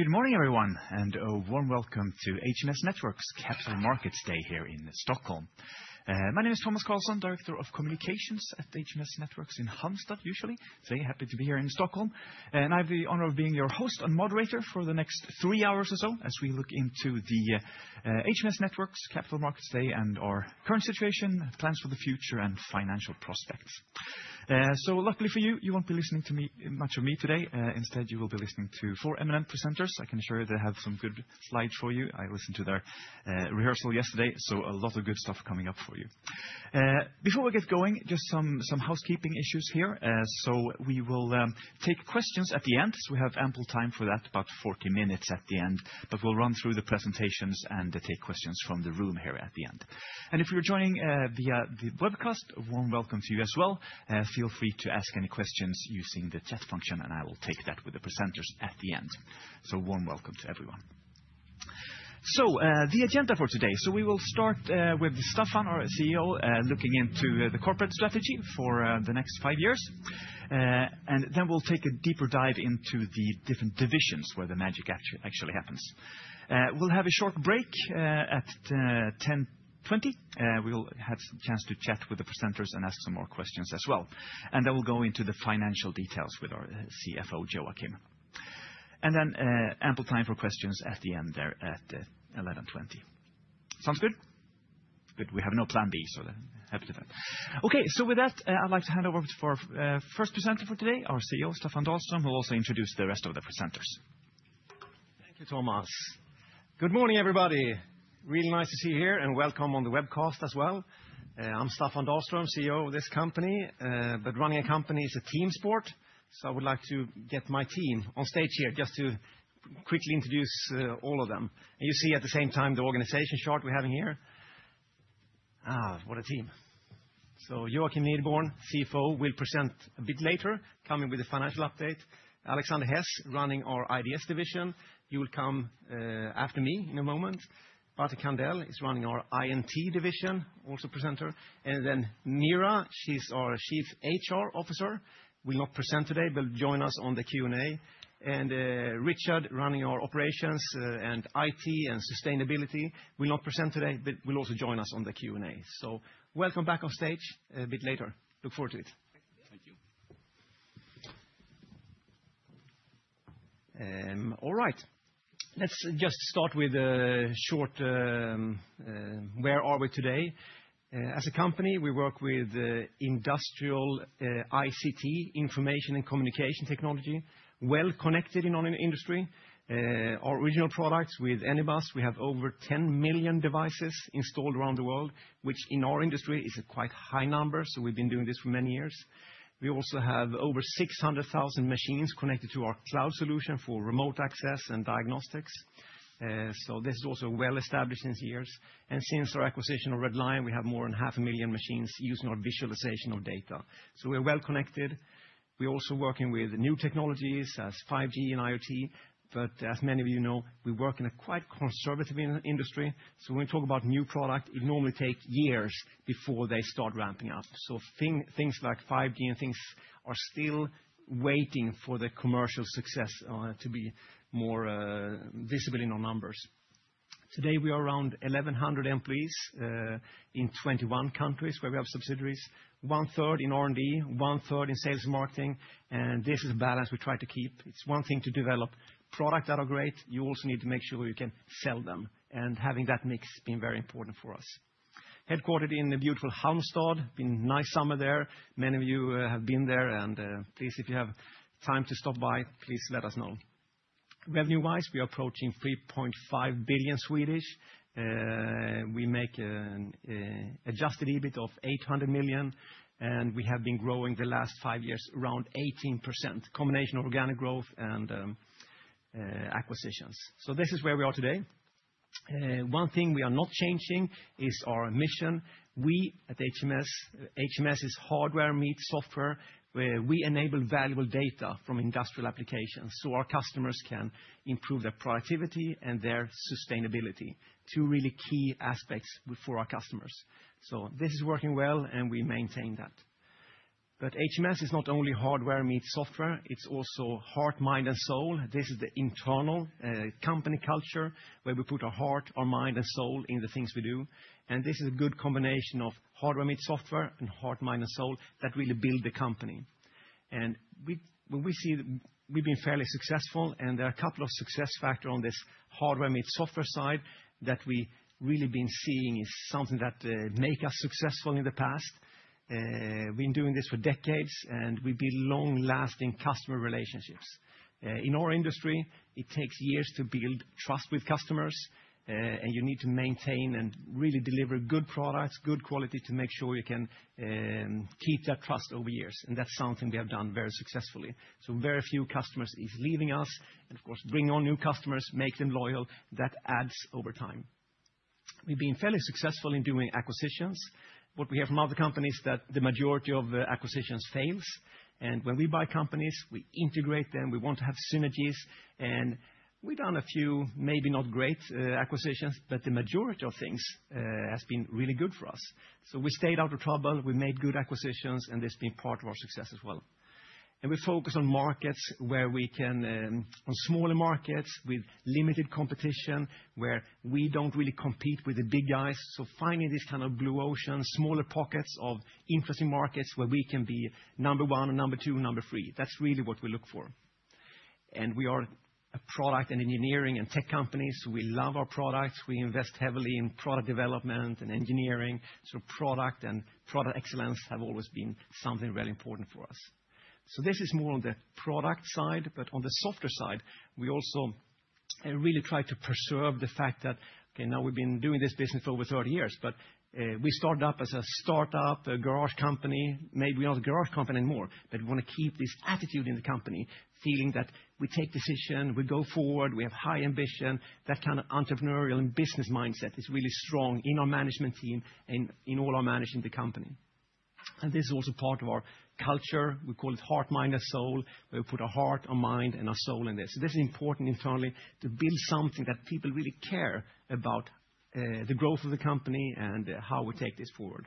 Good morning, everyone, and a warm welcome to HMS Networks Capital Markets Day here in Stockholm. My name is Thomas Carlsson, Director of Communications at HMS Networks in Halmstad, usually. Yeah, happy to be here in Stockholm. I have the honor of being your host and moderator for the next three hours or so as we look into the HMS Networks Capital Markets Day and our current situation, plans for the future, and financial prospects. So luckily for you, you won't be listening to me, much of me today. Instead, you will be listening to four eminent presenters. I can assure you they have some good slides for you. I listened to their rehearsal yesterday, so a lot of good stuff coming up for you. Before we get going, just some housekeeping issues here. So we will take questions at the end, so we have ample time for that, about 40 minutes at the end. But we'll run through the presentations and then take questions from the room here at the end. And if you're joining via the webcast, a warm welcome to you as well. Feel free to ask any questions using the chat function, and I will take that with the presenters at the end. So warm welcome to everyone. So the agenda for today: so we will start with Staffan, our CEO, looking into the corporate strategy for the next five years. And then we'll take a deeper dive into the different divisions where the magic actually happens. We'll have a short break at 10:20 A.M. We will have some chance to chat with the presenters and ask some more questions as well. And then we'll go into the financial details with our CFO, Joakim. And then, ample time for questions at the end there at 11:20 A.M. Sounds good? Good. We have no plan B, so then happy with that. Okay, so with that, I'd like to hand over to our first presenter for today, our CEO, Staffan Dahlström, who will also introduce the rest of the presenters. Thank you, Thomas. Good morning, everybody. Really nice to see you here, and welcome on the webcast as well. I'm Staffan Dahlström, CEO of this company, but running a company is a team sport, so I would like to get my team on stage here just to quickly introduce all of them. And you see at the same time the organization chart we're having here. Ah, what a team! So Joakim Nideborn, CFO, will present a bit later, coming with a financial update. Alexander Hess, running our IDS division, he will come after me in a moment. Patrik Sandell is running our INT division, also presenter. And then Mira, she's our Chief HR Officer, will not present today, but join us on the Q&A. Rikard, running our operations, and IT, and sustainability, will not present today, but will also join us on the Q&A. Welcome back on stage a bit later. Look forward to it. Thank you. All right. Let's just start with a short, where are we today? As a company, we work with industrial ICT, information and communication technology, well-connected in our industry. Our original products with Anybus, we have over 10 million devices installed around the world, which in our industry is a quite high number, so we've been doing this for many years. We also have over 600,000 machines connected to our cloud solution for remote access and diagnostics. So this is also well-established since years. And since our acquisition of Red Lion, we have more than 500,000 machines using our visualization of data. So we're well-connected. We're also working with new technologies as 5G and IoT, but as many of you know, we work in a quite conservative industry, so when we talk about new product, it normally take years before they start ramping up. So things like 5G and things are still waiting for the commercial success to be more visible in our numbers. Today, we are around 1,100 employees in 21 countries where we have subsidiaries, one-third in R&D, one-third in sales and marketing, and this is a balance we try to keep. It's one thing to develop product that are great, you also need to make sure you can sell them, and having that mix been very important for us. Headquartered in the beautiful Halmstad, been nice summer there. Many of you have been there, and please, if you have time to stop by, please let us know. Revenue-wise, we are approaching 3.5 billion. We make an adjusted EBIT of 800 million, and we have been growing the last 5 years, around 18%, combination of organic growth and acquisitions. So this is where we are today. One thing we are not changing is our mission. We, at HMS, HMS is hardware meets software, where we enable valuable data from industrial applications, so our customers can improve their productivity and their sustainability, two really key aspects for our customers. So this is working well, and we maintain that. But HMS is not only Hardware Meets Software, it's also Heart, Mind, and Soul. This is the internal company culture, where we put our heart, our mind, and soul in the things we do. This is a good combination of hardware meets software and heart, mind, and soul that really build the company. We've been fairly successful, and there are a couple of success factor on this hardware meets software side that we really been seeing is something that make us successful in the past. Been doing this for decades, and we build long-lasting customer relationships. In our industry, it takes years to build trust with customers, and you need to maintain and really deliver good products, good quality, to make sure you can keep that trust over years, and that's something we have done very successfully. So very few customers is leaving us, and of course, bringing on new customers, make them loyal, that adds over time. We've been fairly successful in doing acquisitions. What we hear from other companies, that the majority of acquisitions fails, and when we buy companies, we integrate them, we want to have synergies, and we've done a few maybe not great acquisitions, but the majority of things has been really good for us. So we stayed out of trouble, we made good acquisitions, and this been part of our success as well. And we focus on markets where we can on smaller markets with limited competition, where we don't really compete with the big guys. So finding this kind of blue ocean, smaller pockets of interesting markets where we can be number one, and number two, number three. That's really what we look for. We are a product, and engineering, and tech company, so we love our products. We invest heavily in product development and engineering. Product and product excellence have always been something really important for us. This is more on the product side, but on the softer side, we also really try to preserve the fact that, okay, now we've been doing this business for over 30 years, but we started up as a startup, a garage company. Maybe we're not a garage company anymore, but we wanna keep this attitude in the company, feeling that we take decision, we go forward, we have high ambition. That kind of entrepreneurial and business mindset is really strong in our management team and in all our management in the company. And this is also part of our culture. We call it heart, mind, and soul, where we put a heart, a mind, and a soul in this. So this is important internally to build something that people really care about, the growth of the company and, how we take this forward.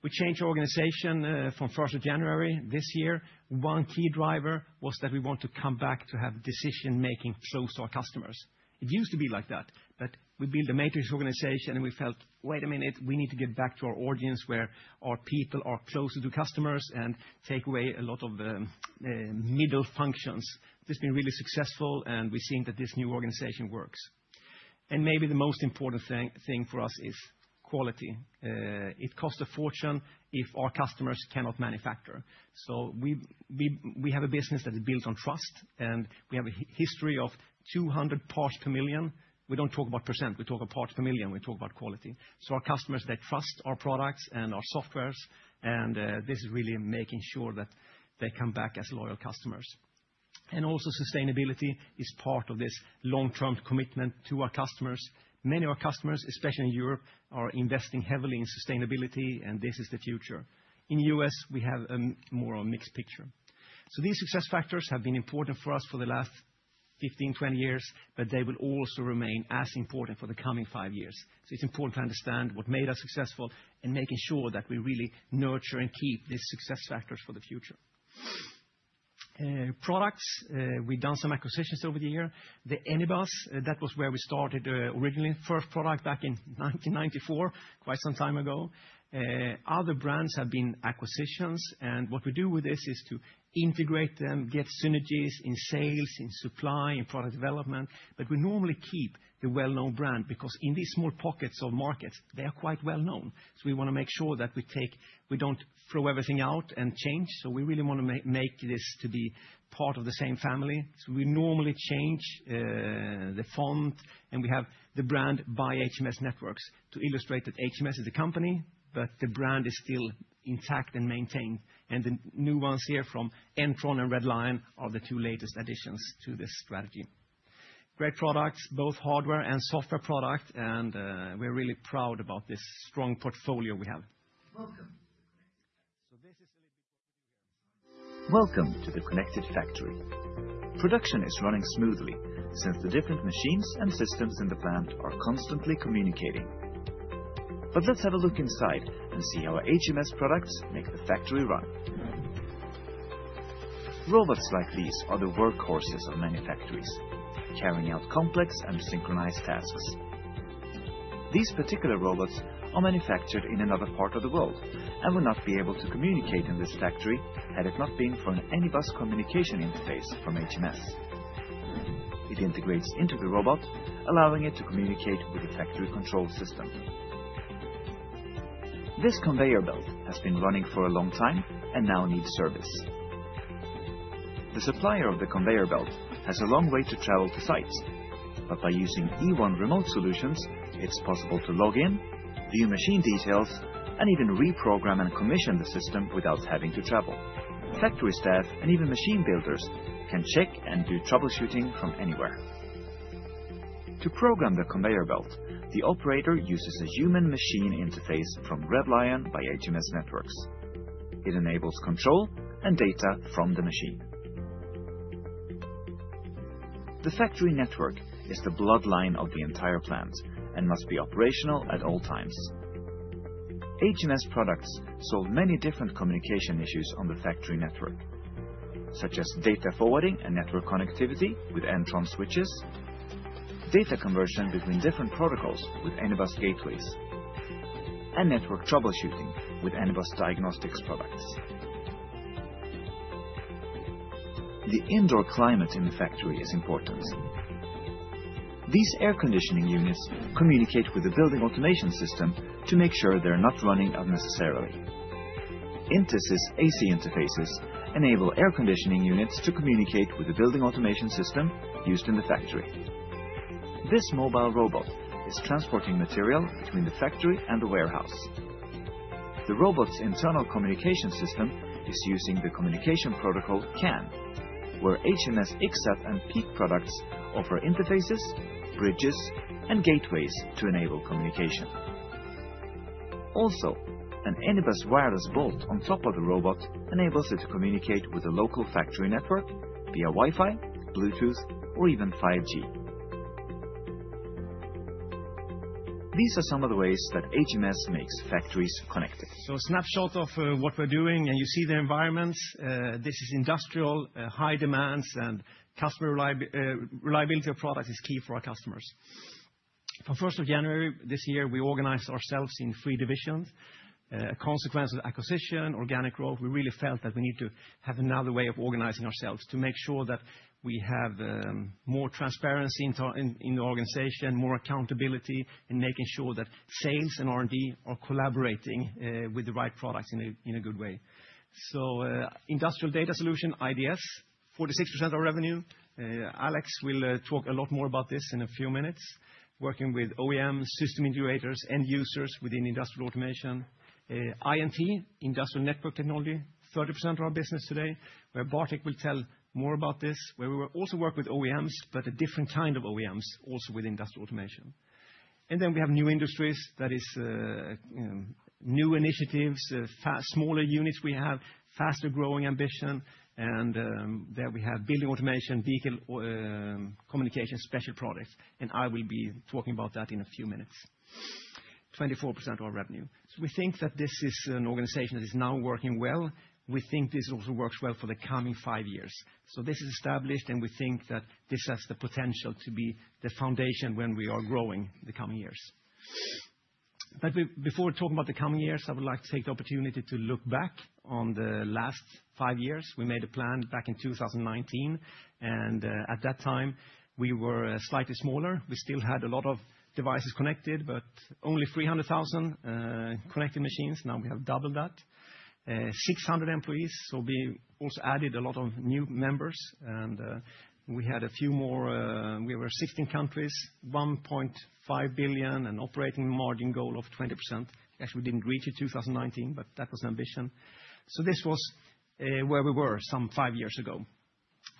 We changed our organization, from first of January this year. One key driver was that we want to come back to have decision-making close to our customers. It used to be like that, but we built a matrix organization, and we felt, "Wait a minute, we need to get back to our audience where our people are closer to customers and take away a lot of the, middle functions." This has been really successful, and we've seen that this new organization works. And maybe the most important thing for us is quality. It costs a fortune if our customers cannot manufacture. So we have a business that is built on trust, and we have a history of 200 parts per million. We don't talk about percent, we talk about parts per million, we talk about quality. So our customers, they trust our products and our softwares, and this is really making sure that they come back as loyal customers. And also sustainability is part of this long-term commitment to our customers. Many of our customers, especially in Europe, are investing heavily in sustainability, and this is the future. In U.S., we have a more of a mixed picture. So these success factors have been important for us for the last 15, 20 years, but they will also remain as important for the coming 5 years. So it's important to understand what made us successful and making sure that we really nurture and keep these success factors for the future. Products, we've done some acquisitions over the year. The Anybus, that was where we started, originally, first product back in 1994, quite some time ago. Other brands have been acquisitions, and what we do with this is to integrate them, get synergies in sales, in supply, in product development. But we normally keep the well-known brand, because in these small pockets of markets, they are quite well-known. So we wanna make sure that we take, we don't throw everything out and change. So we really wanna make this to be part of the same family. So we normally change the font, and we have the brand by HMS Networks to illustrate that HMS is the company, but the brand is still intact and maintained. And the new ones here from N-Tron and Red Lion are the two latest additions to this strategy. products, both hardware and software product, and we're really proud about this strong portfolio we have. Welcome to the Connected Factory. Welcome to the Connected Factory. Production is running smoothly since the different machines and systems in the plant are constantly communicating. But let's have a look inside and see how HMS products make the factory run. Robots like these are the workhorses of many factories, carrying out complex and synchronized tasks. These particular robots are manufactured in another part of the world and will not be able to communicate in this factory had it not been for an Anybus communication interface from HMS. It integrates into the robot, allowing it to communicate with the factory control system. This conveyor belt has been running for a long time and now needs service. The supplier of the conveyor belt has a long way to travel to site, but by using Ewon remote solutions, it's possible to log in, view machine details, and even reprogram and commission the system without having to travel. Factory staff and even machine builders can check and do troubleshooting from anywhere. To program the conveyor belt, the operator uses a human-machine interface from Red Lion by HMS Networks. It enables control and data from the machine. The factory network is the bloodline of the entire plant and must be operational at all times. HMS products solve many different communication issues on the factory network, such as data forwarding and network connectivity with N-Tron switches, data conversion between different protocols with Anybus gateways, and network troubleshooting with Anybus diagnostics products. The indoor climate in the factory is important. These air conditioning units communicate with the building automation system to make sure they're not running unnecessarily. Intesis AC interfaces enable air conditioning units to communicate with the building automation system used in the factory. This mobile robot is transporting material between the factory and the warehouse. The robot's internal communication system is using the communication protocol, CAN, where HMS Ixxat and PEAK-System products offer interfaces, bridges, and gateways to enable communication. Also, an Anybus Wireless Bolt on top of the robot enables it to communicate with the local factory network via Wi-Fi, Bluetooth, or even 5G.... These are some of the ways that HMS makes factories connected. So a snapshot of what we're doing, and you see the environment. This is industrial, high demands, and customer reliability of product is key for our customers. From first of January this year, we organized ourselves in three divisions, a consequence of acquisition, organic growth. We really felt that we need to have another way of organizing ourselves to make sure that we have more transparency into the organization, more accountability, and making sure that sales and R&D are collaborating with the right products in a good way. So, Industrial Data Solutions, IDS, 46% of revenue. Alex will talk a lot more about this in a few minutes, working with OEMs, system integrators, end users within industrial automation. INT, Industrial Network Technology, 30% of our business today, where Bartek will tell more about this, where we will also work with OEMs, but a different kind of OEMs also with industrial automation. Then we have New Industries, that is, new initiatives, smaller units we have, faster growing ambition, and there we have building automation, vehicle communication, special products, and I will be talking about that in a few minutes. 24% of our revenue. So we think that this is an organization that is now working well. We think this also works well for the coming five years. So this is established, and we think that this has the potential to be the foundation when we are growing in the coming years. But before talking about the coming years, I would like to take the opportunity to look back on the last 5 years. We made a plan back in 2019, and at that time, we were slightly smaller. We still had a lot of devices connected, but only 300,000 connected machines. Now we have doubled that. 600 employees, so we also added a lot of new members, and we had a few more. We were 16 countries, 1.5 billion, an operating margin goal of 20%. Actually, we didn't reach in 2019, but that was the ambition. So this was where we were some 5 years ago.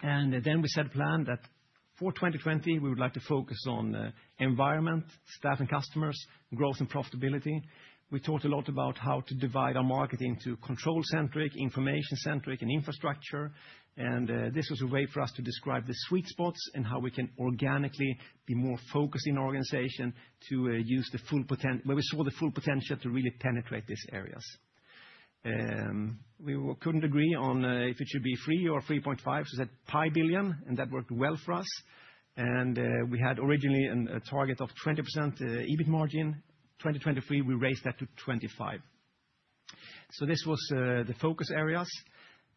And then we set a plan that for 2020, we would like to focus on environment, staff and customers, growth and profitability. We talked a lot about how to divide our market into Control Centric, Information Centric, and infrastructure. This was a way for us to describe the sweet spots and how we can organically be more focused in our organization to use the full potential where we saw the full potential to really penetrate these areas. We couldn't agree on if it should be 3 or 3.5, so we said SEK pi billion, and that worked well for us. We had originally a target of 20% EBIT margin. 2023, we raised that to 25. This was the focus areas,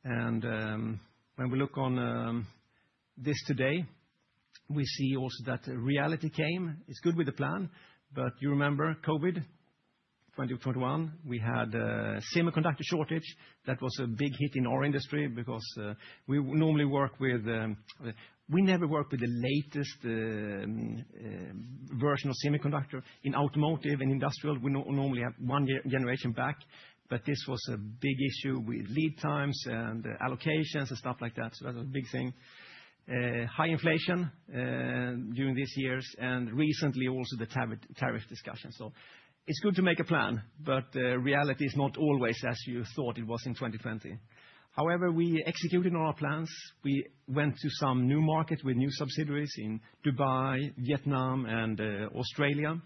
and when we look on this today, we see also that reality came. It's good with the plan, but you remember COVID, 2021, we had a semiconductor shortage. That was a big hit in our industry because we normally work with we never work with the latest version of semiconductor. In automotive and industrial, we normally have one generation back, but this was a big issue with lead times and allocations and stuff like that. So that was a big thing. High inflation during these years, and recently, also the tariff discussion. So it's good to make a plan, but reality is not always as you thought it was in 2020. However, we executed on our plans. We went to some new market with new subsidiaries in Dubai, Vietnam, and Australia.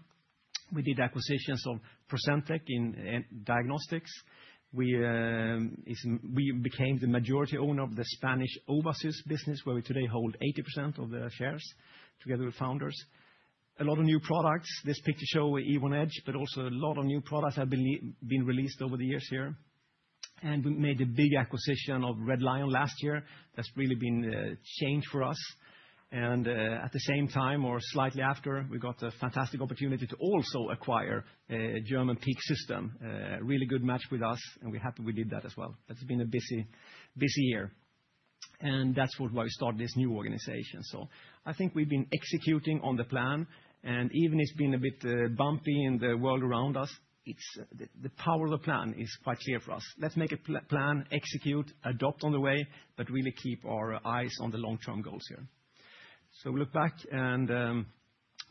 We did acquisitions of Procentec in diagnostics. We became the majority owner of the Spanish Owasys business, where we today hold 80% of the shares together with founders. A lot of new products. This picture show Ewon Edge, but also a lot of new products have been been released over the years here. And we made a big acquisition of Red Lion last year. That's really been a change for us, and at the same time, or slightly after, we got a fantastic opportunity to also acquire a German PEAK-System. Really good match with us, and we're happy we did that as well. That's been a busy, busy year. And that's what, why we started this new organization. So I think we've been executing on the plan, and even it's been a bit bumpy in the world around us, it's the power of the plan is quite clear for us. Let's make a plan, execute, adapt on the way, but really keep our eyes on the long-term goals here. So we look back, and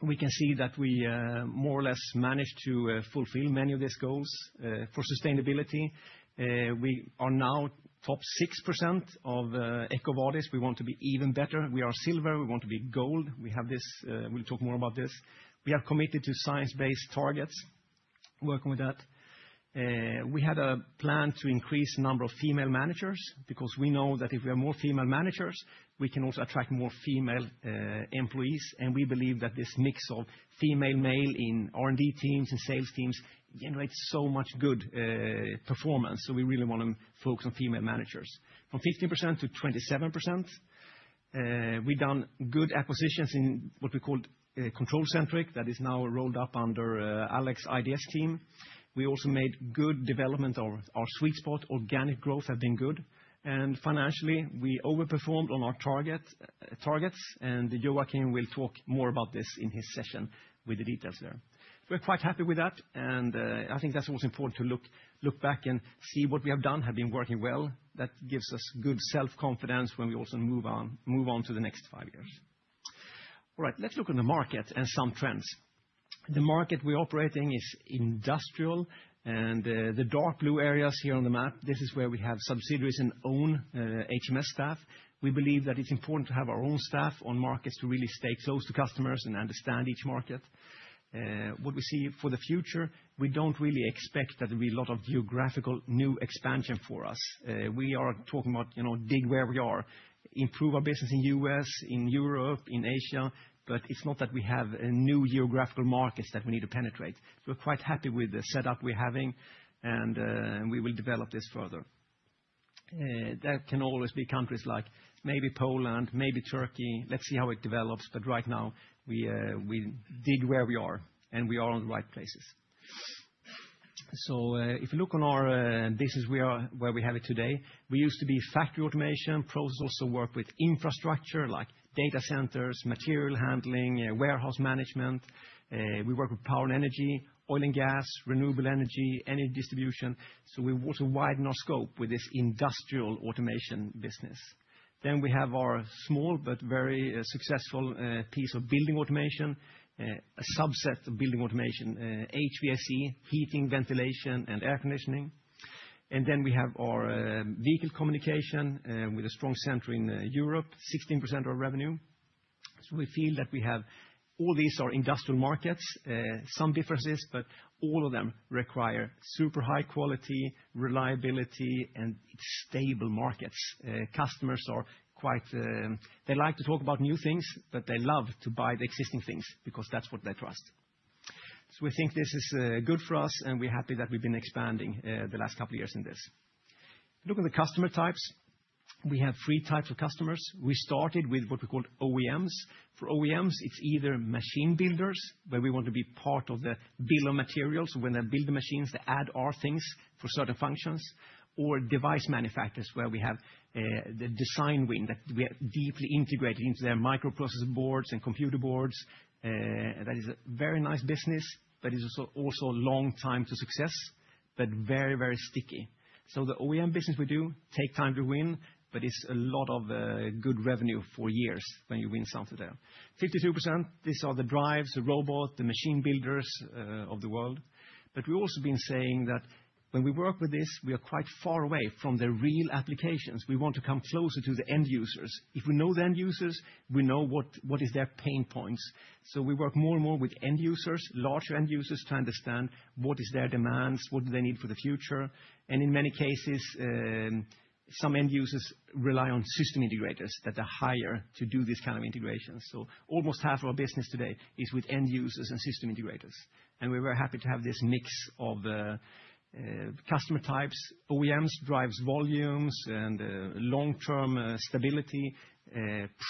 we can see that we more or less managed to fulfill many of these goals. For sustainability, we are now top 6% of EcoVadis. We want to be even better. We are silver, we want to be gold. We have this, we'll talk more about this. We are committed to science-based targets, working with that. We had a plan to increase the number of female managers, because we know that if we have more female managers, we can also attract more female employees, and we believe that this mix of female, male in R&D teams and sales teams generates so much good performance. So we really want to focus on female managers. From 15% to 27%, we've done good acquisitions in what we called control-centric. That is now rolled up under Alex's IDS team. We also made good development of our sweet spot. Organic growth have been good, and financially, we overperformed on our target, targets, and Joachim will talk more about this in his session with the details there. We're quite happy with that, and I think that's also important to look back and see what we have done have been working well. That gives us good self-confidence when we also move on to the next five years.... All right, let's look on the market and some trends. The market we operate in is industrial, and the dark blue areas here on the map, this is where we have subsidiaries and own HMS staff. We believe that it's important to have our own staff on markets to really stay close to customers and understand each market. What we see for the future, we don't really expect that there'll be a lot of geographical new expansion for us. We are talking about, you know, dig where we are, improve our business in US, in Europe, in Asia, but it's not that we have a new geographical markets that we need to penetrate. We're quite happy with the setup we're having, and we will develop this further. There can always be countries like maybe Poland, maybe Turkey. Let's see how it develops, but right now, we dig where we are, and we are on the right places. So, if you look on our business, we are where we have it today, we used to be factory automation. Processes also work with infrastructure, like data centers, material handling, warehouse management. We work with power and energy, oil and gas, renewable energy, energy distribution, so we want to widen our scope with this industrial automation business. Then we have our small but very successful piece of building automation, a subset of building automation, HVAC, heating, ventilation, and air conditioning. And then we have our vehicle communication with a strong center in Europe, 16% of our revenue. So we feel that we have all these are industrial markets, some differences, but all of them require super high quality, reliability, and stable markets. Customers are quite... They like to talk about new things, but they love to buy the existing things because that's what they trust. So we think this is good for us, and we're happy that we've been expanding the last couple of years in this. Look at the customer types. We have three types of customers. We started with what we call OEMs. For OEMs, it's either machine builders, where we want to be part of the bill of materials, when they build the machines, they add our things for certain functions, or device manufacturers, where we have the design win, that we are deeply integrated into their microprocessor boards and computer boards. That is a very nice business, but it's also, also a long time to success, but very, very sticky. So the OEM business we do take time to win, but it's a lot of good revenue for years when you win something there. 52%, these are the drives, the robot, the machine builders of the world. But we've also been saying that when we work with this, we are quite far away from the real applications. We want to come closer to the end users. If we know the end users, we know what, what is their pain points. So we work more and more with end users, larger end users, to understand what is their demands, what do they need for the future. And in many cases, some end users rely on system integrators that they hire to do this kind of integration. So almost half of our business today is with end users and system integrators, and we're very happy to have this mix of customer types. OEMs drives volumes and long-term stability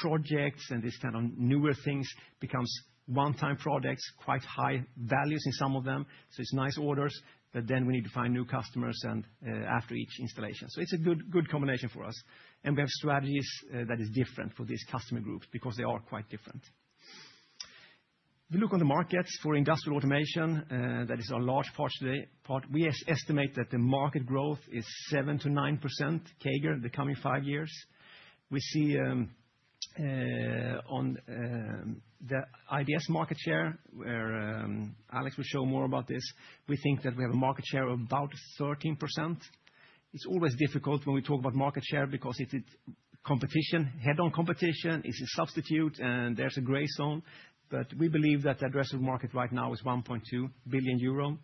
projects, and this kind of newer things becomes one-time products, quite high values in some of them. So it's nice orders, but then we need to find new customers and after each installation. So it's a good, good combination for us, and we have strategies that is different for these customer groups because they are quite different. If you look on the markets for industrial automation, that is our large part today, we estimate that the market growth is 7%-9% CAGR in the coming 5 years. We see on the IDS market share, where Alex will show more about this, we think that we have a market share of about 13%. It's always difficult when we talk about market share because it's, it's competition, head-on competition, it's a substitute, and there's a gray zone, but we believe that the addressable market right now is 1.2 billion euro.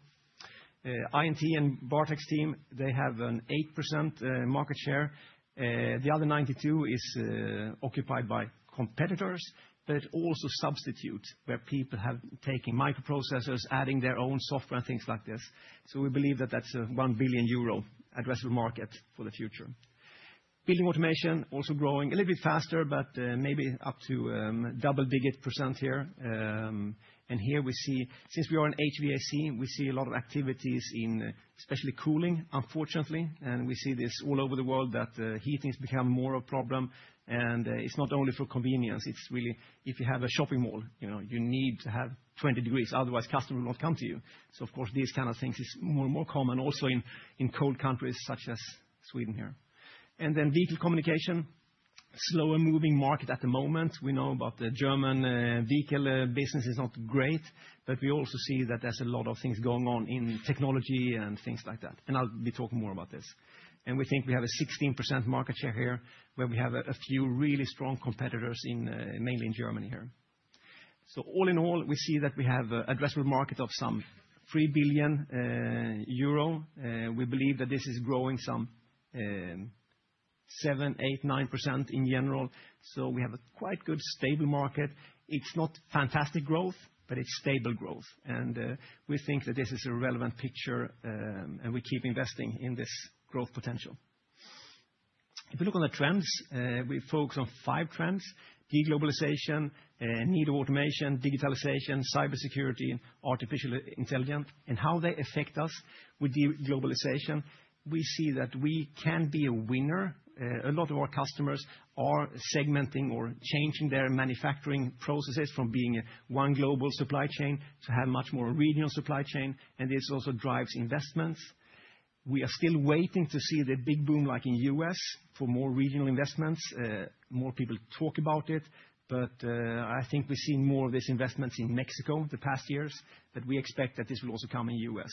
INT and Bartek's team, they have an 8% market share. The other 92 is occupied by competitors, but also substitutes, where people have taken microprocessors, adding their own software, things like this. So we believe that that's a 1 billion euro addressable market for the future. Building automation, also growing a little bit faster, but maybe up to double-digit % here. And here we see, since we are in HVAC, we see a lot of activities in especially cooling, unfortunately, and we see this all over the world, that heating has become more a problem, and it's not only for convenience, it's really if you have a shopping mall, you know, you need to have 20 degrees, otherwise customers will not come to you. So of course, these kind of things is more and more common also in cold countries such as Sweden here. And then vehicle communication, slower moving market at the moment. We know about the German, vehicle, business is not great, but we also see that there's a lot of things going on in technology and things like that, and I'll be talking more about this. And we think we have a 16% market share here, where we have a, a few really strong competitors in, mainly in Germany here. So all in all, we see that we have a addressable market of some 3 billion, euro, we believe that this is growing some, 7%-9% in general. So we have a quite good, stable market. It's not fantastic growth, but it's stable growth, and, we think that this is a relevant picture, and we keep investing in this growth potential. If you look on the trends, we focus on five trends: deglobalization, need of automation, digitalization, cybersecurity, and artificial intelligence, and how they affect us with deglobalization. We see that we can be a winner. A lot of our customers are segmenting or changing their manufacturing processes from being a one global supply chain to have much more regional supply chain, and this also drives investments. We are still waiting to see the big boom like in U.S. for more regional investments. More people talk about it, but I think we've seen more of these investments in Mexico the past years, but we expect that this will also come in U.S.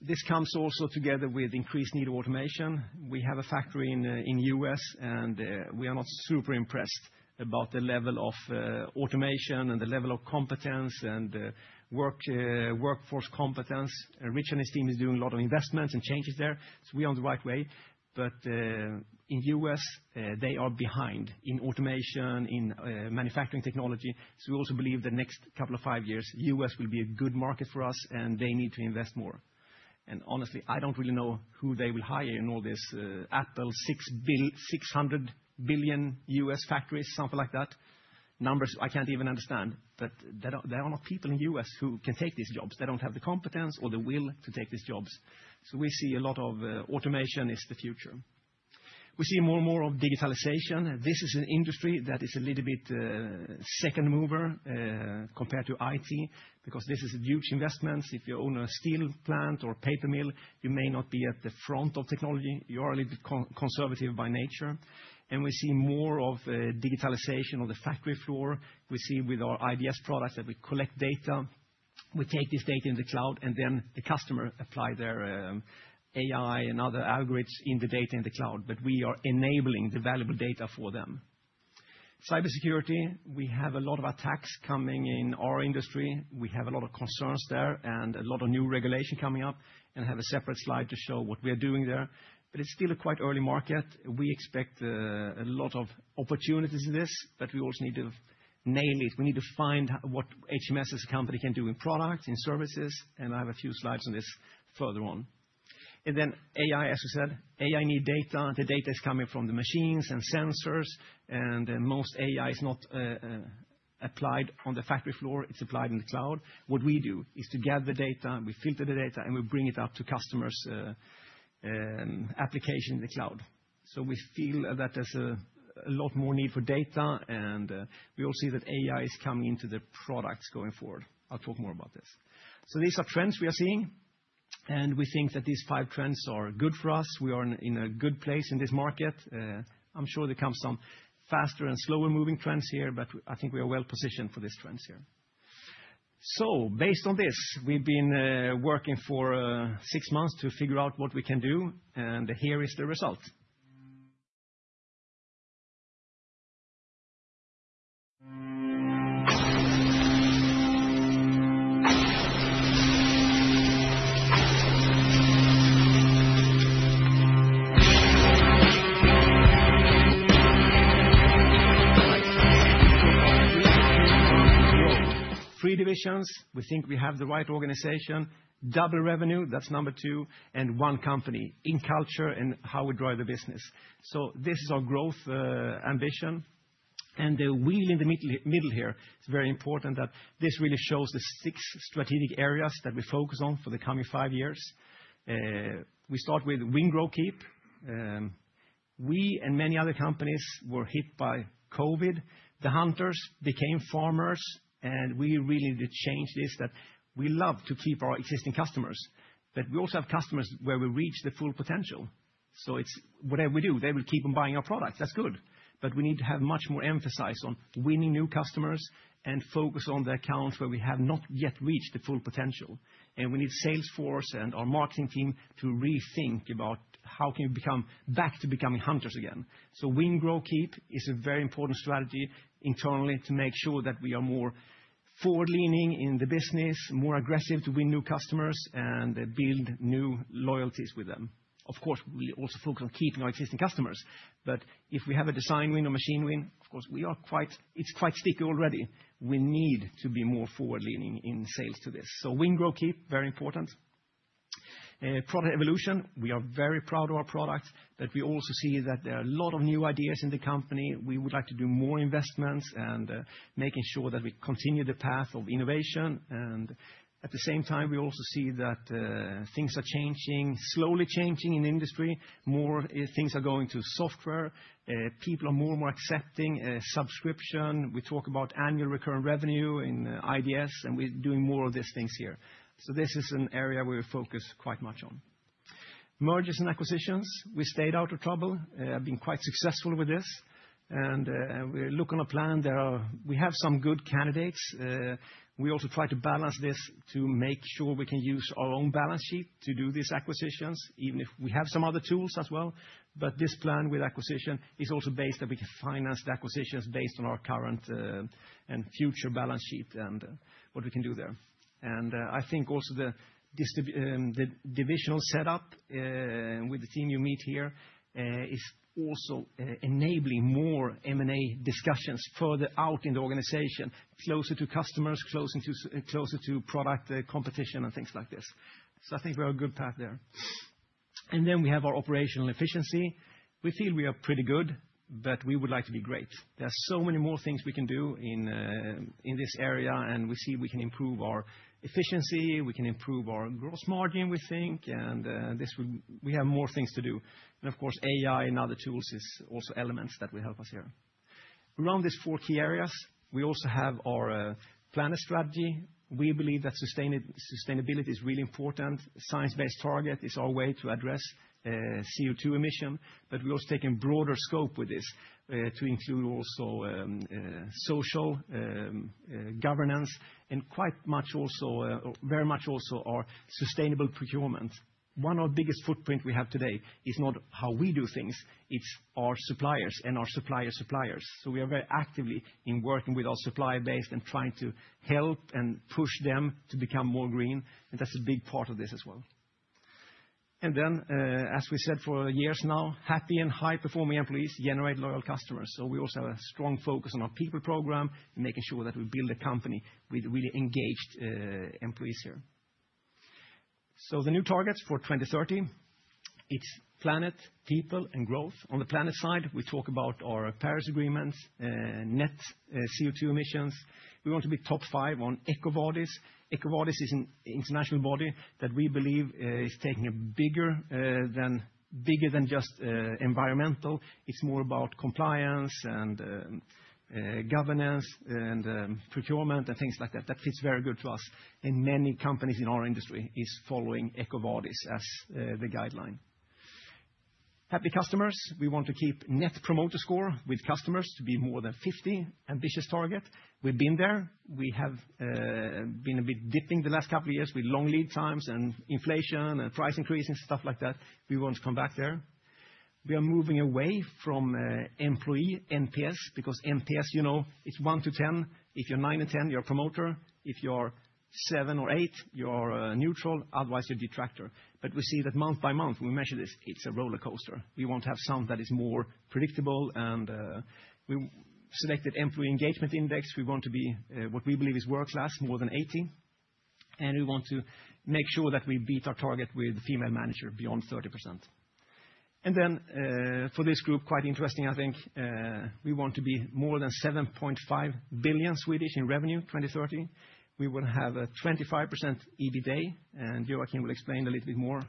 This comes also together with increased need of automation. We have a factory in the U.S., and we are not super impressed about the level of automation and the level of competence and workforce competence. And Rikard and his team is doing a lot of investments and changes there, so we are on the right way. But in the U.S., they are behind in automation, in manufacturing technology. So we also believe the next couple of five years, the U.S. will be a good market for us, and they need to invest more. And honestly, I don't really know who they will hire in all this, Apple $600 billion U.S. factories, something like that. Numbers I can't even understand, but there are not people in the U.S. who can take these jobs. They don't have the competence or the will to take these jobs. So we see a lot of automation is the future. We see more and more of digitalization, and this is an industry that is a little bit second mover compared to IT, because this is huge investments. If you own a steel plant or a paper mill, you may not be at the front of technology. You are a little bit conservative by nature, and we see more of the digitalization on the factory floor. We see with our IBS products that we collect data, we take this data in the cloud, and then the customer apply their AI and other algorithms in the data in the cloud. But we are enabling the valuable data for them. Cybersecurity, we have a lot of attacks coming in our industry. We have a lot of concerns there, and a lot of new regulation coming up, and have a separate slide to show what we are doing there, but it's still a quite early market. We expect a lot of opportunities in this, but we also need to nail it. We need to find what HMS as a company can do in products, in services, and I have a few slides on this further on. And then AI, as we said, AI need data. The data is coming from the machines and sensors, and most AI is not applied on the factory floor, it's applied in the cloud. What we do is to gather data, we filter the data, and we bring it up to customers' application in the cloud. So we feel that there's a lot more need for data, and we all see that AI is coming into the products going forward. I'll talk more about this. So these are trends we are seeing, and we think that these five trends are good for us. We are in a good place in this market. I'm sure there comes some faster and slower moving trends here, but I think we are well positioned for these trends here. So based on this, we've been working for six months to figure out what we can do, and here is the result. All right, so our vision is to grow. Three divisions, we think we have the right organization. Double revenue, that's number two, and one company in culture and how we drive the business. So this is our growth ambition, and the wheel in the middle here, it's very important that this really shows the six strategic areas that we focus on for the coming five years. We start with in, Grow, Keep. We and many other companies were hit by COVID. The hunters became farmers, and we really need to change this, that we love to keep our existing customers. But we also have customers where we reach the full potential, so it's whatever we do, they will keep on buying our products. That's good, but we need to have much more emphasis on winning new customers and focus on the accounts where we have not yet reached the full potential. And we need Salesforce and our marketing team to rethink about how can we become back to becoming hunters again. So Win, Grow, Keep is a very important strategy internally to make sure that we are more forward-leaning in the business, more aggressive to win new customers, and build new loyalties with them. Of course, we also focus on keeping our existing customers, but if we have a design win or machine win, of course, it's quite sticky already. We need to be more forward-leaning in sales to this. So Win, Grow, Keep, very important. Product evolution, we are very proud of our products, but we also see that there are a lot of new ideas in the company. We would like to do more investments and making sure that we continue the path of innovation. And at the same time, we also see that things are changing, slowly changing in the industry. More things are going to software. People are more and more accepting subscription. We talk about annual recurring revenue in IDS, and we're doing more of these things here. So this is an area we focus quite much on. Mergers and acquisitions, we stayed out of trouble, been quite successful with this, and we look on a plan. We have some good candidates. We also try to balance this to make sure we can use our own balance sheet to do these acquisitions, even if we have some other tools as well. But this plan with acquisition is also based that we can finance the acquisitions based on our current and future balance sheet and what we can do there. And I think also the divisional setup with the team you meet here is also enabling more M&A discussions further out in the organization, closer to customers, closer to product, competition and things like this. So I think we're on a good path there. And then we have our operational efficiency. We feel we are pretty good, but we would like to be great. There are so many more things we can do in this area, and we see we can improve our efficiency, we can improve our gross margin, we think, and this would—we have more things to do. And of course, AI and other tools is also elements that will help us here. Around these four key areas, we also have our planet strategy. We believe that sustainability is really important. Science-based target is our way to address CO2 emission, but we're also taking broader scope with this to include also social governance, and quite much also, very much also our sustainable procurement. One of our biggest footprint we have today is not how we do things, it's our suppliers and our supplier's suppliers. So we are very actively in working with our supplier base and trying to help and push them to become more green, and that's a big part of this as well. And then, as we said, for years now, happy and high-performing employees generate loyal customers. So we also have a strong focus on our people program, and making sure that we build a company with really engaged employees here. So the new targets for 2030, it's planet, people, and growth. On the planet side, we talk about our Paris Agreement, net CO2 emissions. We want to be top 5 on EcoVadis. EcoVadis is an international body that we believe is taking a bigger than just environmental. It's more about compliance and governance, and procurement, and things like that, that fits very good to us. And many companies in our industry is following EcoVadis as the guideline. Happy customers, we want to keep Net Promoter Score If you're 9 and 10, you're a promoter. If you're 7 or 8, you're neutral; otherwise, you're detractor. But we see that month by month, we measure this; it's a rollercoaster. We want to have something that is more predictable, and we selected employee engagement index. We want to be what we believe is world class, more than 80, and we want to make sure that we beat our target with female manager beyond 30%. And then, for this group, quite interesting, I think, we want to be more than 7.5 billion in revenue, 2030. We will have a 25% EBITDA, and Joakim will explain a little bit more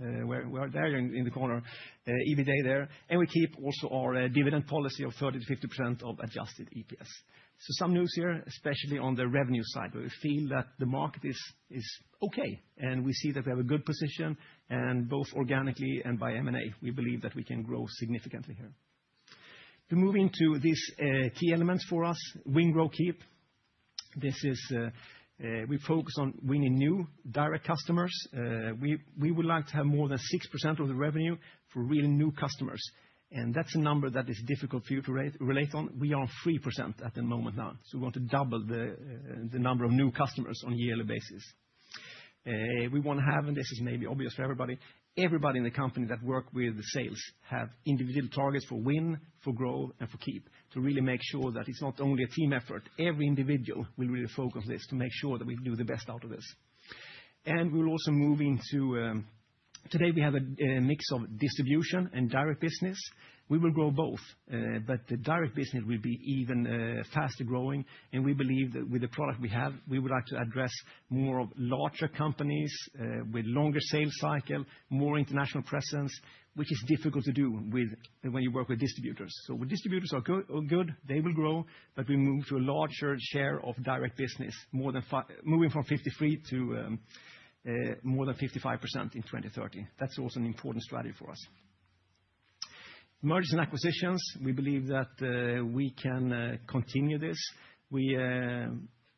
where we are there in the corner, EBITDA there. And we keep also our dividend policy of 30%-50% of adjusted EPS. So some news here, especially on the revenue side, where we feel that the market is okay, and we see that we have a good position, and both organically and by M&A, we believe that we can grow significantly here. We're moving to these key elements for us, win, grow, keep. This is we focus on winning new direct customers. We would like to have more than 6% of the revenue for winning new customers, and that's a number that is difficult for you to relate on. We are on 3% at the moment now, so we want to double the number of new customers on a yearly basis. We want to have, and this is maybe obvious for everybody, everybody in the company that work with sales have individual targets for win, for growth, and for keep, to really make sure that it's not only a team effort, every individual will really focus this to make sure that we do the best out of this. And we will also move into, today, we have a mix of distribution and direct business. We will grow both, but the direct business will be even faster growing, and we believe that with the product we have, we would like to address more of larger companies, with longer sales cycle, more international presence, which is difficult to do with, when you work with distributors. So distributors are good; they will grow, but we move to a larger share of direct business, moving from 53 to more than 55% in 2030. That's also an important strategy for us. Mergers and acquisitions, we believe that we can continue this.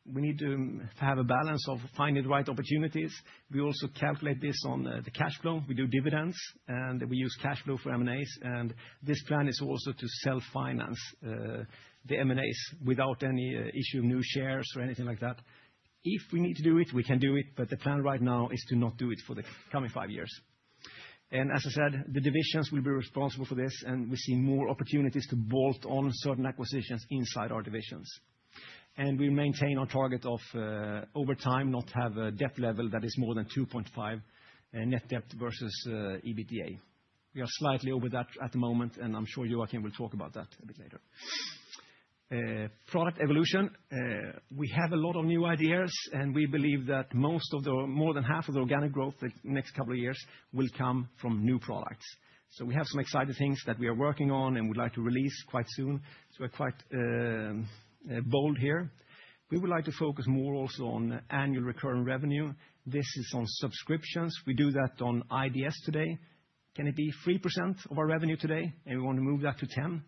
We need to have a balance of finding the right opportunities. We also calculate this on the cash flow. We do dividends, and we use cash flow for M&As, and this plan is also to self-finance the M&As without any issue of new shares or anything like that. If we need to do it, we can do it, but the plan right now is to not do it for the coming five years. As I said, the divisions will be responsible for this, and we see more opportunities to bolt on certain acquisitions inside our divisions. We maintain our target of, over time, not have a debt level that is more than 2.5, net debt versus EBITDA. We are slightly over that at the moment, and I'm sure Joakim will talk about that a bit later. Product evolution, we have a lot of new ideas, and we believe that more than half of the organic growth the next couple of years will come from new products. So we have some exciting things that we are working on and would like to release quite soon. So we're quite bold here. We would like to focus more also on annual recurring revenue. This is on subscriptions. We do that on IDS today. Can it be 3% of our revenue today? And we want to move that to 10.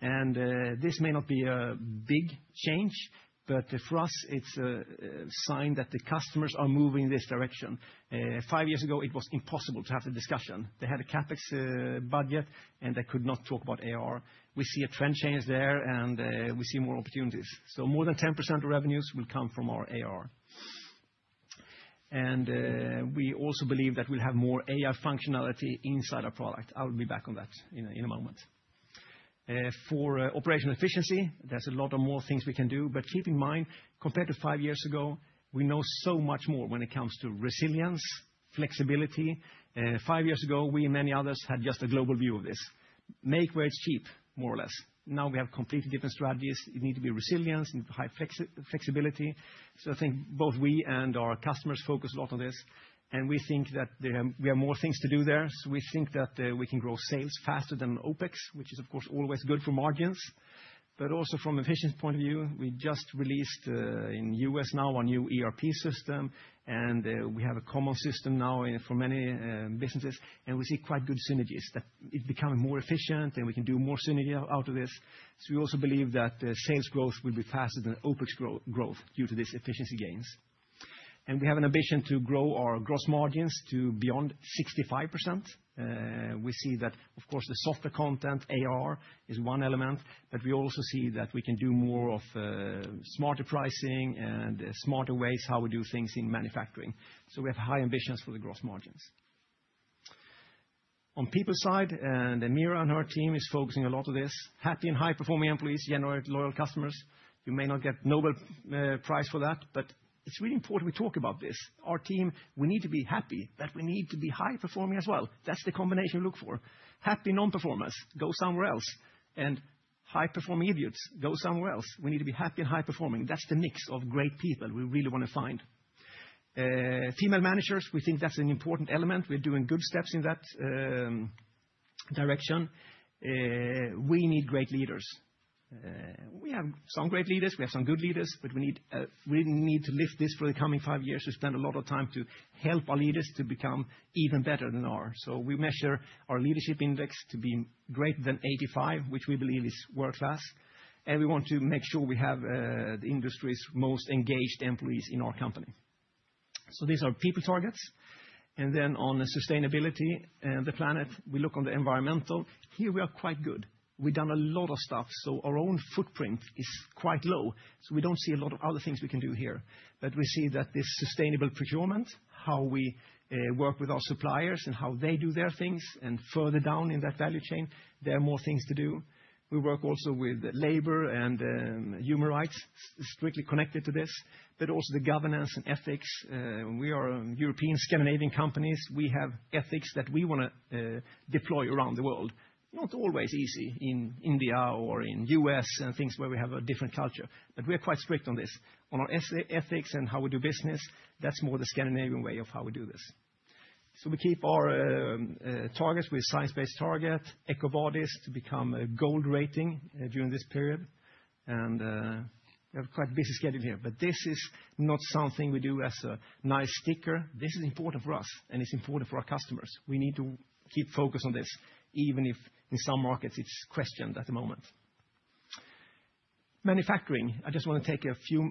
And, this may not be a big change, but for us, it's a sign that the customers are moving this direction. Five years ago, it was impossible to have the discussion. They had a CapEx budget, and they could not talk about AR. We see a trend change there, and, we see more opportunities. So more than 10% of revenues will come from our AR. And, we also believe that we'll have more AR functionality inside our product. I will be back on that in a moment. For operational efficiency, there's a lot of more things we can do, but keep in mind, compared to five years ago, we know so much more when it comes to resilience, flexibility. Five years ago, we and many others had just a global view of this: make where it's cheap, more or less. Now we have completely different strategies. You need to be resilient, you need high flexibility. So I think both we and our customers focus a lot on this, and we think that there, we have more things to do there. So we think that, we can grow sales faster than OpEx, which is, of course, always good for margins. But also from an efficient point of view, we just released in the U.S. now our new ERP system, and we have a common system now for many businesses, and we see quite good synergies, that it's becoming more efficient, and we can do more synergy out of this. So we also believe that sales growth will be faster than OpEx growth due to these efficiency gains. And we have an ambition to grow our gross margins to beyond 65%. We see that, of course, the software content, ARR, is one element, but we also see that we can do more of smarter pricing and smarter ways how we do things in manufacturing. So we have high ambitions for the gross margins. On the people side, and Mira and her team is focusing a lot on this, happy and high-performing employees generate loyal customers. You may not get Nobel Prize for that, but it's really important we talk about this. Our team, we need to be happy, but we need to be high-performing as well. That's the combination we look for. Happy non-performers, go somewhere else, and high-performing idiots, go somewhere else. We need to be happy and high-performing. That's the mix of great people we really want to find. Female managers, we think that's an important element. We're doing good steps in that direction. We need great leaders. We have some great leaders, we have some good leaders, but we need, we need to lift this for the coming five years to spend a lot of time to help our leaders to become even better than are. So we measure our leadership index to be greater than 85, which we believe is world-class, and we want to make sure we have the industry's most engaged employees in our company. So these are people targets. And then on the sustainability, the planet, we look on the environmental. Here we are quite good. We've done a lot of stuff, so our own footprint is quite low, so we don't see a lot of other things we can do here. But we see that this sustainable procurement, how we work with our suppliers and how they do their things, and further down in that value chain, there are more things to do. We work also with labor and human rights, strictly connected to this, but also the governance and ethics. We are a European Scandinavian companies. We have ethics that we wanna deploy around the world. Not always easy in India or in U.S., and things where we have a different culture, but we are quite strict on this. On our ethics and how we do business, that's more the Scandinavian way of how we do this. So we keep our targets with science-based target, EcoVadis to become a gold rating during this period, and we have quite a busy schedule here. But this is not something we do as a nice sticker, this is important for us, and it's important for our customers. We need to keep focused on this, even if in some markets, it's questioned at the moment. Manufacturing, I just want to take a few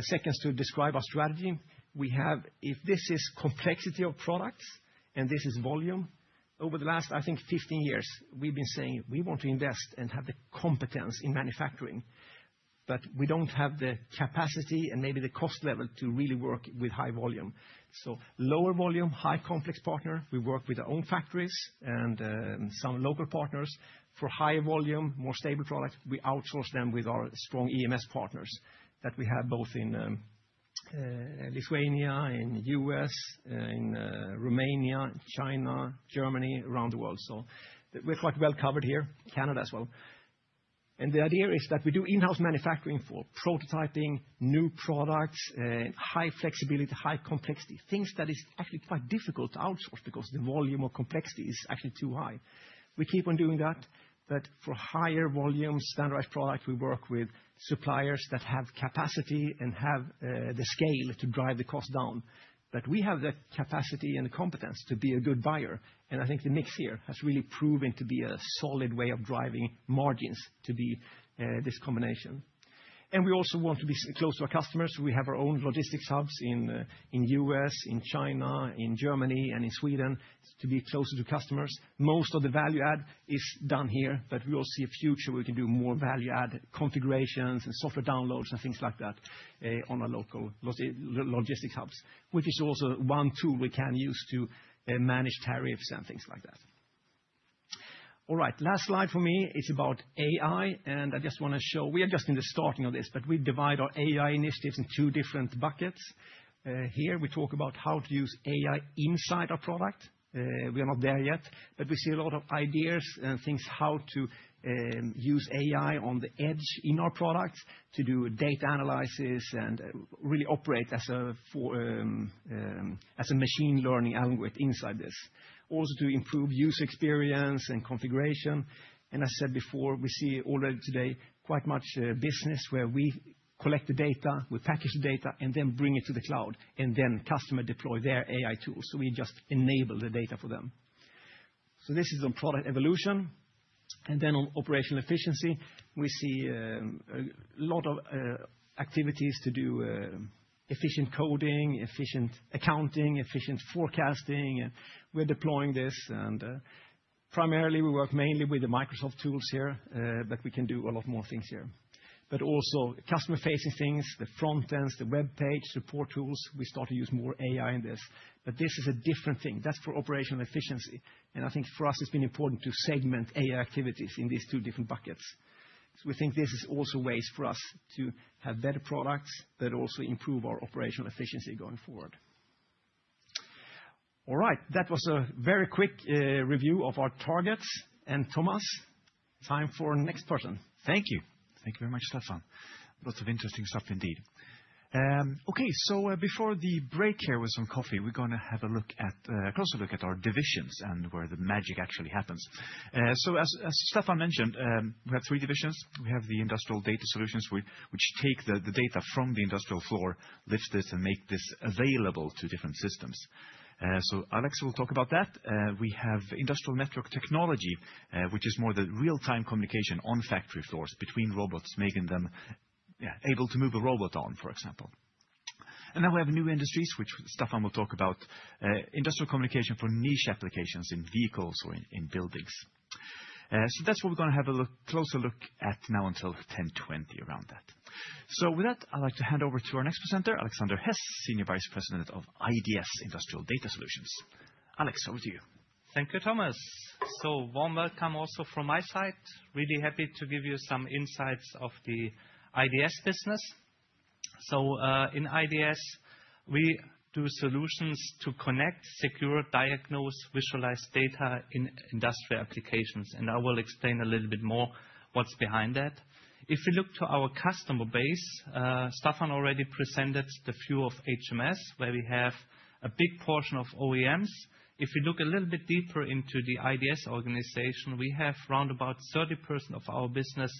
seconds to describe our strategy. If this is complexity of products and this is volume, over the last, I think 15 years, we've been saying we want to invest and have the competence in manufacturing, but we don't have the capacity and maybe the cost level to really work with high volume. So lower volume, high complex partner, we work with our own factories and some local partners. For higher volume, more stable products, we outsource them with our strong EMS partners that we have both in Lithuania, in US, in Romania, China, Germany, around the world. So we're quite well covered here, Canada as well. And the idea is that we do in-house manufacturing for prototyping, new products, high flexibility, high complexity, things that is actually quite difficult to outsource because the volume or complexity is actually too high. We keep on doing that, but for higher volume, standardized product, we work with suppliers that have capacity and have the scale to drive the cost down. But we have the capacity and the competence to be a good buyer, and I think the mix here has really proven to be a solid way of driving margins to be this combination. And we also want to be close to our customers. We have our own logistics hubs in, in U.S., in China, in Germany, and in Sweden, to be closer to customers. Most of the value add is done here, but we will see a future where we can do more value add configurations and software downloads and things like that, on our local logistics hubs, which is also one tool we can use to manage tariffs and things like that. All right, last slide for me is about AI, and I just want to show. We are just in the starting of this, but we divide our AI initiatives in two different buckets. Here we talk about how to use AI inside our product. We are not there yet, but we see a lot of ideas and things, how to use AI on the edge in our products to do data analysis and really operate as a for, as a machine learning algorithm inside this. Also, to improve user experience and configuration. And I said before, we see already today quite much business where we collect the data, we package the data, and then bring it to the cloud, and then customer deploy their AI tools, so we just enable the data for them. So this is on product evolution, and then on operational efficiency, we see a lot of activities to do efficient coding, efficient accounting, efficient forecasting. We're deploying this, and primarily, we work mainly with the Microsoft tools here, but we can do a lot more things here. But also customer-facing things, the front ends, the web page, support tools, we start to use more AI in this. But this is a different thing. That's for operational efficiency, and I think for us, it's been important to segment AI activities in these two different buckets. So we think this is also ways for us to have better products that also improve our operational efficiency going forward. All right, that was a very quick review of our targets, and Thomas, time for next person. Thank you. Thank you very much, Staffan. Lots of interesting stuff indeed. Okay, so before the break here with some coffee, we're gonna have a look at a closer look at our divisions and where the magic actually happens. So as Staffan mentioned, we have three divisions. We have the industrial data solutions, which take the data from the industrial floor, lift this, and make this available to different systems. So Alex will talk about that. We have industrial network technology, which is more the real-time communication on factory floors between robots, making them, yeah, able to move a robot arm, for example. And then we have new industries, which Staffan will talk about, industrial communication for niche applications in vehicles or in buildings. So that's what we're gonna have a closer look at now until 10:20, around that. So with that, I'd like to hand over to our next presenter, Alexander Hess, Senior Vice President of IDS, Industrial Data Solutions. Alex, over to you. Thank you, Thomas. So warm welcome also from my side. Really happy to give you some insights of the IDS business. So, in IDS, we do solutions to connect, secure, diagnose, visualize data in industrial applications, and I will explain a little bit more what's behind that. If we look to our customer base, Staffan already presented the view of HMS, where we have a big portion of OEMs. If we look a little bit deeper into the IDS organization, we have around about 30% of our business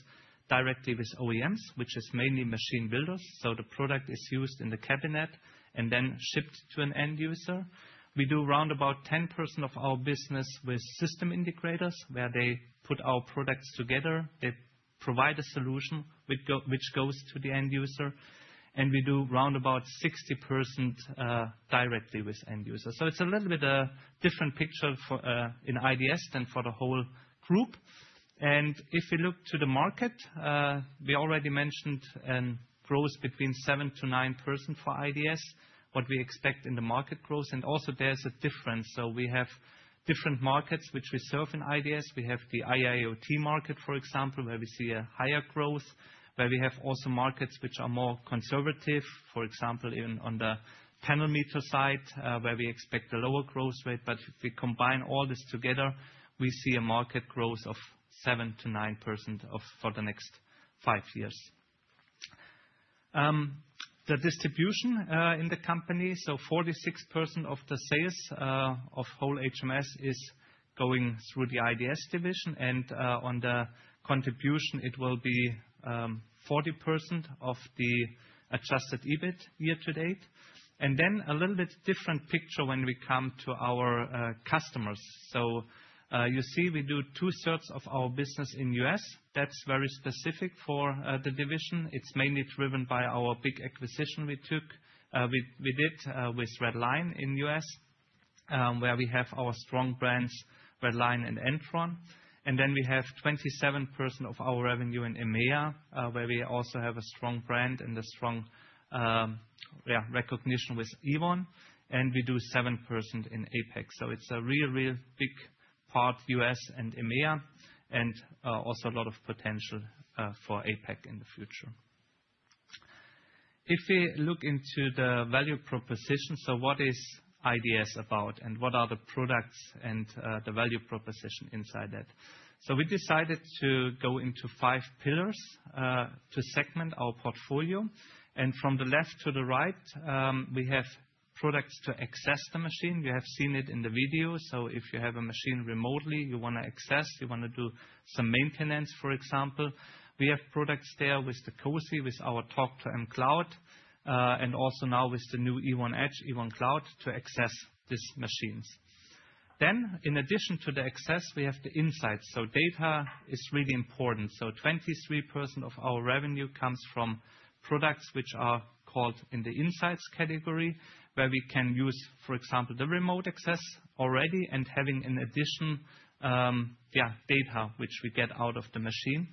directly with OEMs, which is mainly machine builders, so the product is used in the cabinet and then shipped to an end user. We do around about 10% of our business with system integrators, where they put our products together. They provide a solution which go, which goes to the end user, and we do around about 60% directly with end users. So it's a little bit a different picture for in IDS than for the whole group. If we look to the market, we already mentioned growth between 7%-9% for IDS, what we expect in the market growth, and also there's a difference. So we have different markets which we serve in IDS. We have the IIoT market, for example, where we see a higher growth, but we have also markets which are more conservative. For example, even on the panel meter side, where we expect a lower growth rate, but if we combine all this together, we see a market growth of 7%-9% for the next five years. The distribution in the company, so 46% of the sales of whole HMS is going through the IDS division, and on the contribution, it will be 40% of the adjusted EBIT year to date. And then a little bit different picture when we come to our customers. So you see, we do two-thirds of our business in the U.S. That's very specific for the division. It's mainly driven by our big acquisition we took, we did with Red Lion in the U.S., where we have our strong brands, Red Lion and Ewon. And then we have 27% of our revenue in EMEA, where we also have a strong brand and a strong recognition with Ewon, and we do 7% in APAC. So it's a real, real big part, US and EMEA, and also a lot of potential for APAC in the future. If we look into the value proposition, so what is IDS about, and what are the products and the value proposition inside that? So we decided to go into five pillars to segment our portfolio. And from the left to the right, we have products to access the machine. We have seen it in the video. So if you have a machine remotely, you wanna access, you wanna do some maintenance, for example. We have products there with the Cosy, with our Talk2M Cloud, and also now with the new Ewon Edge, Ewon Cloud, to access these machines. Then, in addition to the access, we have the insights. So data is really important. So 23% of our revenue comes from products which are called in the insights category, where we can use, for example, the remote access already and having in addition, data which we get out of the machine.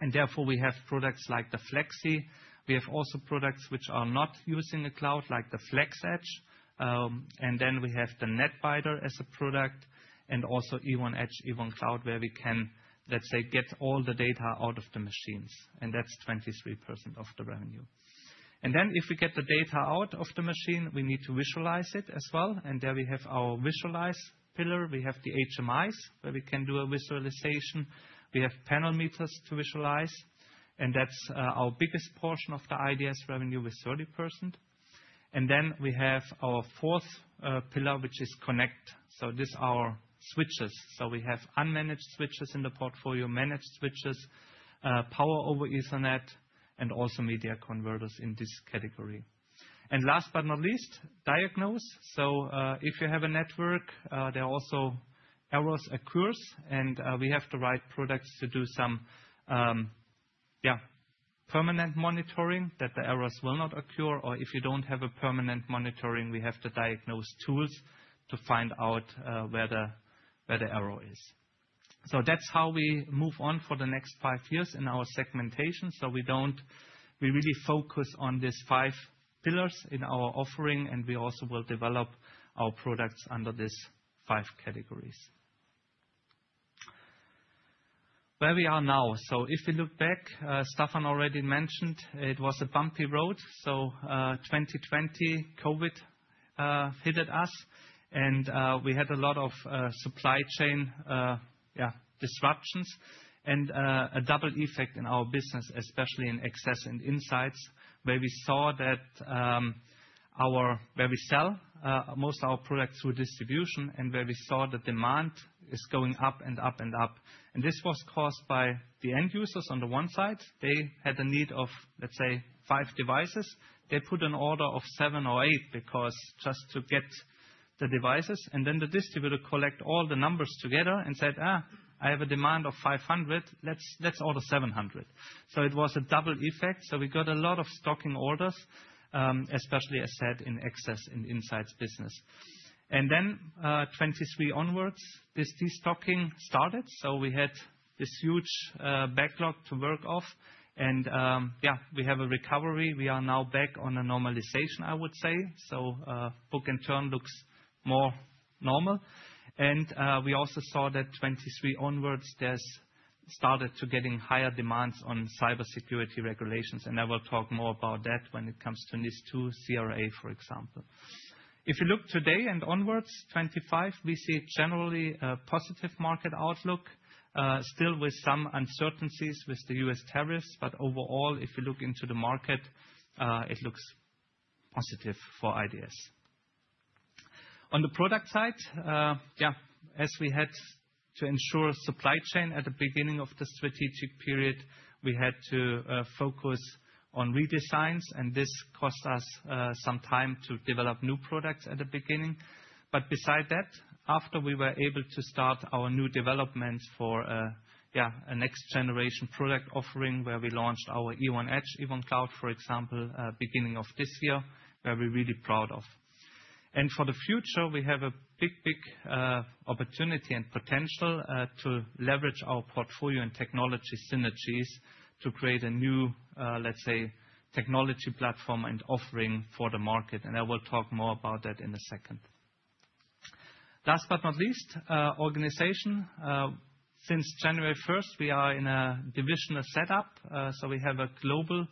And therefore, we have products like the Flexy. We have also products which are not using the cloud, like the FlexEdge. And then we have the Netbiter as a product, and also Ewon Edge, Ewon Cloud, where we can, let's say, get all the data out of the machines, and that's 23% of the revenue. And then if we get the data out of the machine, we need to visualize it as well, and there we have our visualize pillar. We have the HMIs, where we can do a visualization. We have panel meters to visualize, and that's our biggest portion of the IDS revenue with 30%. Then we have our fourth pillar, which is connect. So this our switches. So we have unmanaged switches in the portfolio, managed switches, power over Ethernet, and also media converters in this category. And last but not least, diagnose. So, if you have a network, there are also errors occurs, and we have the right products to do some permanent monitoring, that the errors will not occur, or if you don't have a permanent monitoring, we have the diagnose tools to find out where the, where the error is. So that's how we move on for the next five years in our segmentation. So we don't—we really focus on these five pillars in our offering, and we also will develop our products under these five categories. Where we are now? So if we look back, Staffan already mentioned it was a bumpy road, so, 2020, COVID, hit at us, and, we had a lot of, supply chain, yeah, disruptions and, a double effect in our business, especially in access and insights, where we saw that, our—where we sell, most of our products through distribution and where we saw the demand is going up and up and up. And this was caused by the end users on the one side. They had a need of, let's say, five devices. They put an order of 7 or 8 because just to get the devices, and then the distributor collect all the numbers together and said, "Ah, I have a demand of 500. Let's, let's order 700." So it was a double effect. So we got a lot of stocking orders, especially, as said, in access in the insights business. And then, 2023 onwards, this destocking started, so we had this huge backlog to work off, and, yeah, we have a recovery. We are now back on a normalization, I would say. So, book and turn looks more normal. And, we also saw that 2023 onwards, there's started to getting higher demands on cybersecurity regulations, and I will talk more about that when it comes to NIS2 CRA, for example. If you look today and onwards, 25, we see generally a positive market outlook, still with some uncertainties with the US tariffs, but overall, if you look into the market, it looks positive for IDS. On the product side, yeah, as we had to ensure supply chain at the beginning of the strategic period, we had to focus on redesigns, and this cost us some time to develop new products at the beginning. But beside that, after we were able to start our new development for a, yeah, a next generation product offering, where we launched our Ewon Edge, Ewon Cloud, for example, beginning of this year, where we're really proud of. And for the future, we have a big, big, opportunity and potential, to leverage our portfolio and technology synergies to create a new, let's say, technology platform and offering for the market, and I will talk more about that in a second. Last but not least, organization. Since January first, we are in a divisional setup. So we have a global,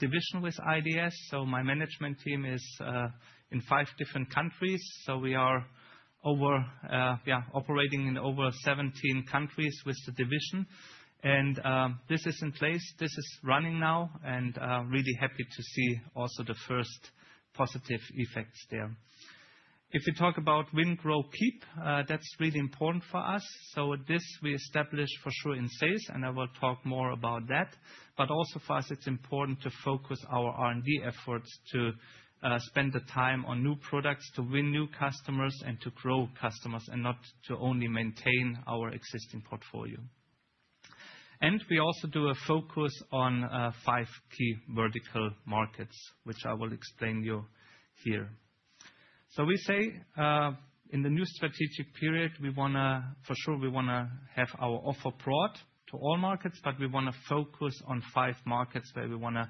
division with IDS. So my management team is, in five different countries. So we are over, yeah, operating in over 17 countries with the division. And, this is in place, this is running now, and, really happy to see also the first positive effects there. If you talk about win, grow, keep, that's really important for us. So with this, we establish for sure in sales, and I will talk more about that. But also for us, it's important to focus our R&D efforts to spend the time on new products, to win new customers, and to grow customers, and not to only maintain our existing portfolio. We also do a focus on five key vertical markets, which I will explain you here. So we say in the new strategic period, we wanna, for sure, we wanna have our offer broad to all markets, but we wanna focus on five markets, where we wanna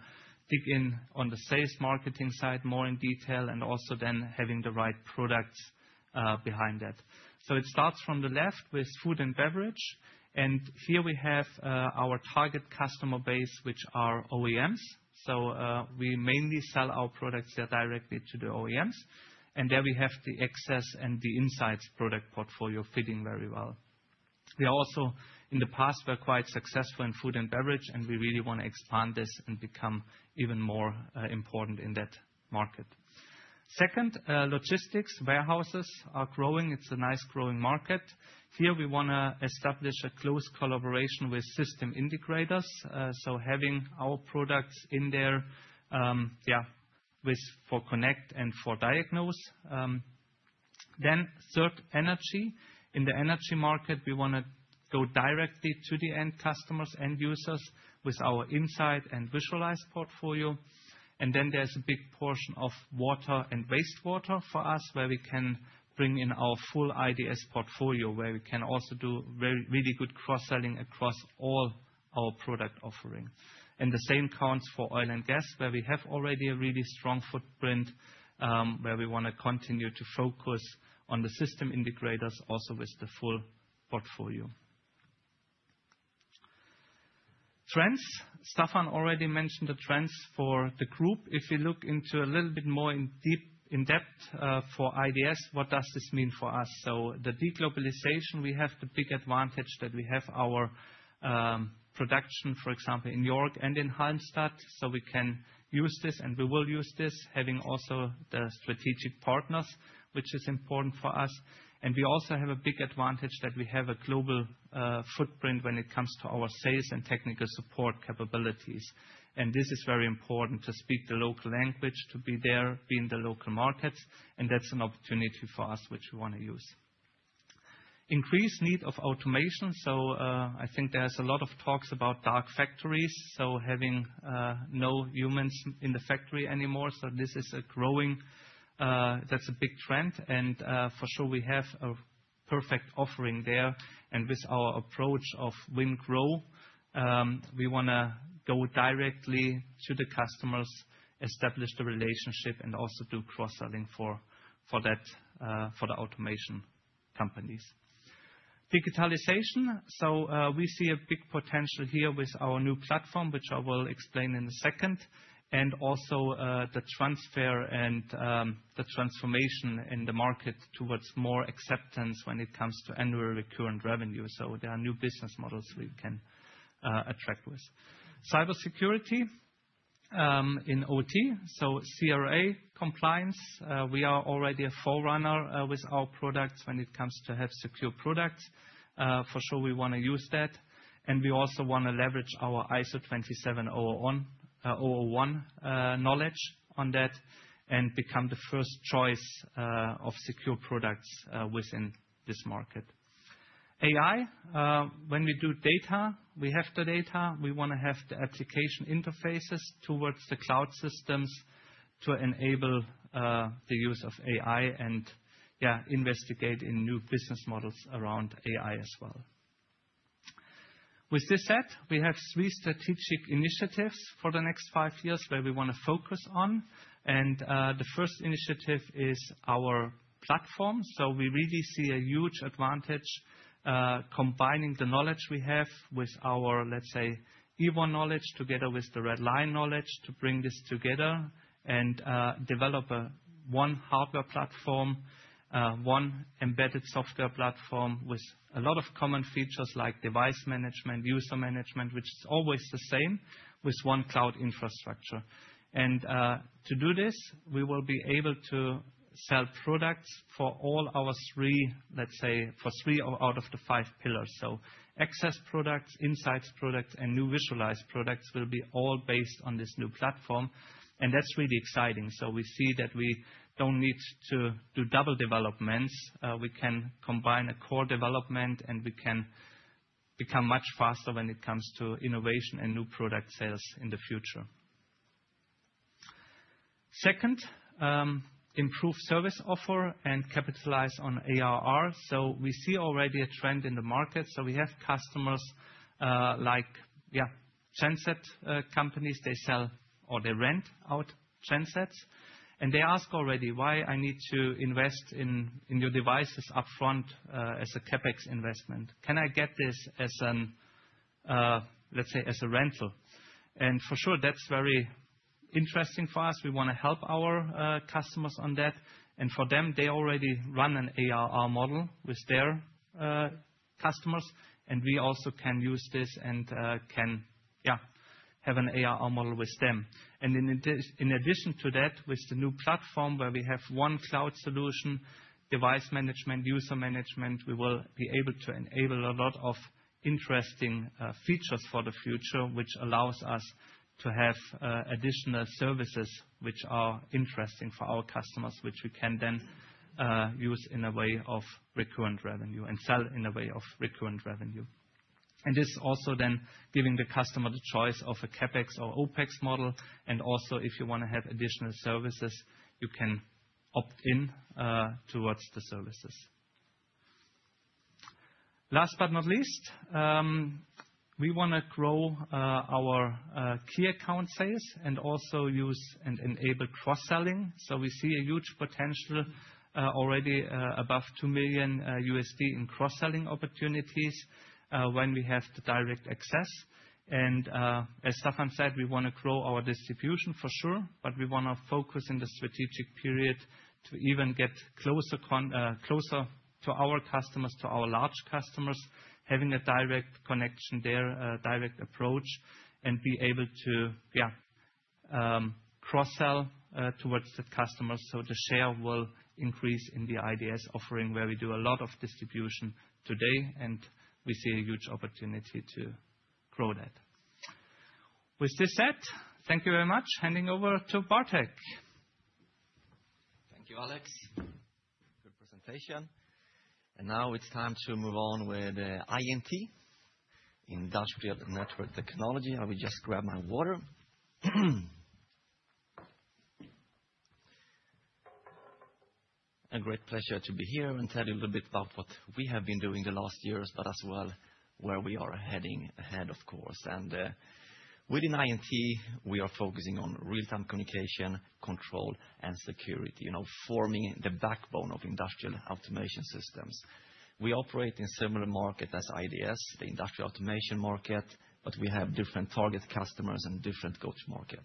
dig in on the sales marketing side, more in detail, and also then having the right products behind that. So it starts from the left with food and beverage, and here we have our target customer base, which are OEMs. So, we mainly sell our products there directly to the OEMs, and there we have the access and the insights product portfolio fitting very well. We are also, in the past, were quite successful in food and beverage, and we really want to expand this and become even more important in that market. Second, logistics. Warehouses are growing. It's a nice growing market. Here, we wanna establish a close collaboration with system integrators, so having our products in there, yeah, with for connect and for diagnose. Then third, energy. In the energy market, we wanna go directly to the end customers, end users, with our insight and visualize portfolio. And then there's a big portion of water and wastewater for us, where we can bring in our full IDS portfolio, where we can also do very, really good cross-selling across all our product offerings. The same counts for oil and gas, where we have already a really strong footprint, where we wanna continue to focus on the system integrators also with the full portfolio. Trends. Staffan already mentioned the trends for the group. If you look into a little bit more in-depth, for IDS, what does this mean for us? So the deglobalization, we have the big advantage that we have our production, for example, in York and in Halmstad, so we can use this, and we will use this, having also the strategic partners, which is important for us. And we also have a big advantage that we have a global footprint when it comes to our sales and technical support capabilities. This is very important to speak the local language, to be there, be in the local markets, and that's an opportunity for us, which we wanna use. Increased need of automation. I think there's a lot of talks about dark factories, so having no humans in the factory anymore. This is a growing, that's a big trend, and for sure, we have a perfect offering there. With our approach of win grow, we wanna go directly to the customers, establish the relationship, and also do cross-selling for that, for the automation companies. Digitalization, so we see a big potential here with our new platform, which I will explain in a second. Also, the transfer and the transformation in the market towards more acceptance when it comes to annually recurring revenue. So there are new business models we can attract with. Cybersecurity in OT, so CRA compliance, we are already a forerunner with our products when it comes to have secure products. For sure, we want to use that, and we also want to leverage our ISO 27001 knowledge on that, and become the first choice of secure products within this market. AI, when we do data, we have the data. We want to have the application interfaces towards the cloud systems to enable the use of AI and, yeah, investigate in new business models around AI as well. With this said, we have three strategic initiatives for the next five years where we want to focus on, and the first initiative is our platform. So we really see a huge advantage, combining the knowledge we have with our, let's say, Ewon knowledge, together with the Red Lion knowledge, to bring this together and develop one hardware platform, one embedded software platform with a lot of common features like device management, user management, which is always the same, with one cloud infrastructure. And to do this, we will be able to sell products for all our three—let's say, for three out of the five pillars. So access products, insights products, and new visualized products will be all based on this new platform, and that's really exciting. So we see that we don't need to do double developments. We can combine a core development, and we can become much faster when it comes to innovation and new product sales in the future. Second, improve service offer and capitalize on ARR. So we see already a trend in the market. So we have customers, like, genset companies, they sell or they rent out gensets, and they ask already: Why I need to invest in, in your devices upfront, as a CapEx investment? Can I get this as an, let's say, as a rental? And for sure, that's very interesting for us. We wanna help our, customers on that, and for them, they already run an ARR model with their, customers, and we also can use this and, can, have an ARR model with them. In addition to that, with the new platform where we have one cloud solution, device management, user management, we will be able to enable a lot of interesting features for the future, which allows us to have additional services which are interesting for our customers, which we can then use in a way of recurrent revenue and sell in a way of recurrent revenue. And this also then giving the customer the choice of a CapEx or OpEx model, and also, if you want to have additional services, you can opt in towards the services. Last but not least, we wanna grow our key account sales and also use and enable cross-selling. So we see a huge potential already above $2 million in cross-selling opportunities when we have the direct access. As Staffan said, we wanna grow our distribution for sure, but we wanna focus in the strategic period to even get closer to our customers, to our large customers, having a direct connection there, direct approach, and be able to cross-sell towards the customers. So the share will increase in the IDS offering, where we do a lot of distribution today, and we see a huge opportunity to grow that. With this said, thank you very much. Handing over to Bartek. Thank you, Alex. Good presentation. Now it's time to move on with INT, Industrial Network Technology. I will just grab my water. A great pleasure to be here and tell you a little bit about what we have been doing the last years, but as well, where we are heading ahead, of course. Within INT, we are focusing on real-time communication, control, and security, you know, forming the backbone of industrial automation systems. We operate in similar market as IDS, the industrial automation market, but we have different target customers and different go-to-market.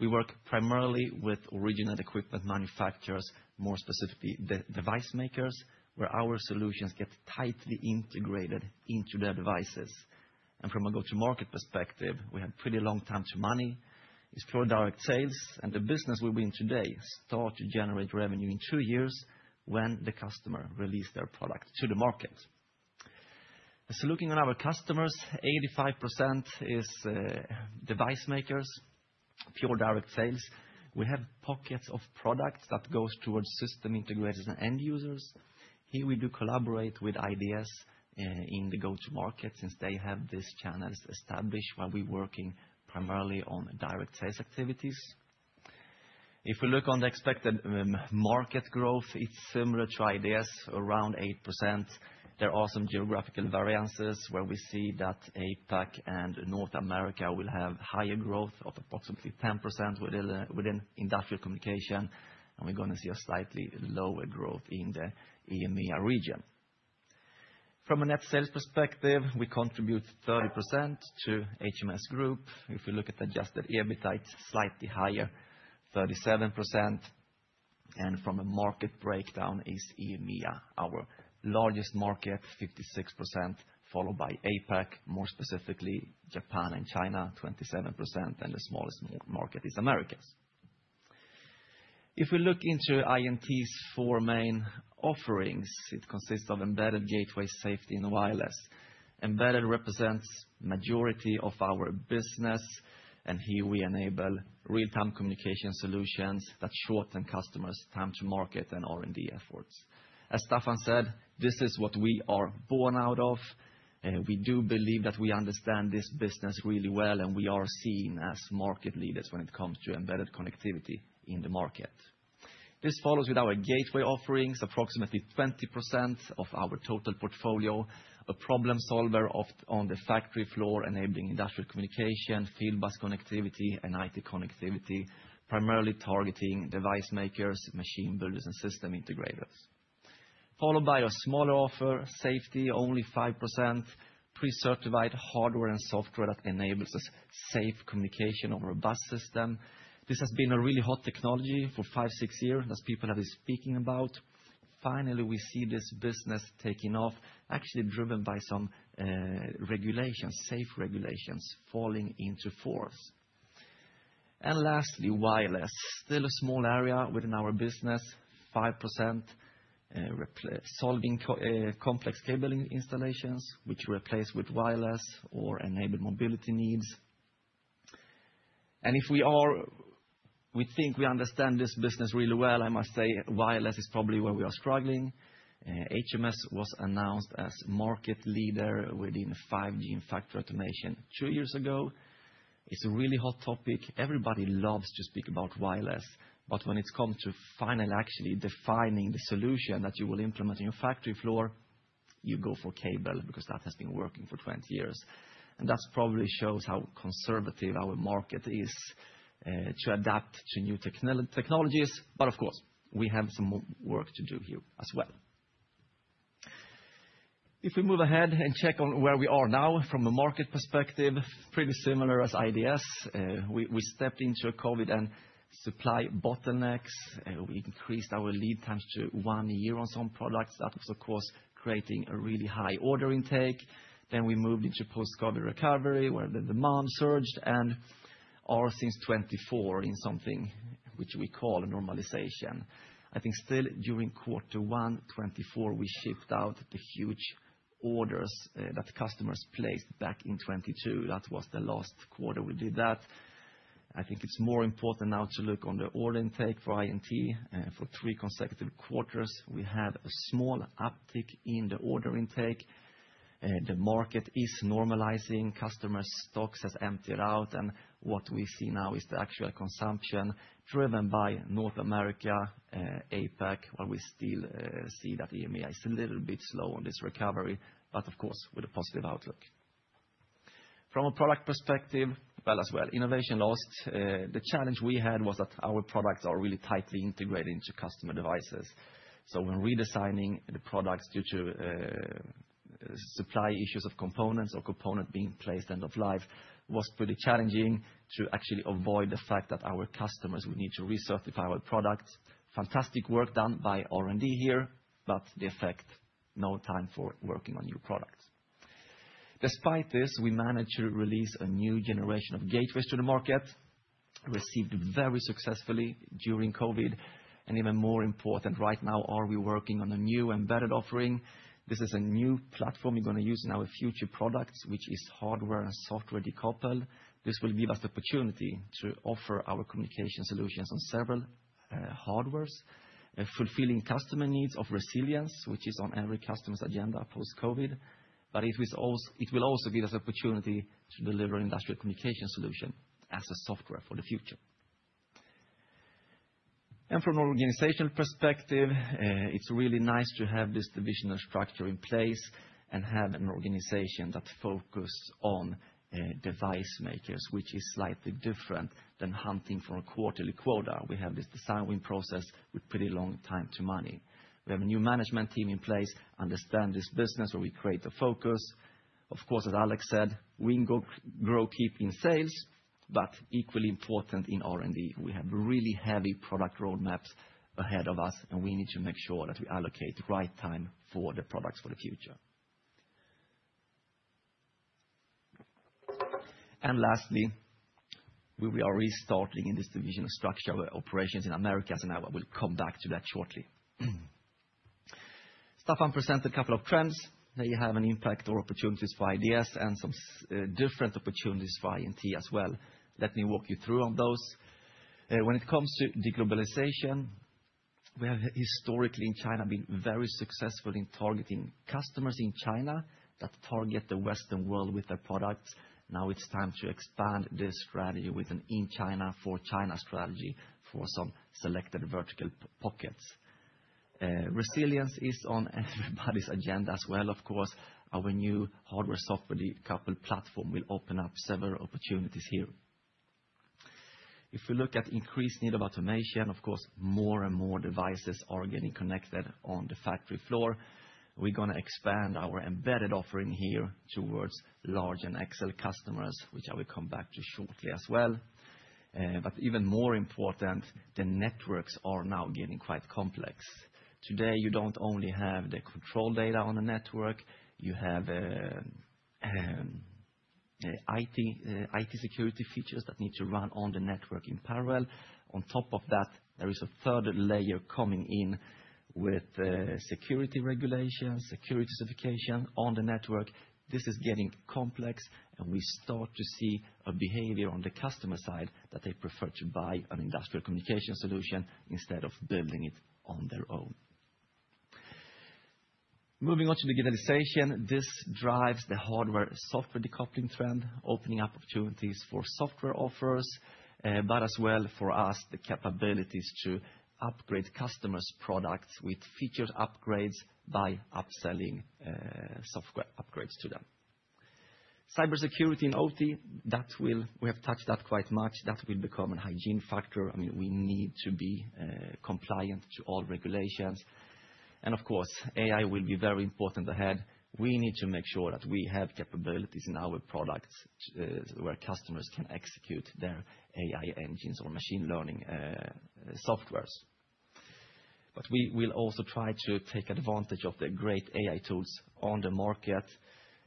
We work primarily with original equipment manufacturers, more specifically, the device makers, where our solutions get tightly integrated into their devices. From a go-to-market perspective, we have pretty long time to money, it's through direct sales, and the business we're in today start to generate revenue in 2 years when the customer release their product to the market. So looking at our customers, 85% is device makers, pure direct sales. We have pockets of products that goes towards system integrators and end users. Here we do collaborate with IDS in the go-to-market, since they have these channels established, while we're working primarily on direct sales activities. If we look on the expected market growth, it's similar to IDS, around 8%. There are some geographical variances where we see that APAC and North America will have higher growth of approximately 10% within industrial communication, and we're going to see a slightly lower growth in the EMEA region. From a net sales perspective, we contribute 30% to HMS Group. If we look at adjusted EBITDA, it's slightly higher, 37%, and from a market breakdown is EMEA, our largest market, 56%, followed by APAC, more specifically Japan and China, 27%, and the smallest market is Americas. If we look into INT's four main offerings, it consists of embedded gateway, safety, and wireless. Embedded represents majority of our business, and here we enable real-time communication solutions that shorten customers' time to market and R&D efforts. As Staffan said, this is what we are born out of, and we do believe that we understand this business really well, and we are seen as market leaders when it comes to embedded connectivity in the market. This follows with our gateway offerings, approximately 20% of our total portfolio, a problem solver on the factory floor, enabling industrial communication, Fieldbus connectivity, and IT connectivity, primarily targeting device makers, machine builders, and system integrators. Followed by a smaller offer, safety, only 5%, pre-certified hardware and software that enables us safe communication of a bus system. This has been a really hot technology for 5, 6 years, as people have been speaking about. Finally, we see this business taking off, actually driven by some regulations, safe regulations, falling into force. And lastly, wireless. Still a small area within our business, 5%, replacing complex cabling installations, which we replace with wireless or enable mobility needs. And we think we understand this business really well, I must say wireless is probably where we are struggling. HMS was announced as market leader within 5G and factory automation 2 years ago. It's a really hot topic. Everybody loves to speak about wireless, but when it's come to finally actually defining the solution that you will implement in your factory floor, you go for cable, because that has been working for 20 years. And that's probably shows how conservative our market is, to adapt to new technologies. But of course, we have some more work to do here as well. If we move ahead and check on where we are now from a market perspective, pretty similar as IDS. We stepped into a COVID and supply bottlenecks, we increased our lead times to 1 year on some products. That was, of course, creating a really high order intake. Then we moved into post-COVID recovery, where the demand surged, and are since 2024 in something which we call a normalization. I think still during quarter one, 2024, we shipped out the huge orders that customers placed back in 2022. That was the last quarter we did that. I think it's more important now to look on the order intake for INT. For three consecutive quarters, we had a small uptick in the order intake. The market is normalizing. Customer stocks has emptied out, and what we see now is the actual consumption driven by North America, APAC, where we still see that EMEA is a little bit slow on this recovery, but of course, with a positive outlook. From a product perspective, well as well, innovation lost. The challenge we had was that our products are really tightly integrated into customer devices. So when redesigning the products due to supply issues of components or component being placed end of life, was pretty challenging to actually avoid the fact that our customers would need to recertify our products. Fantastic work done by R&D here, but the effect, no time for working on new products. Despite this, we managed to release a new generation of gateways to the market, received very successfully during COVID, and even more important, right now, are we working on a new embedded offering. This is a new platform we're going to use in our future products, which is hardware and software decoupled. This will give us the opportunity to offer our communication solutions on several hardwares, fulfilling customer needs of resilience, which is on every customer's agenda post-COVID. But it will also give us opportunity to deliver industrial communication solution as a software for the future. And from an organizational perspective, it's really nice to have this divisional structure in place and have an organization that focus on device makers, which is slightly different than hunting for a quarterly quota. We have this design win process with pretty long time to money. We have a new management team in place, understand this business, where we create the focus. Of course, as Alex said, we can grow, keep in sales, but equally important in R&D. We have really heavy product roadmaps ahead of us, and we need to make sure that we allocate the right time for the products for the future. And lastly, we are restarting in this division of structure operations in Americas, and I will come back to that shortly. Staffan presented a couple of trends. They have an impact or opportunities for ideas and some different opportunities for INT as well. Let me walk you through on those. When it comes to de-globalization, we have historically in China been very successful in targeting customers in China that target the Western world with their products. Now it's time to expand this strategy with an in China, for China strategy for some selected vertical pockets. Resilience is on everybody's agenda as well, of course. Our new hardware, software decoupled platform will open up several opportunities here. If you look at increased need of automation, of course, more and more devices are getting connected on the factory floor. We're gonna expand our embedded offering here towards large and XL customers, which I will come back to shortly as well. But even more important, the networks are now getting quite complex. Today, you don't only have the control data on the network, you have IT security features that need to run on the network in parallel. On top of that, there is a third layer coming in with security regulations, security certification on the network. This is getting complex, and we start to see a behavior on the customer side, that they prefer to buy an industrial communication solution instead of building it on their own. Moving on to digitalization, this drives the hardware and software decoupling trend, opening up opportunities for software offers, but as well for us, the capabilities to upgrade customers' products with featured upgrades by upselling software upgrades to them. Cybersecurity and OT, that will—we have touched that quite much. That will become a hygiene factor. I mean, we need to be compliant to all regulations. And of course, AI will be very important ahead. We need to make sure that we have capabilities in our products, where customers can execute their AI engines or machine learning softwares. But we will also try to take advantage of the great AI tools on the market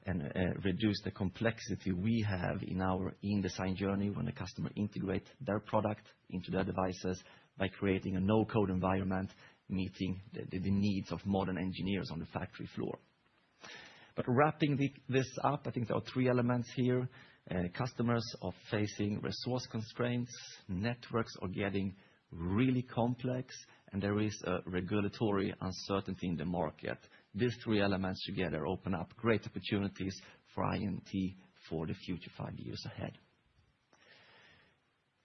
and reduce the complexity we have in our in-design journey when the customer integrate their product into their devices by creating a no-code environment, meeting the needs of modern engineers on the factory floor. But wrapping this up, I think there are three elements here. Customers are facing resource constraints, networks are getting really complex, and there is a regulatory uncertainty in the market. These three elements together open up great opportunities for INT for the future five years ahead.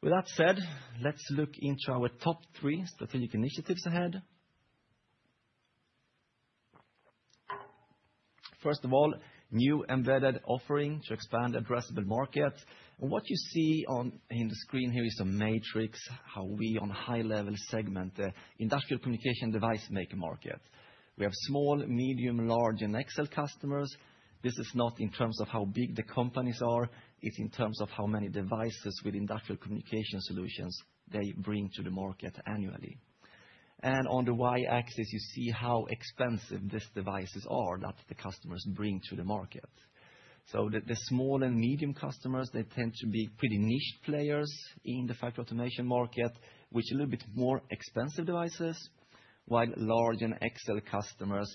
With that said, let's look into our top three strategic initiatives ahead. First of all, new embedded offering to expand addressable market. And what you see on, in the screen here is a matrix, how we on high-level segment the industrial communication device market. We have small, medium, large, and XL customers. This is not in terms of how big the companies are, it's in terms of how many devices with industrial communication solutions they bring to the market annually. And on the Y-axis, you see how expensive these devices are that the customers bring to the market. So the, the small and medium customers, they tend to be pretty niche players in the factory automation market, which a little bit more expensive devices, while large and XL customers,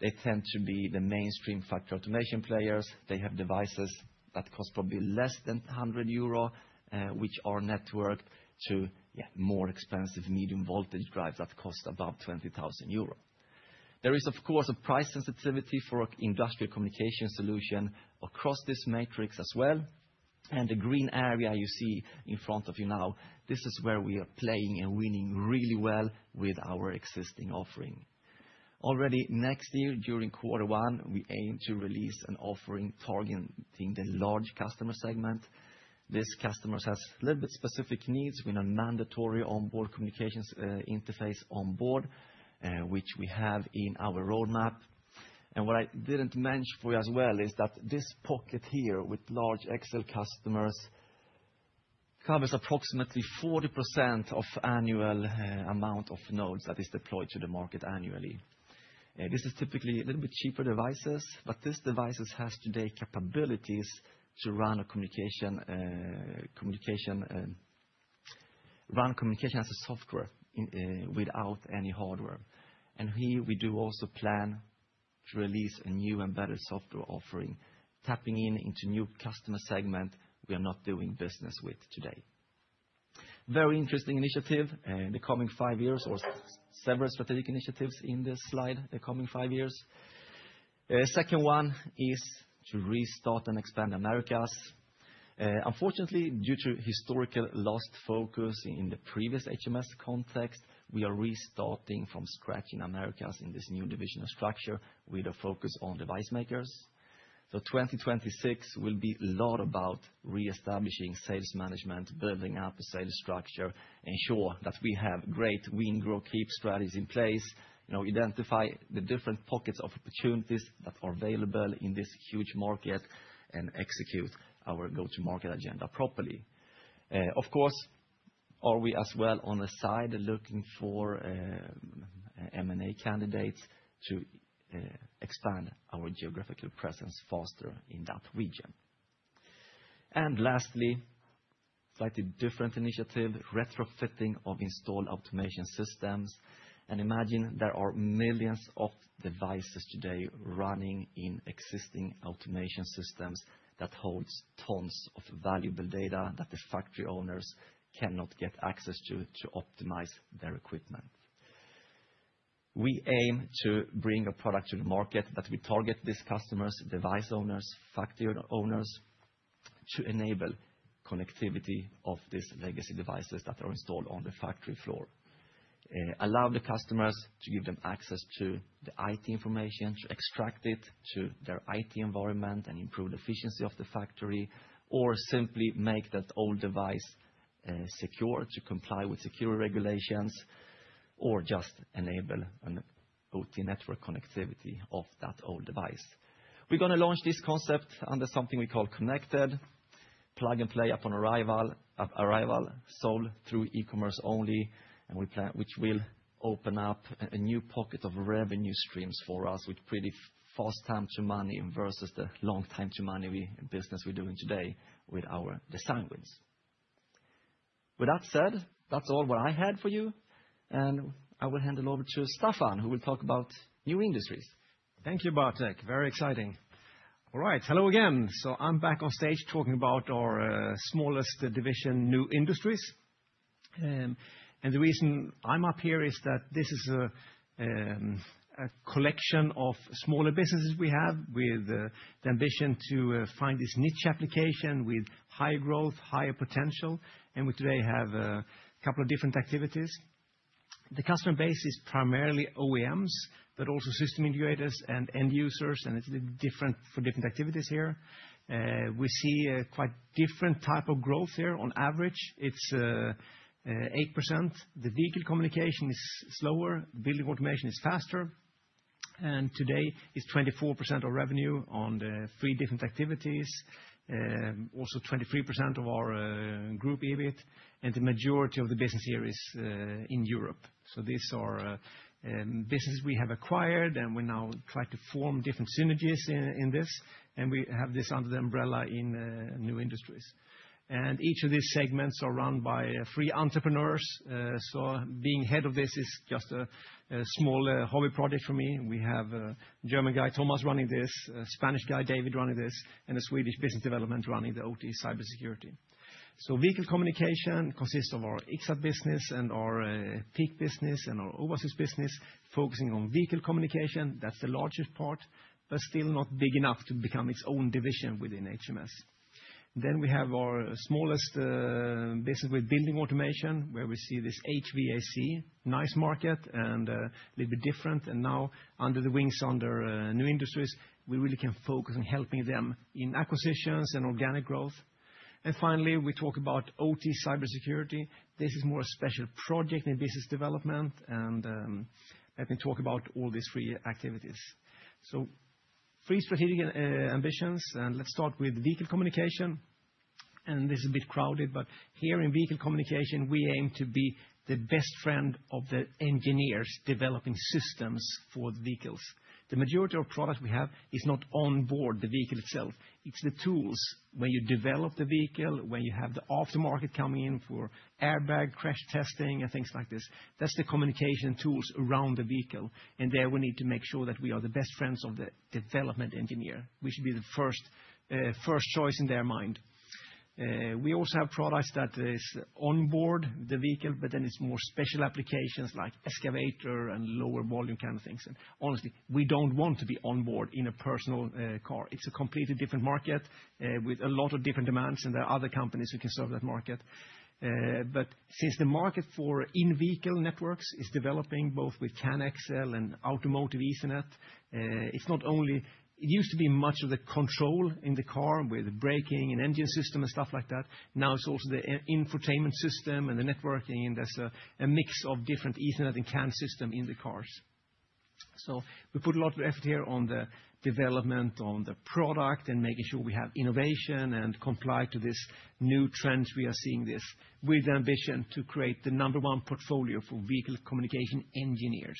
they tend to be the mainstream factory automation players. They have devices that cost probably less than 100 euro, which are networked to, yeah, more expensive medium voltage drives that cost about 20,000 euro. There is, of course, a price sensitivity for industrial communication solution across this matrix as well, and the green area you see in front of you now, this is where we are playing and winning really well with our existing offering. Already next year, during quarter one, we aim to release an offering targeting the large customer segment. These customers has a little bit specific needs with a mandatory onboard communications, interface on board, which we have in our roadmap. And what I didn't mention for you as well, is that this pocket here, with large XL customers, covers approximately 40% of annual, amount of nodes that is deployed to the market annually. This is typically a little bit cheaper devices, but these devices has today capabilities to run communication as a software, without any hardware. And here, we do also plan to release a new and better software offering, tapping into new customer segment we are not doing business with today. Very interesting initiative, in the coming five years, or several strategic initiatives in this slide, the coming five years. Second one is to restart and expand Americas. Unfortunately, due to historical lost focus in the previous HMS context, we are restarting from scratch Americas in this new divisional structure with a focus on device makers. So 2026 will be a lot about reestablishing sales management, building up a sales structure, ensure that we have great win, grow, keep strategies in place, you know, identify the different pockets of opportunities that are available in this huge market, and execute our go-to-market agenda properly. Of course, are we as well on the side looking for M&A candidates to expand our geographical presence faster in that region? And lastly, slightly different initiative, retrofitting of installed automation systems. And imagine there are millions of devices today running in existing automation systems that holds tons of valuable data that the factory owners cannot get access to, to optimize their equipment. We aim to bring a product to the market, but we target these customers, device owners, factory owners, to enable connectivity of these legacy devices that are installed on the factory floor. Allow the customers to give them access to the IT information, to extract it to their IT environment, and improve the efficiency of the factory, or simply make that old device, secure, to comply with secure regulations, or just enable an OT network connectivity of that old device. We're going to launch this concept under something we call Connected. Plug and play upon arrival, sold through e-commerce only, and which will open up a new pocket of revenue streams for us with pretty fast time to money versus the long time to money business we're doing today with our design wins. With that said, that's all what I had for you, and I will hand it over to Staffan, who will talk about new industries. Thank you, Bartek. Very exciting. All right, hello again. So I'm back on stage talking about our smallest division, New Industries. And the reason I'm up here is that this is a collection of smaller businesses we have, with the ambition to find this niche application with high growth, higher potential, and we today have a couple of different activities. The customer base is primarily OEMs, but also system integrators and end users, and it's different for different activities here. We see a quite different type of growth here. On average, it's 8%. The vehicle communication is slower, building automation is faster, and today is 24% of revenue on the three different activities, also 23% of our group EBIT, and the majority of the business here is in Europe. So these are businesses we have acquired, and we now try to form different synergies in this, and we have this under the umbrella in New Industries. Each of these segments are run by three entrepreneurs. So being head of this is just a small hobby project for me. We have a German guy, Thomas, running this, a Spanish guy, David, running this, and a Swedish business development running the OT cybersecurity. Vehicle communication consists of our Ixxat business and our PEAK business and our Owasys business, focusing on vehicle communication. That's the largest part, but still not big enough to become its own division within HMS. Then we have our smallest business with building automation, where we see this HVAC nice market and little bit different. And now, under the wings, under new industries, we really can focus on helping them in acquisitions and organic growth. And finally, we talk about OT cybersecurity. This is more a special project in business development, and I can talk about all these three activities. So three strategic ambitions, and let's start with vehicle communication. And this is a bit crowded, but here in vehicle communication, we aim to be the best friend of the engineers developing systems for the vehicles. The majority of product we have is not on board the vehicle itself. It's the tools when you develop the vehicle, when you have the aftermarket coming in for airbag, crash testing, and things like this. That's the communication tools around the vehicle, and there we need to make sure that we are the best friends of the development engineer. We should be the first choice in their mind. We also have products that is on board the vehicle, but then it's more special applications like excavator and lower volume kind of things. And honestly, we don't want to be on board in a personal car. It's a completely different market with a lot of different demands, and there are other companies who can serve that market. But since the market for in-vehicle networks is developing, both with CAN XL and Automotive Ethernet, it's not only- it used to be much of the control in the car with braking and engine system and stuff like that. Now, it's also the infotainment system and the networking, and there's a mix of different Ethernet and CAN system in the cars. So we put a lot of effort here on the development, on the product, and making sure we have innovation and comply to this new trends we are seeing this, with the ambition to create the number one portfolio for vehicle communication engineers.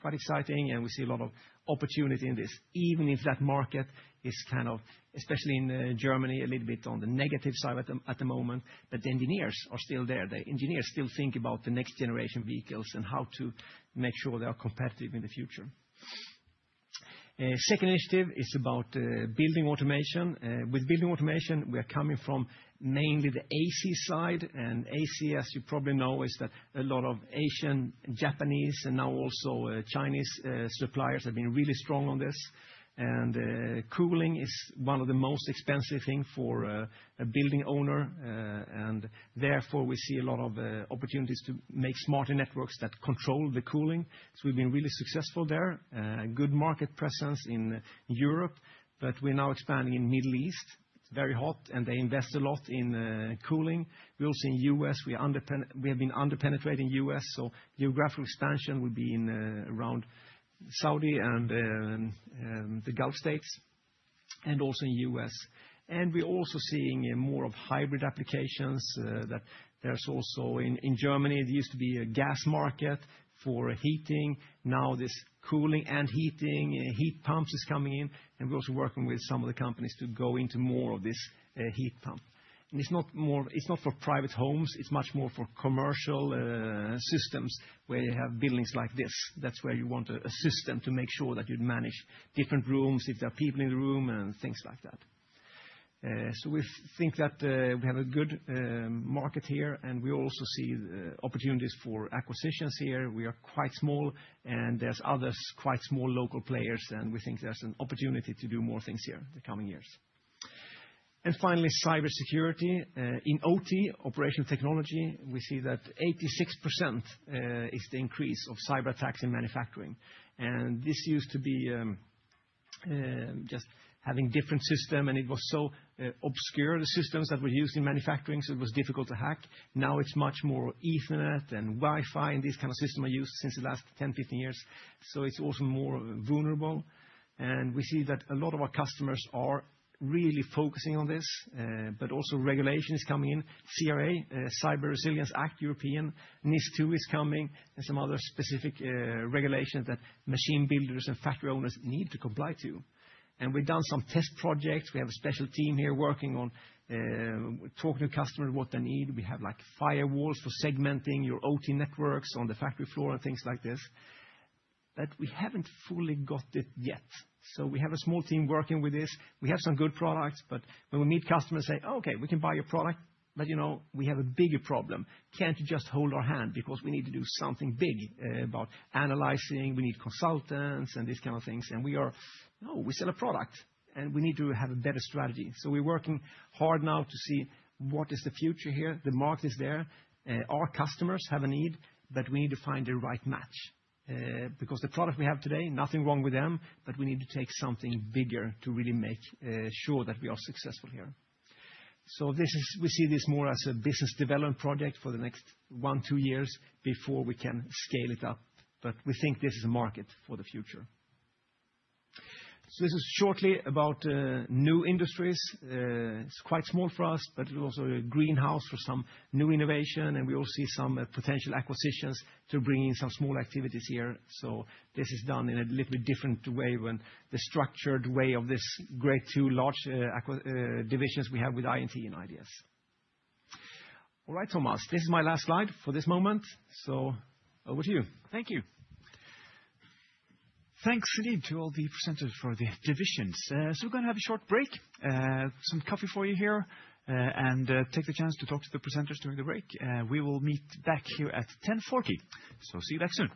Quite exciting, and we see a lot of opportunity in this, even if that market is kind of, especially in, Germany, a little bit on the negative side at the moment, but the engineers are still there. The engineers still think about the next generation vehicles and how to make sure they are competitive in the future. Second initiative is about, building automation. With building automation, we are coming from mainly the AC side, and AC, as you probably know, is that a lot of Asian, Japanese, and now also, Chinese, suppliers have been really strong on this. Cooling is one of the most expensive thing for a building owner, and therefore, we see a lot of opportunities to make smarter networks that control the cooling. So we've been really successful there, a good market presence in Europe, but we're now expanding in Middle East. It's very hot, and they invest a lot in cooling. We also in US, we have been under-penetrating US, so geographical expansion will be in around Saudi and the Gulf States... and also in US. And we're also seeing more of hybrid applications, that there's also in, in Germany, there used to be a gas market for heating. Now, this cooling and heating, heat pumps is coming in, and we're also working with some of the companies to go into more of this heat pump. It's not for private homes, it's much more for commercial systems, where you have buildings like this. That's where you want a system to make sure that you manage different rooms, if there are people in the room, and things like that. So we think that we have a good market here, and we also see opportunities for acquisitions here. We are quite small, and there's others, quite small local players, and we think there's an opportunity to do more things here in the coming years. Finally, cybersecurity. In OT, operational technology, we see that 86% is the increase of cyberattacks in manufacturing. And this used to be just having different system, and it was so obscure, the systems that were used in manufacturing, so it was difficult to hack. Now, it's much more Ethernet and Wi-Fi, and this kind of system are used since the last 10, 15 years, so it's also more vulnerable. We see that a lot of our customers are really focusing on this, but also regulation is coming in. CRA, Cyber Resilience Act, European, NIS2 is coming, and some other specific regulations that machine builders and factory owners need to comply to. We've done some test projects. We have a special team here working on talking to customers, what they need. We have, like, firewalls for segmenting your OT networks on the factory floor and things like this, but we haven't fully got it yet. So we have a small team working with this. We have some good products, but when we meet customers say, "Okay, we can buy your product, but, you know, we have a bigger problem. Can't you just hold our hand because we need to do something big, about analyzing. We need consultants and these kind of things." And we are, "No, we sell a product, and we need to have a better strategy." So we're working hard now to see what is the future here. The market is there. Our customers have a need, but we need to find the right match, because the product we have today, nothing wrong with them, but we need to take something bigger to really make, sure that we are successful here. So this is - we see this more as a business development project for the next one, two years before we can scale it up, but we think this is a market for the future. So this is shortly about, new industries. It's quite small for us, but it's also a greenhouse for some new innovation, and we all see some potential acquisitions to bring in some small activities here. So this is done in a little bit different way than the structured way of these two large acquisitions, the divisions we have with INT and IDS. All right, Thomas, this is my last slide for this moment, so over to you. Thank you. Thanks indeed to all the presenters for the divisions. So we're gonna have a short break, some coffee for you here, and take the chance to talk to the presenters during the break. We will meet back here at 10:40 A.M., so see you back soon.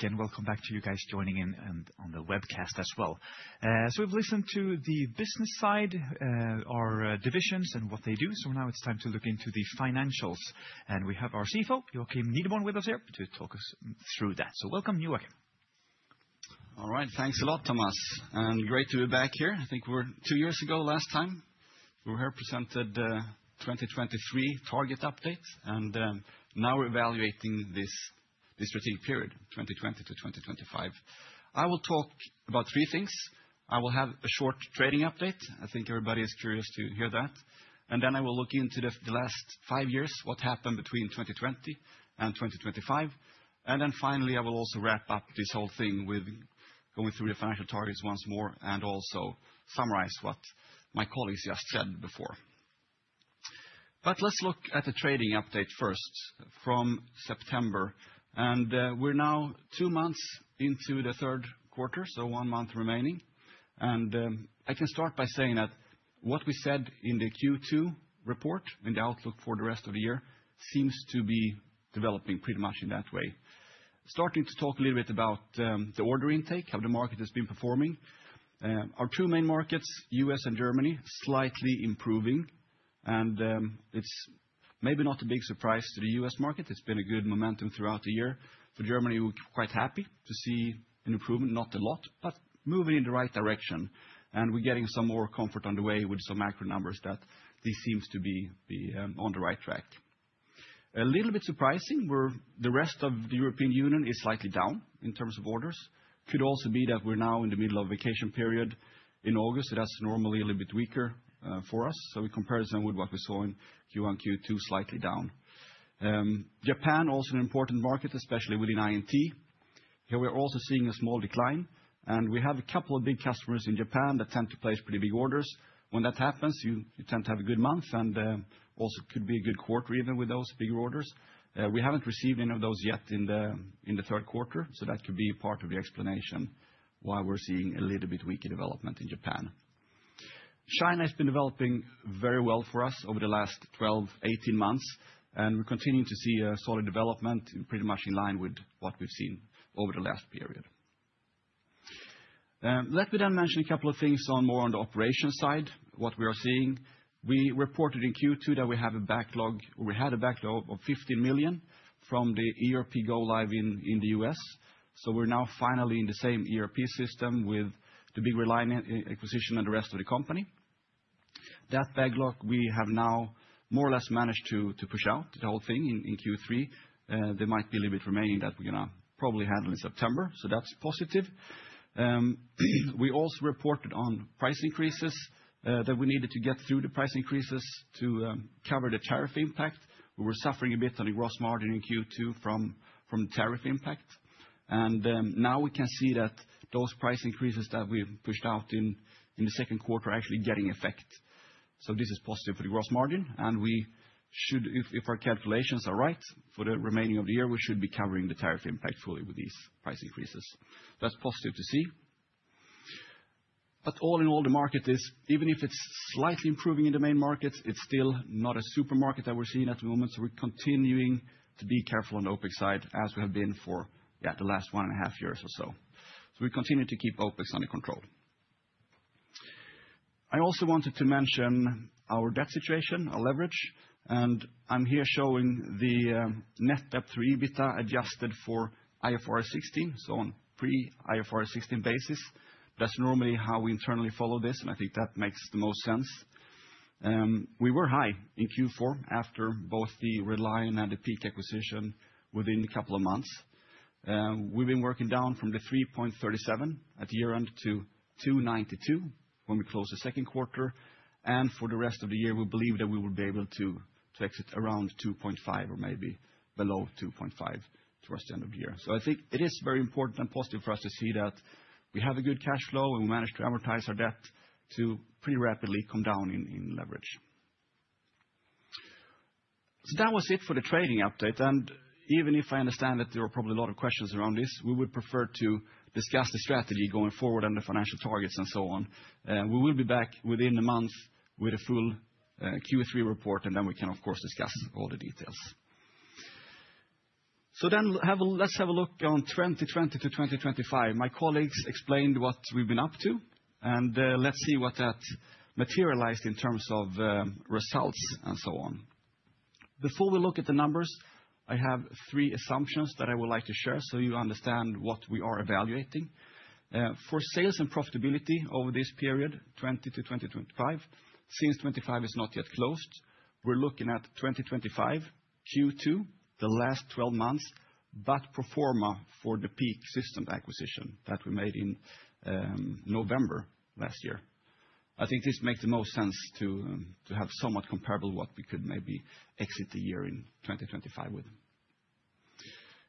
Okay, everyone, welcome back, and welcome back to you guys joining in and on the webcast as well. So we've listened to the business side, our divisions and what they do, so now it's time to look into the financials. We have our CFO, Joakim Nideborn, with us here to talk us through that. So welcome, Joakim. All right, thanks a lot, Thomas, and great to be back here. I think we're two years ago last time. We here presented 2023 target updates, and now we're evaluating this, this strategic period, 2020 to 2025. I will talk about three things. I will have a short trading update. I think everybody is curious to hear that. And then I will look into the, the last five years, what happened between 2020 and 2025. And then finally, I will also wrap up this whole thing with going through the financial targets once more, and also summarize what my colleagues just said before. But let's look at the trading update first from September, and we're now two months into the Q3, so one month remaining. I can start by saying that what we said in the Q2 report and the outlook for the rest of the year seems to be developing pretty much in that way. Starting to talk a little bit about the order intake, how the market has been performing. Our two main markets, U.S. and Germany, slightly improving, and it's maybe not a big surprise to the U.S. market. It's been a good momentum throughout the year. For Germany, we're quite happy to see an improvement, not a lot, but moving in the right direction. And we're getting some more comfort on the way with some macro numbers that this seems to be on the right track. A little bit surprising, where the rest of the European Union is slightly down in terms of orders. Could also be that we're now in the middle of vacation period in August, so that's normally a little bit weaker, for us. So in comparison with what we saw in Q1, Q2, slightly down. Japan, also an important market, especially within INT. Here, we're also seeing a small decline, and we have a couple of big customers in Japan that tend to place pretty big orders. When that happens, you tend to have a good month, and also could be a good quarter even with those bigger orders. We haven't received any of those yet in the Q3, so that could be part of the explanation why we're seeing a little bit weaker development in Japan. China has been developing very well for us over the last 12-18 months, and we're continuing to see a solid development pretty much in line with what we've seen over the last period. Let me then mention a couple of things on more on the operations side, what we are seeing. We reported in Q2 that we have a backlog--we had a backlog of 50 million from the ERP go live in, in the US, so we're now finally in the same ERP system with the big Red Lion acquisition and the rest of the company. That backlog we have now more or less managed to push out the whole thing in Q3. There might be a little bit remaining that we're gonna probably handle in September, so that's positive. We also reported on price increases that we needed to get through the price increases to cover the tariff impact. We were suffering a bit on the gross margin in Q2 from tariff impact. Now we can see that those price increases that we've pushed out in the Q2 are actually getting effect. So this is positive for the gross margin, and we should, if our calculations are right, for the remaining of the year, we should be covering the tariff impact fully with these price increases. That's positive to see. But all in all, the market is, even if it's slightly improving in the main markets, it's still not a supermarket that we're seeing at the moment, so we're continuing to be careful on the OpEx side, as we have been for, yeah, the last 1.5 years or so. So we continue to keep OpEx under control. I also wanted to mention our debt situation, our leverage, and I'm here showing the net debt to EBITDA, adjusted for IFRS 16, so on pre-IFRS 16 basis. That's normally how we internally follow this, and I think that makes the most sense. We were high in Q4 after both the Red Lion and the PEAK-System acquisition within a couple of months. We've been working down from the 3.37 at year-end to 2.92 when we closed the Q2. For the rest of the year, we believe that we will be able to exit around 2.5 or maybe below 2.5 towards the end of the year. So I think it is very important and positive for us to see that we have a good cash flow, and we managed to amortize our debt pretty rapidly to come down in leverage. So that was it for the trading update, and even if I understand that there are probably a lot of questions around this, we would prefer to discuss the strategy going forward and the financial targets and so on. We will be back within the month with a full Q3 report, and then we can, of course, discuss all the details. So then let's have a look at 2020 to 2025. My colleagues explained what we've been up to, and, let's see what that materialized in terms of, results and so on. Before we look at the numbers, I have three assumptions that I would like to share, so you understand what we are evaluating. For sales and profitability over this period, 2020-2025, since 2025 is not yet closed, we're looking at 2025, Q2, the last 12 months, but pro forma for the PEAK-System acquisition that we made in, November last year. I think this makes the most sense to, to have somewhat comparable what we could maybe exit the year in 2025 with.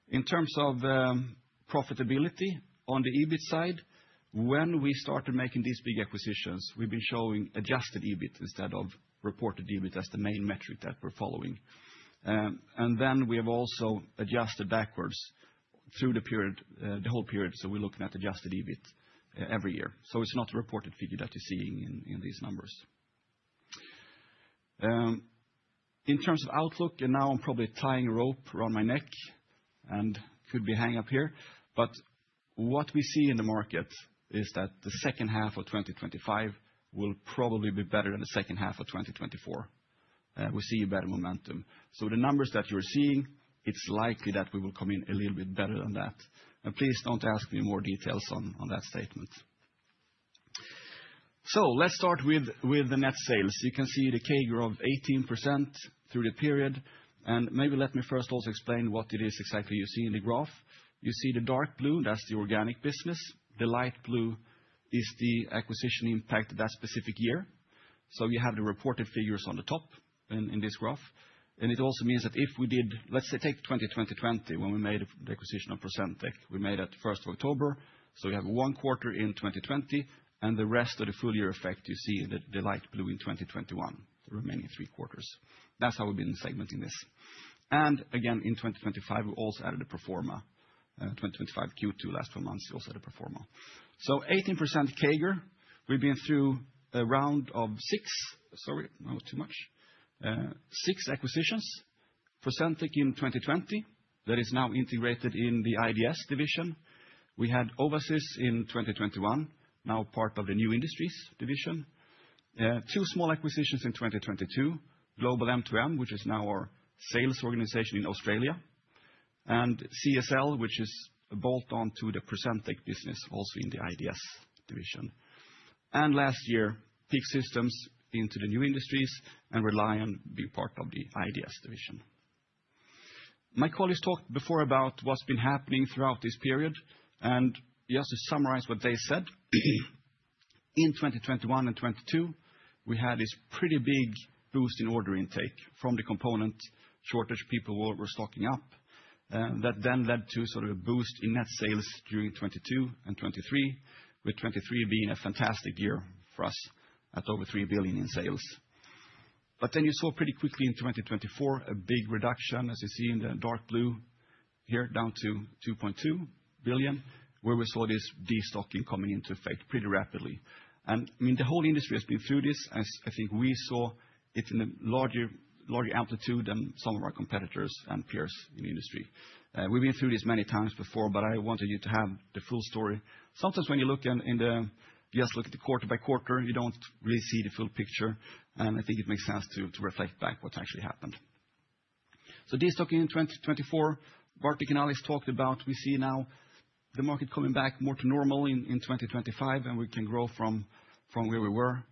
In terms of, profitability on the EBIT side, when we started making these big acquisitions, we've been showing adjusted EBIT instead of reported EBIT as the main metric that we're following. And then we have also adjusted backwards through the period, the whole period, so we're looking at adjusted EBIT every year. So it's not a reported figure that you're seeing in these numbers. In terms of outlook, and now I'm probably tying a rope around my neck and could be hang up here, but what we see in the market is that the second half of 2025 will probably be better than the second half of 2024. We see a better momentum. So the numbers that you're seeing, it's likely that we will come in a little bit better than that. And please don't ask me more details on that statement. So let's start with the net sales. You can see the CAGR of 18% through the period, and maybe let me first also explain what it is exactly you see in the graph. You see the dark blue, that's the organic business. The light blue is the acquisition impact that specific year. So you have the reported figures on the top in this graph, and it also means that if we did—Let's say, take 2020, when we made the acquisition of Procentec. We made it the first of October, so we have one quarter in 2020, and the rest of the full year effect, you see in the light blue in 2021, the remaining three quarters. That's how we've been segmenting this. And again, in 2025, we also added a pro forma. 2025, Q2, last four months, also the pro forma. So 18% CAGR, we've been through a round of six. Sorry, that was too much. Six acquisitions. Procentec in 2020, that is now integrated in the IDS division. We had Owasys in 2021, now part of the new industries division. Two small acquisitions in 2022, Global M2M, which is now our sales organization in Australia, and Creasol, which is bolt-on to the Procentec business, also in the IDS division. And last year, PEAK-System into the new industries, and Red Lion be part of the IDS division. My colleagues talked before about what's been happening throughout this period, and just to summarize what they said, in 2021 and 2022, we had this pretty big boost in order intake from the component shortage. People were stocking up that then led to sort of a boost in net sales during 2022 and 2023, with 2023 being a fantastic year for us at over 3 billion in sales. But then you saw pretty quickly in 2024, a big reduction, as you see in the dark blue here, down to 2.2 billion, where we saw this destocking coming into effect pretty rapidly. And, I mean, the whole industry has been through this, as I think we saw it in a larger amplitude than some of our competitors and peers in the industry. We've been through this many times before, but I wanted you to have the full story. Sometimes when you look, if you just look at the quarter by quarter, you don't really see the full picture, and I think it makes sense to reflect back what actually happened. So destocking in 2024, Bartek and Alex talked about, we see now the market coming back more to normal in 2025, and we can grow from where we were.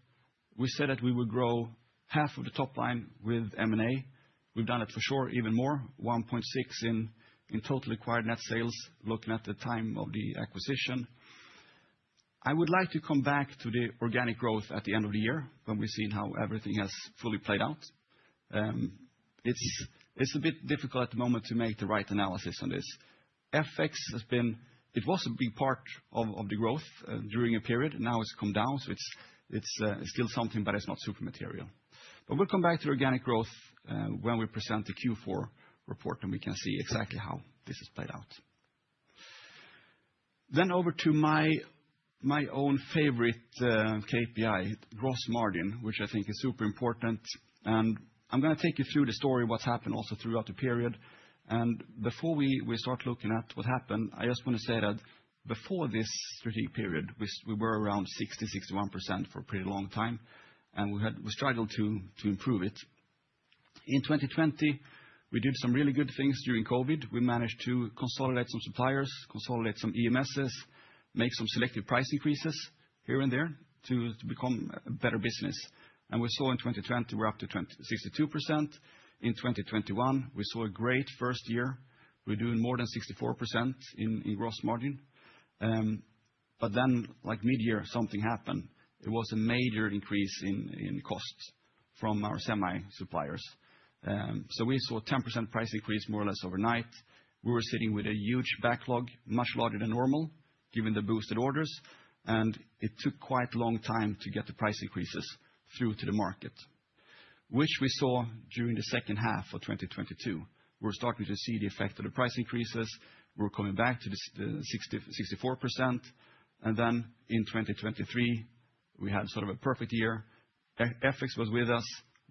We said that we would grow half of the top line with M&A. We've done it for sure, even more, 1.6 in total acquired net sales, looking at the time of the acquisition.... I would like to come back to the organic growth at the end of the year, when we've seen how everything has fully played out. It's a bit difficult at the moment to make the right analysis on this. FX has been—it was a big part of the growth during a period; now it's come down, so it's still something, but it's not super material. But we'll come back to organic growth when we present the Q4 report, and we can see exactly how this is played out. Then over to my own favorite KPI, gross margin, which I think is super important. And I'm gonna take you through the story, what's happened also throughout the period. And before we start looking at what happened, I just want to say that before this strategic period, we were around 60-61% for a pretty long time, and we had—we struggled to improve it. In 2020, we did some really good things during COVID. We managed to consolidate some suppliers, consolidate some EMSs, make some selective price increases here and there to become a better business. And we saw in 2020, we're up to 62%. In 2021, we saw a great first year. We're doing more than 64% in gross margin. But then, like, midyear, something happened. There was a major increase in costs from our semi suppliers. So we saw a 10% price increase more or less overnight. We were sitting with a huge backlog, much larger than normal, given the boosted orders, and it took quite a long time to get the price increases through to the market, which we saw during the second half of 2022. We're starting to see the effect of the price increases. We're coming back to the sixty-four percent, and then in 2023, we had sort of a perfect year. FX was with us,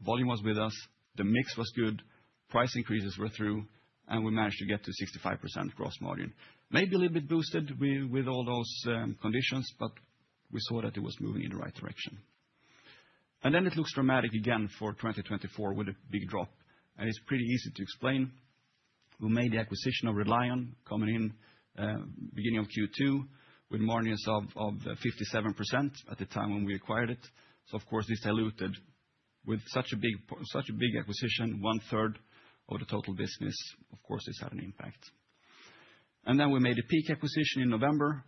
volume was with us, the mix was good, price increases were through, and we managed to get to 65% gross margin. Maybe a little bit boosted with all those conditions, but we saw that it was moving in the right direction. Then it looks dramatic again for 2024 with a big drop, and it's pretty easy to explain. We made the acquisition of Red Lion coming in beginning of Q2, with margins of 57% at the time when we acquired it. So of course, this diluted with such a big acquisition, one third of the total business, of course, this had an impact. Then we made a PEAK acquisition in November,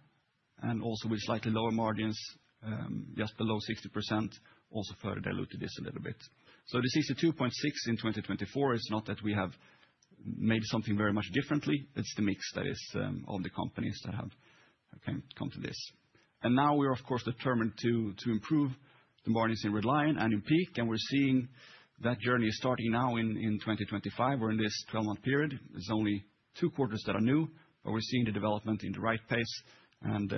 and also with slightly lower margins, just below 60%, also further diluted this a little bit. So the 62.6 in 2024 is not that we have made something very much differently, it's the mix that is, of the companies that have, come to this. And now we are, of course, determined to, to improve the margins in Red Lion and in PEAK, and we're seeing that journey starting now in, in 2025, or in this twelve-month period. There's only two quarters that are new, but we're seeing the development in the right pace, and,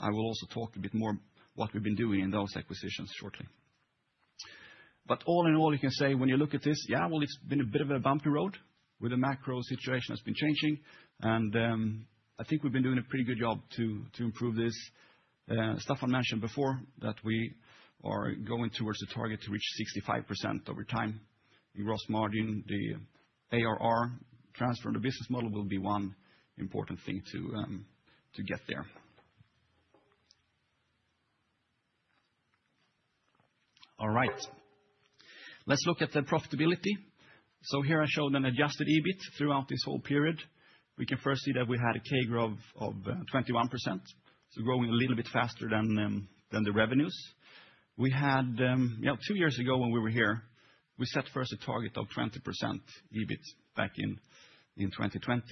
I will also talk a bit more what we've been doing in those acquisitions shortly. But all in all, you can say, when you look at this, yeah, well, it's been a bit of a bumpy road with the macro situation that's been changing, and I think we've been doing a pretty good job to improve this. Staffan mentioned before that we are going towards the target to reach 65% over time. The gross margin, the ARR transfer, and the business model will be one important thing to get there. All right. Let's look at the profitability. So here I show an adjusted EBIT throughout this whole period. We can first see that we had 21% growth, so growing a little bit faster than the revenues. We had, two years ago, when we were here, we set first a target of 20% EBIT back in 2020,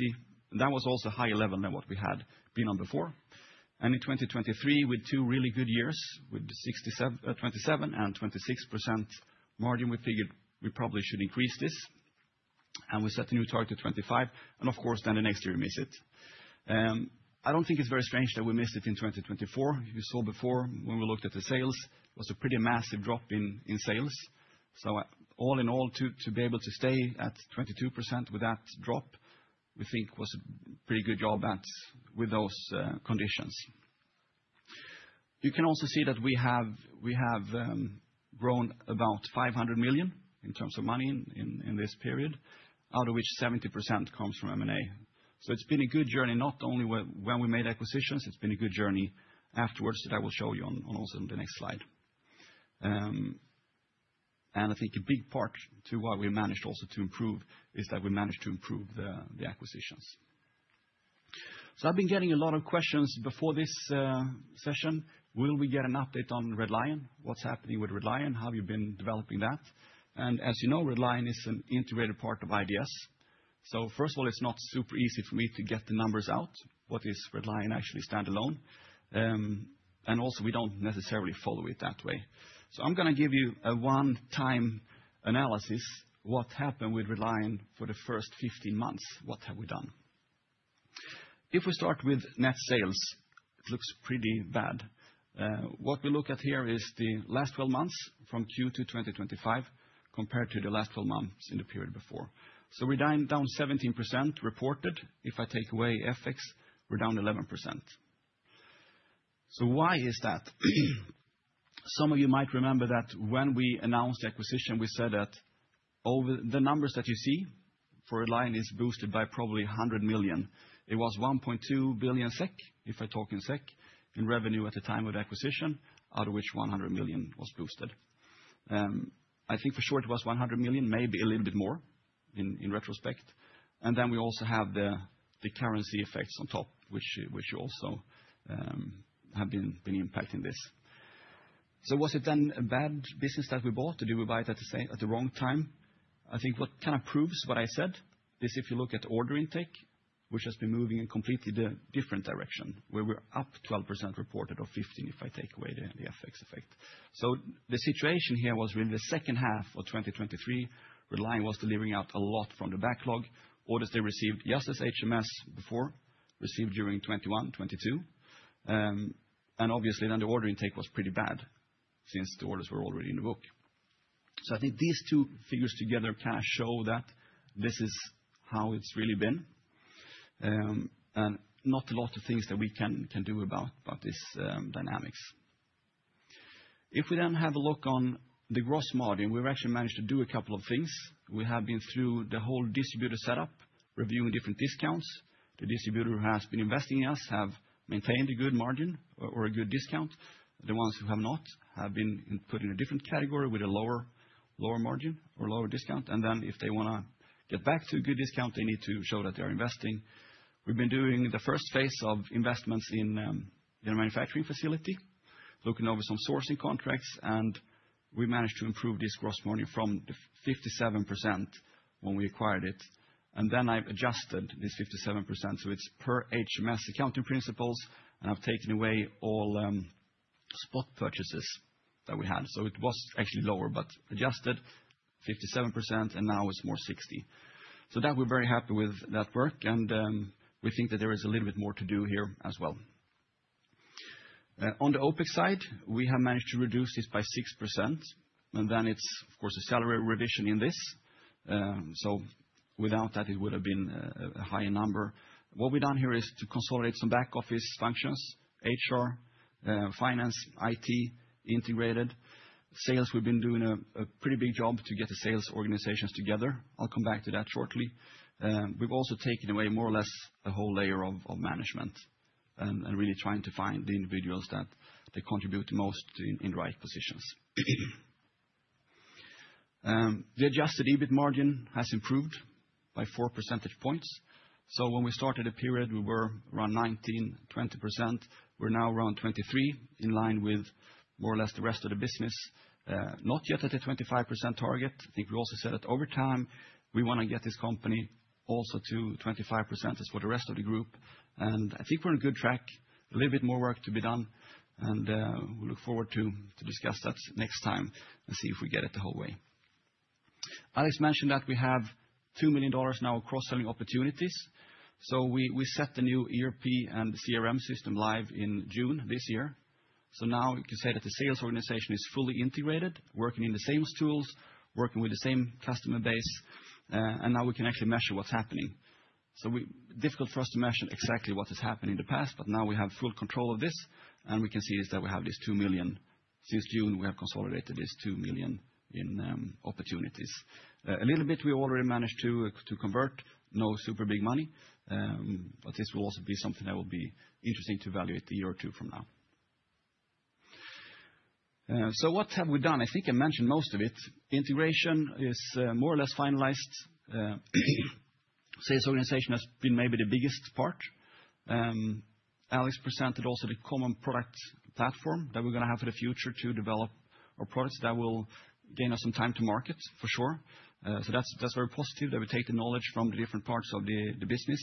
and that was also a higher level than what we had been on before. And in 2023, with two really good years, with 27 and 26% margin, we figured we probably should increase this, and we set a new target of 25, and of course, then the next year we miss it. I don't think it's very strange that we missed it in 2024. You saw before, when we looked at the sales, it was a pretty massive drop in sales. So all in all, to be able to stay at 22% with that drop, we think was a pretty good job with those conditions. You can also see that we have grown about 500 million in terms of money in this period, out of which 70% comes from M&A. So it's been a good journey, not only when we made acquisitions, it's been a good journey afterwards that I will show you on also in the next slide. And I think a big part to what we managed also to improve is that we managed to improve the acquisitions. So I've been getting a lot of questions before this session. Will we get an update on Red Lion? What's happening with Red Lion? How have you been developing that? And as you know, Red Lion is an integrated part of IDS. So first of all, it's not super easy for me to get the numbers out, what is Red Lion actually stand alone. And also, we don't necessarily follow it that way. So I'm gonna give you a one-time analysis, what happened with Red Lion for the first 15 months, what have we done? If we start with net sales, it looks pretty bad. What we look at here is the last 12 months, from Q2 2025, compared to the last 12 months in the period before. So we're down, down 17% reported. If I take away FX, we're down 11%. So why is that? Some of you might remember that when we announced the acquisition, we said that all the, the numbers that you see for Red Lion is boosted by probably 100 million. It was 1.2 billion SEK, if I talk in SEK, in revenue at the time of the acquisition, out of which 100 million was boosted. I think for sure it was 100 million, maybe a little bit more in retrospect. And then we also have the currency effects on top, which also have been impacting this. So was it then a bad business that we bought, or did we buy it at the wrong time? I think what kind of proves what I said is if you look at order intake, which has been moving in completely the different direction, where we're up 12% reported, or 15%, if I take away the FX effect. So the situation here was in the second half of 2023, Red Lion was delivering out a lot from the backlog. Orders they received just as HMS before, received during 2021, 2022. And obviously, then the order intake was pretty bad since the orders were already in the book. So I think these two figures together kind of show that this is how it's really been. And not a lot of things that we can do about this dynamics. If we then have a look on the gross margin, we've actually managed to do a couple of things. We have been through the whole distributor setup, reviewing different discounts. The distributor who has been investing in us have maintained a good margin or a good discount. The ones who have not, have been put in a different category with a lower, lower margin or lower discount, and then if they wanna get back to a good discount, they need to show that they are investing. We've been doing the first phase of investments in their manufacturing facility, looking over some sourcing contracts, and we managed to improve this gross margin from 57% when we acquired it. And then I've adjusted this 57%, so it's per HMS accounting principles, and I've taken away all spot purchases that we had. So it was actually lower, but adjusted 57%, and now it's more 60%. So that we're very happy with that work, and we think that there is a little bit more to do here as well. On the OpEx side, we have managed to reduce this by 6%, and then it's, of course, a salary revision in this. So without that, it would have been a higher number. What we've done here is to consolidate some back office functions: HR, finance, IT, integrated. Sales, we've been doing a pretty big job to get the sales organizations together. I'll come back to that shortly. We've also taken away more or less a whole layer of management, and really trying to find the individuals that they contribute the most in right positions. The adjusted EBIT margin has improved by four percentage points. So when we started the period, we were around 19%-20%. We're now around 23%, in line with more or less the rest of the business. Not yet at the 25% target. I think we also said that over time, we wanna get this company also to 25%, as for the rest of the group. I think we're on good track. A little bit more work to be done, and we look forward to discuss that next time and see if we get it the whole way. Alex mentioned that we have $2 million now of cross-selling opportunities, so we set the new ERP and the CRM system live in June this year. So now we can say that the sales organization is fully integrated, working in the same tools, working with the same customer base, and now we can actually measure what's happening. So it's difficult for us to measure exactly what has happened in the past, but now we have full control of this, and we can see is that we have this 2 million. Since June, we have consolidated this 2 million in opportunities. A little bit, we already managed to convert, no super big money, but this will also be something that will be interesting to evaluate a year or two from now. So what have we done? I think I mentioned most of it. Integration is more or less finalized. Sales organization has been maybe the biggest part. Alex presented also the common product platform that we're gonna have for the future to develop our products. That will gain us some time to market, for sure. So that's, that's very positive, that we take the knowledge from the different parts of the business.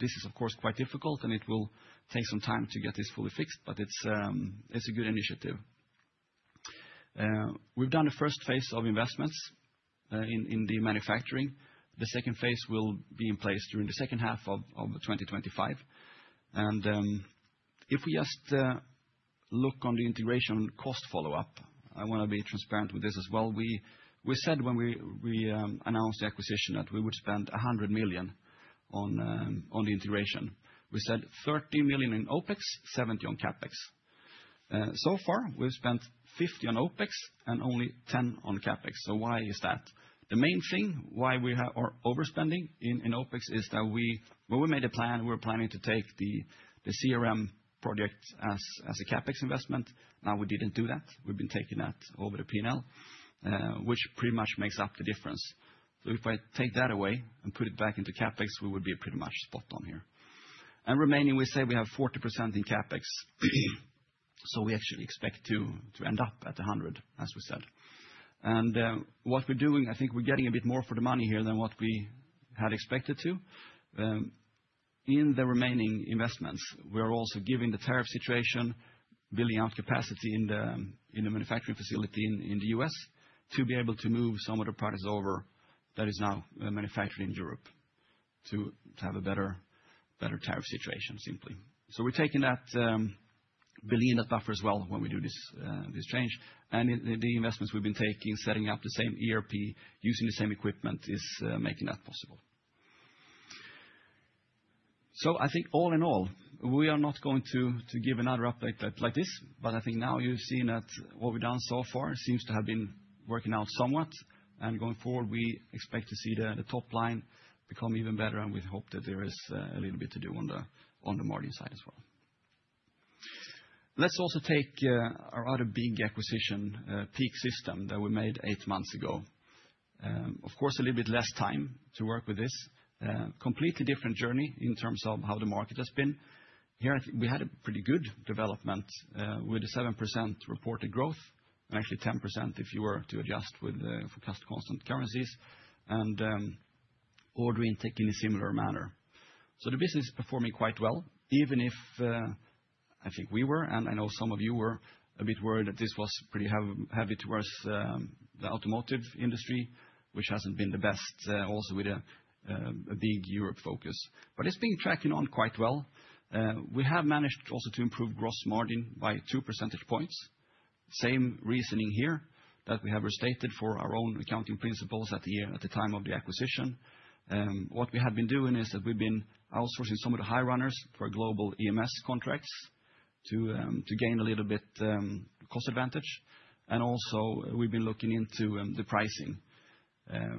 This is, of course, quite difficult, and it will take some time to get this fully fixed, but it's, it's a good initiative. We've done a first phase of investments in the manufacturing. The second phase will be in place during the second half of 2025. And if we just look on the integration cost follow-up, I wanna be transparent with this as well. We said when we announced the acquisition, that we would spend 100 million on the integration. We said 30 million in OpEx, 70 million on CapEx. So far, we've spent 50 million on OpEx and only 10 million on CapEx. So why is that? The main thing why we are overspending in OpEx is that when we made a plan, we were planning to take the CRM project as a CapEx investment. Now, we didn't do that. We've been taking that over the P&L, which pretty much makes up the difference. So if I take that away and put it back into CapEx, we would be pretty much spot on here. And remaining, we say we have 40% in CapEx, so we actually expect to end up at 100, as we said. And what we're doing, I think we're getting a bit more for the money here than what we had expected to. In the remaining investments, we are also giving the tariff situation, building out capacity in the manufacturing facility in the U.S., to be able to move some of the products over that is now manufactured in Europe, to have a better tariff situation, simply. So we're taking that 1 billion buffer as well, when we do this change. And in the investments we've been taking, setting up the same ERP, using the same equipment, is making that possible. So I think all in all, we are not going to give another update like this, but I think now you've seen that what we've done so far seems to have been working out somewhat. Going forward, we expect to see the top line become even better, and we hope that there is a little bit to do on the margin side as well. Let's also take our other big acquisition, PEAK-System, that we made eight months ago. Of course, a little bit less time to work with this, completely different journey in terms of how the market has been. Here, I think we had a pretty good development, with a 7% reported growth, and actually 10% if you were to adjust with the forecast constant currencies, and order intake in a similar manner. So the business is performing quite well, even if I think we were, and I know some of you were a bit worried that this was pretty heavy towards the automotive industry, which hasn't been the best, also with a big Europe focus. But it's been tracking on quite well. We have managed also to improve gross margin by two percentage points. Same reasoning here, that we have restated for our own accounting principles at the time of the acquisition. What we have been doing is that we've been outsourcing some of the high runners for global EMS contracts to gain a little bit cost advantage, and also we've been looking into the pricing.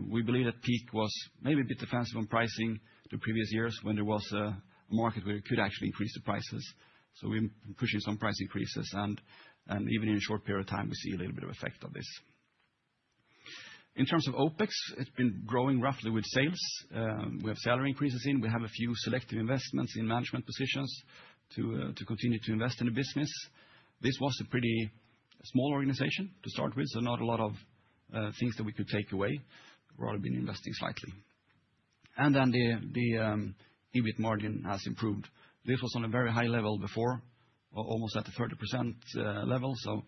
We believe that Peak was maybe a bit defensive on pricing the previous years when there was a market where it could actually increase the prices. So we're pushing some price increases, and, and even in a short period of time, we see a little bit of effect of this. In terms of OpEx, it's been growing roughly with sales. We have salary increases in, we have a few selective investments in management positions to, to continue to invest in the business. This was a pretty small organization to start with, so not a lot of, things that we could take away. We're rather been investing slightly. And then the, the, EBIT margin has improved. This was on a very high level before, almost at the 30% level, so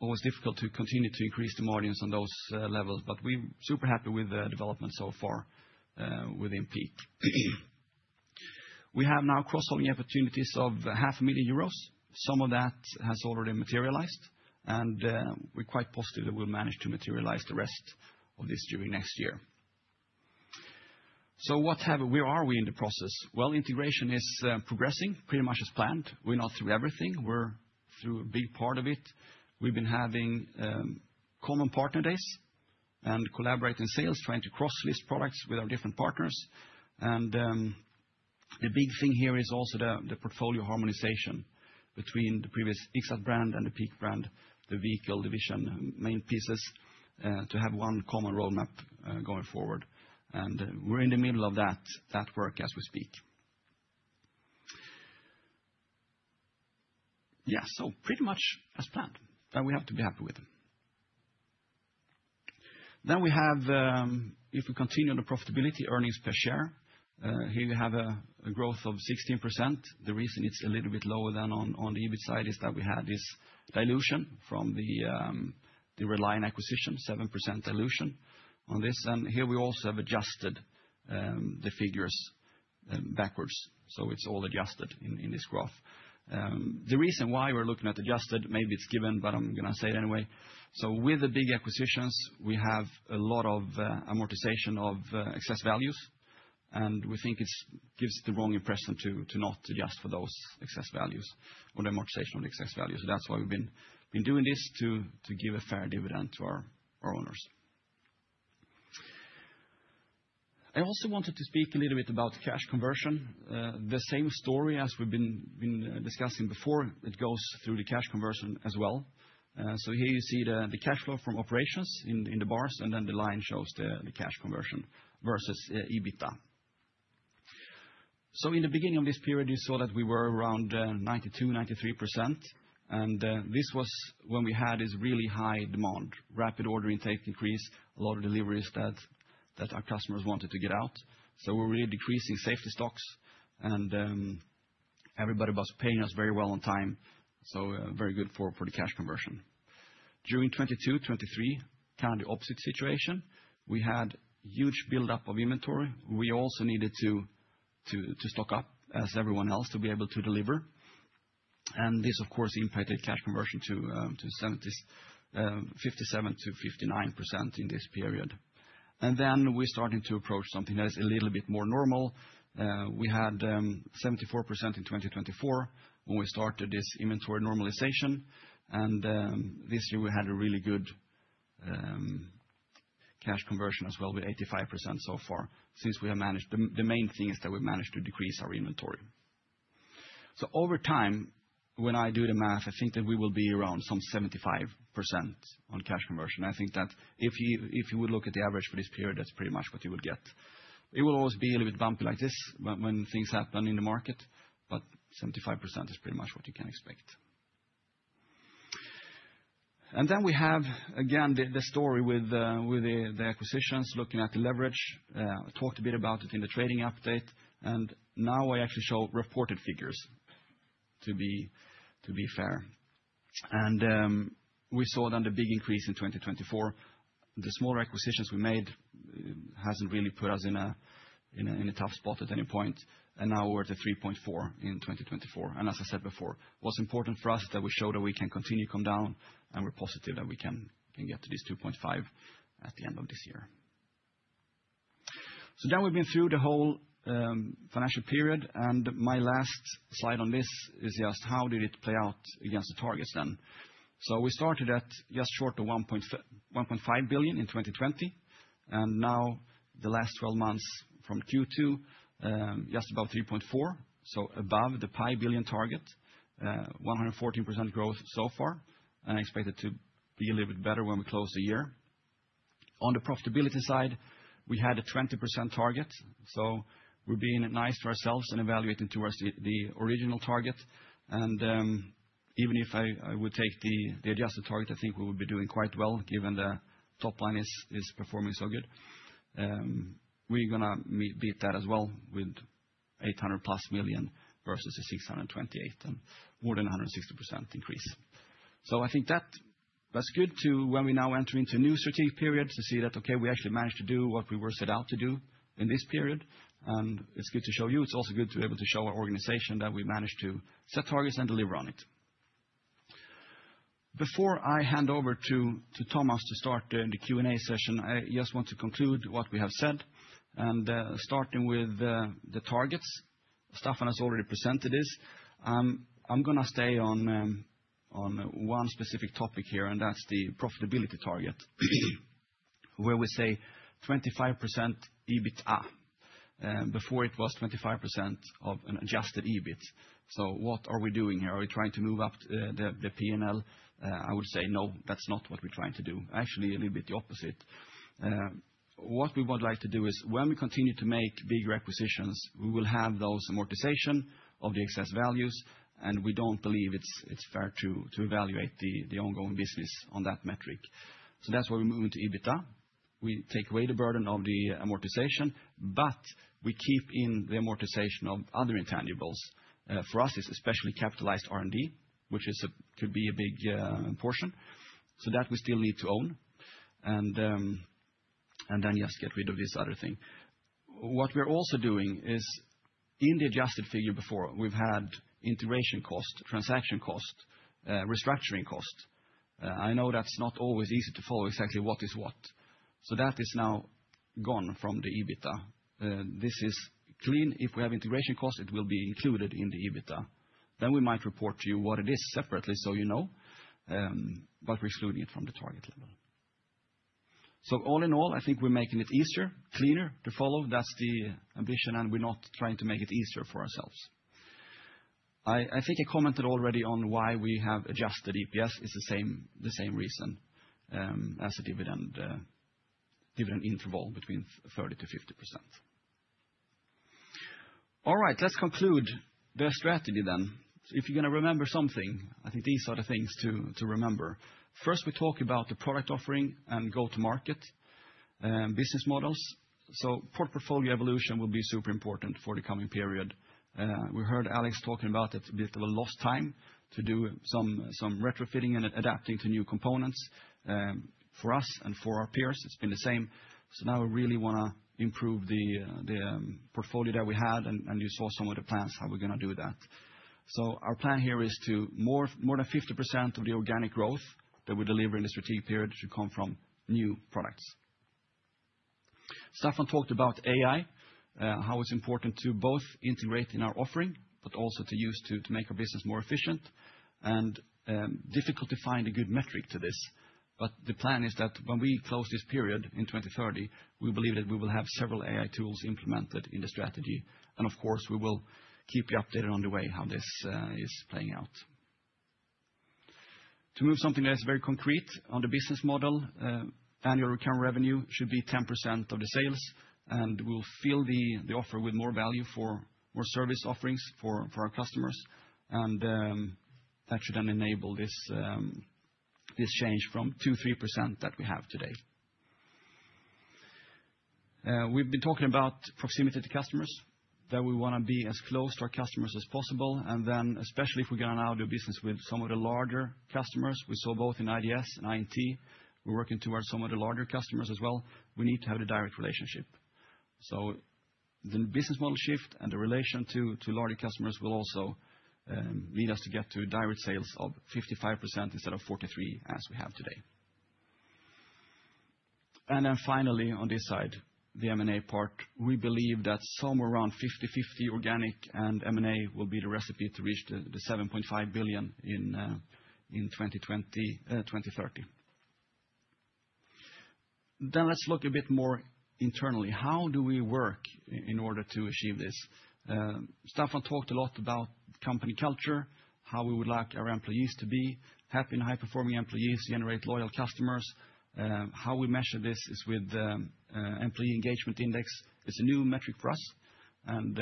it was difficult to continue to increase the margins on those levels, but we're super happy with the development so far within Peak. We have now cross-selling opportunities of 500,000 euros. Some of that has already materialized, and we're quite positive that we'll manage to materialize the rest of this during next year. So what have-- where are we in the process? Well, integration is progressing pretty much as planned. We're not through everything. We're through a big part of it. We've been having common partner days and collaborating sales, trying to cross-list products with our different partners. And, the big thing here is also the, the portfolio harmonization between the previous Ixxat brand and the PEAK brand, the vehicle division, main pieces, to have one common roadmap, going forward. And we're in the middle of that, that work as we speak. Yeah, so pretty much as planned, and we have to be happy with it. Then we have, if we continue on the profitability earnings per share, here we have a, a growth of 16%. The reason it's a little bit lower than on, on the EBIT side is that we had this dilution from the, the Red Lion acquisition, 7% dilution on this. And here we also have adjusted, the figures, backwards, so it's all adjusted in, in this graph. The reason why we're looking at adjusted, maybe it's given, but I'm going to say it anyway. So with the big acquisitions, we have a lot of amortization of excess values, and we think it gives the wrong impression to not adjust for those excess values or the amortization on excess values. So that's why we've been doing this, to give a fair dividend to our owners. I also wanted to speak a little bit about cash conversion. The same story as we've been discussing before, it goes through the cash conversion as well. So here you see the cash flow from operations in the bars, and then the line shows the cash conversion versus EBITDA. So in the beginning of this period, you saw that we were around 92%-93%, and this was when we had this really high demand, rapid order intake increase, a lot of deliveries that our customers wanted to get out. So we're really decreasing safety stocks, and everybody was paying us very well on time, so very good for the cash conversion. During 2022, 2023, kind of the opposite situation, we had huge buildup of inventory. We also needed to stock up as everyone else to be able to deliver. And this, of course, impacted cash conversion to 57%-59% in this period. And then we're starting to approach something that is a little bit more normal. We had 74% in 2024 when we started this inventory normalization, and this year we had a really good cash conversion as well, with 85% so far, since we have managed the main thing is that we've managed to decrease our inventory. So over time, when I do the math, I think that we will be around some 75% on cash conversion. I think that if you would look at the average for this period, that's pretty much what you would get. It will always be a little bit bumpy like this when things happen in the market, but 75% is pretty much what you can expect. And then we have, again, the story with the acquisitions, looking at the leverage. Talked a bit about it in the trading update, and now I actually show reported figures to be, to be fair. We saw then the big increase in 2024. The smaller acquisitions we made hasn't really put us in a tough spot at any point, and now we're at a 3.4 in 2024. And as I said before, what's important for us, that we show that we can continue to come down, and we're positive that we can get to this 2.5 at the end of this year. So now we've been through the whole financial period, and my last slide on this is just how did it play out against the targets then? So we started at just short of 1.5 billion in 2020, and now the last twelve months from Q2, just above 3.4, so above the 5 billion target, 114% growth so far, and I expect it to be a little bit better when we close the year. On the profitability side, we had a 20% target, so we're being nice to ourselves and evaluating towards the, the original target. And, even if I, I would take the, the adjusted target, I think we would be doing quite well, given the top line is, is performing so good. We're gonna beat that as well with 800+ million versus the 628, and more than 160% increase. So I think that was good, when we now enter into a new strategic period, to see that, okay, we actually managed to do what we were set out to do in this period, and it's good to show you. It's also good to be able to show our organization that we managed to set targets and deliver on it. Before I hand over to Thomas to start the Q&A session, I just want to conclude what we have said, and starting with the targets. Staffan has already presented this. I'm gonna stay on one specific topic here, and that's the profitability target. Where we say 25% EBITDA. Before it was 25% of an adjusted EBIT. So what are we doing here? Are we trying to move up the P&L? I would say, no, that's not what we're trying to do. Actually, a little bit the opposite. What we would like to do is when we continue to make big acquisitions, we will have those amortization of the excess values, and we don't believe it's fair to evaluate the ongoing business on that metric. So that's why we're moving to EBITDA. We take away the burden of the amortization, but we keep in the amortization of other intangibles. For us, it's especially capitalized R&D, which could be a big portion. So that we still need to own, and then just get rid of this other thing. What we're also doing is in the adjusted figure before, we've had integration cost, transaction cost, restructuring cost. I know that's not always easy to follow exactly what is what. So that is now gone from the EBITDA. This is clean. If we have integration costs, it will be included in the EBITDA. Then we might report to you what it is separately, so you know, but we're excluding it from the target level. So all in all, I think we're making it easier, cleaner to follow. That's the ambition, and we're not trying to make it easier for ourselves. I think I commented already on why we have adjusted EPS. It's the same reason as the dividend dividend interval between 30%-50%. All right, let's conclude the strategy then. If you're gonna remember something, I think these are the things to remember. First, we talk about the product offering and go-to-market business models. So product portfolio evolution will be super important for the coming period. We heard Alex talking about it, a bit of a lost time to do some retrofitting and adapting to new components for us and for our peers; it's been the same. So now we really wanna improve the portfolio that we had, and you saw some of the plans, how we're gonna do that. So our plan here is for more than 50% of the organic growth that we deliver in the strategic period to come from new products. Staffan talked about AI, how it's important to both integrate in our offering, but also to use to make our business more efficient, and difficult to find a good metric for this. But the plan is that when we close this period in 2030, we believe that we will have several AI tools implemented in the strategy. And of course, we will keep you updated on the way how this is playing out. To move something that is very concrete on the business model, annual recurring revenue should be 10% of the sales, and we'll fill the offer with more value for more service offerings for our customers, and that should then enable this change from 2-3% that we have today. We've been talking about proximity to customers, that we wanna be as close to our customers as possible, and then especially if we're gonna now do business with some of the larger customers. We saw both in IDS and INT, we're working towards some of the larger customers as well. We need to have a direct relationship. So the business model shift and the relation to larger customers will also lead us to get to direct sales of 55% instead of 43%, as we have today. And then finally, on this side, the M&A part, we believe that somewhere around 50/50 organic and M&A will be the recipe to reach the 7.5 billion in 2030. Then let's look a bit more internally. How do we work in order to achieve this? Staffan talked a lot about company culture, how we would like our employees to be happy and high-performing employees generate loyal customers. How we measure this is with the employee engagement index. It's a new metric for us, and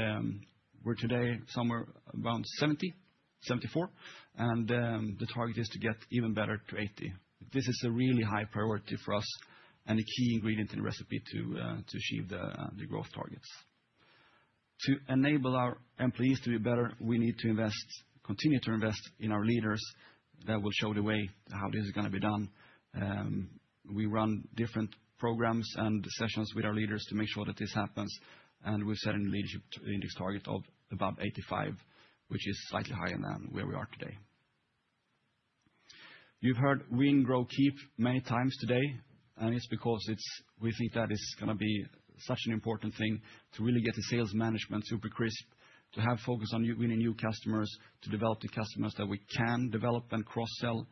we're today somewhere around 70, 74, and the target is to get even better to 80. This is a really high priority for us and a key ingredient in the recipe to achieve the growth targets. To enable our employees to be better, we need to invest, continue to invest in our leaders that will show the way how this is gonna be done. We run different programs and sessions with our leaders to make sure that this happens, and we've set a leadership index target of about 85, which is slightly higher than where we are today. You've heard win, grow, keep many times today, and it's because it's, we think that is gonna be such an important thing to really get the sales management super crisp, to have focus on winning new customers, to develop the customers that we can develop and cross-sell.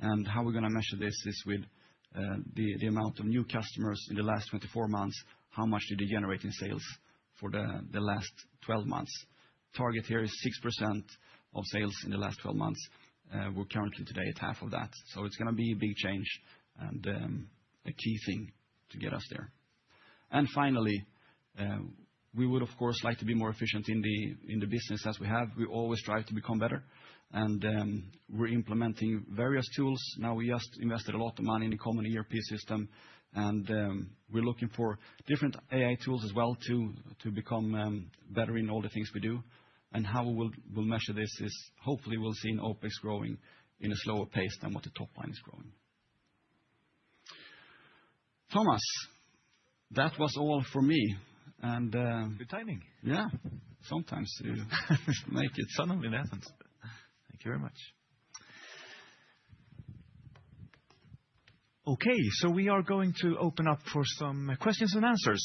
How we're gonna measure this is with the amount of new customers in the last 24 months, how much did they generate in sales for the last 12 months? Target here is 6% of sales in the last 12 months. We're currently today at half of that. So it's gonna be a big change, and a key thing to get us there. And finally, we would, of course, like to be more efficient in the business as we have. We always strive to become better, and we're implementing various tools. Now, we just invested a lot of money in a common ERP system, and we're looking for different AI tools as well to become better in all the things we do. How we'll measure this is, hopefully, we'll see an OpEx growing in a slower pace than what the top line is growing. Thomas, that was all for me, and Good timing. Yeah. Sometimes you make it. Suddenly happens. Thank you very much. Okay, so we are going to open up for some questions and answers,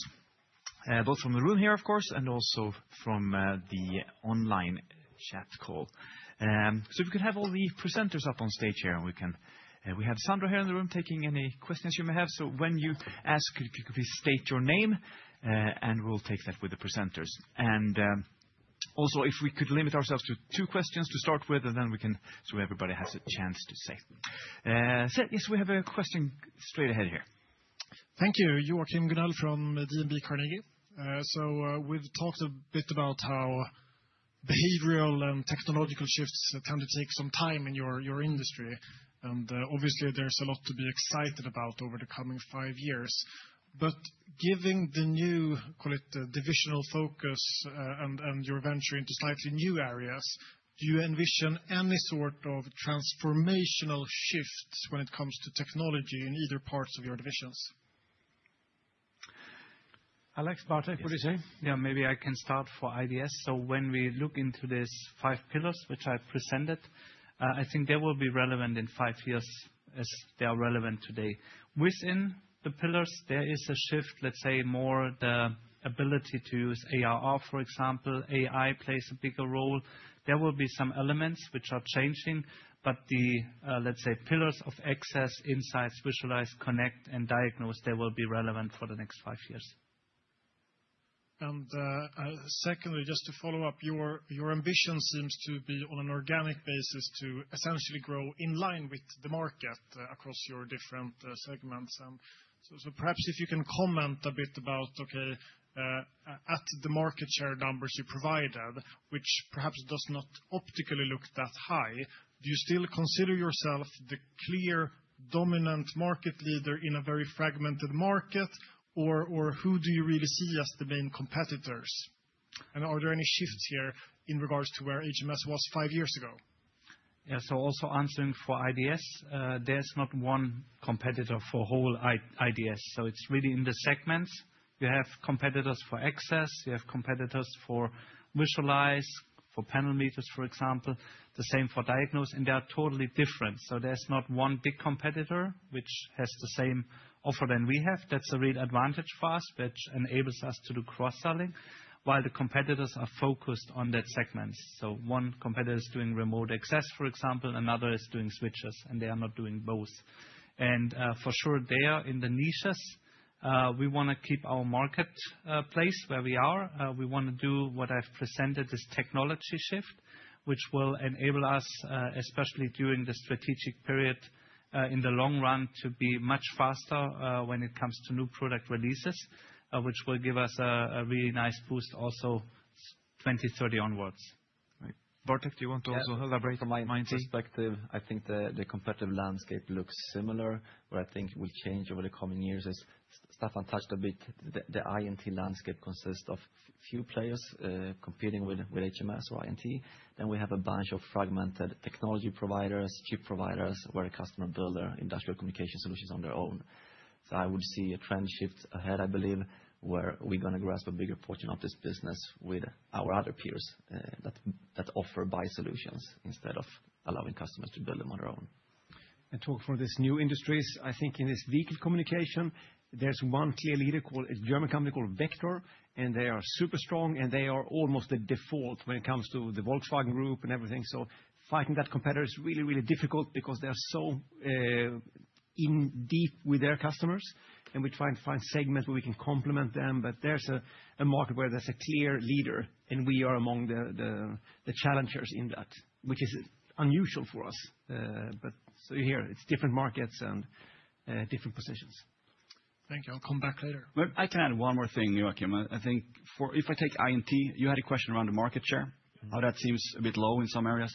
both from the room here, of course, and also from the online chat call. So if you could have all the presenters up on stage here, and we can... We have Sandra here in the room, taking any questions you may have. So when you ask, could you please state your name, and we'll take that with the presenters. And also, if we could limit ourselves to two questions to start with, and then we can—so everybody has a chance to say. So, yes, we have a question straight ahead here. Thank you. Joachim Gunell from DNB Markets. So, we've talked a bit about how behavioral and technological shifts tend to take some time in your, your industry, and, obviously, there's a lot to be excited about over the coming five years. But giving the new, call it, divisional focus, and, and your venture into slightly new areas, do you envision any sort of transformational shift when it comes to technology in either parts of your divisions? Alex, Bartek, would you say? Yeah, maybe I can start for IDS. So when we look into these five pillars, which I presented, I think they will be relevant in five years as they are relevant today. Within the pillars, there is a shift, let's say, more the ability to use ARR, for example, AI plays a bigger role. There will be some elements which are changing, but the, let's say, pillars of access, insights, visualize, connect, and diagnose, they will be relevant for the next five years. Secondly, just to follow up, your ambition seems to be on an organic basis to essentially grow in line with the market across your different segments. So perhaps if you can comment a bit about the market share numbers you provided, which perhaps does not optically look that high. Do you still consider yourself the clear, dominant market leader in a very fragmented market, or who do you really see as the main competitors? And are there any shifts here in regards to where HMS was five years ago? Yeah, so also answering for IDS, there's not one competitor for the whole IDS, so it's really in the segments. You have competitors for access, you have competitors for visualize, for panel meters, for example, the same for diagnose, and they are totally different. So there's not one big competitor which has the same offer than we have. That's a real advantage for us, which enables us to do cross-selling, while the competitors are focused on that segment. So one competitor is doing remote access, for example, another is doing switches, and they are not doing both. And, for sure, they are in the niches. We wanna keep our marketplace where we are. We wanna do what I've presented, this technology shift, which will enable us, especially during the strategic period, in the long run, to be much faster, when it comes to new product releases, which will give us a really nice boost also 2030 onwards. Right. Bartek, do you want to also elaborate on my point? From my perspective, I think the competitive landscape looks similar, but I think it will change over the coming years. As Staffan touched a bit, the INT landscape consists of few players competing with HMS or INT, then we have a bunch of fragmented technology providers, chip providers, where the customer build their industrial communication solutions on their own. So I would see a trend shift ahead, I believe, where we're gonna grasp a bigger portion of this business with our other peers that offer buy solutions instead of allowing customers to build them on their own. Talk for these new industries, I think in this vehicle communication, there's one clear leader called a German company called Vector, and they are super strong, and they are almost the default when it comes to the Volkswagen Group and everything. So fighting that competitor is really, really difficult because they are so in deep with their customers, and we try and find segments where we can complement them. But there's a market where there's a clear leader, and we are among the challengers in that, which is unusual for us, but so here, it's different markets and different positions. Thank you. I'll come back later. But I can add one more thing, Joachim. I, I think for... If I take INT, you had a question around the market share- Mm-hmm. How that seems a bit low in some areas.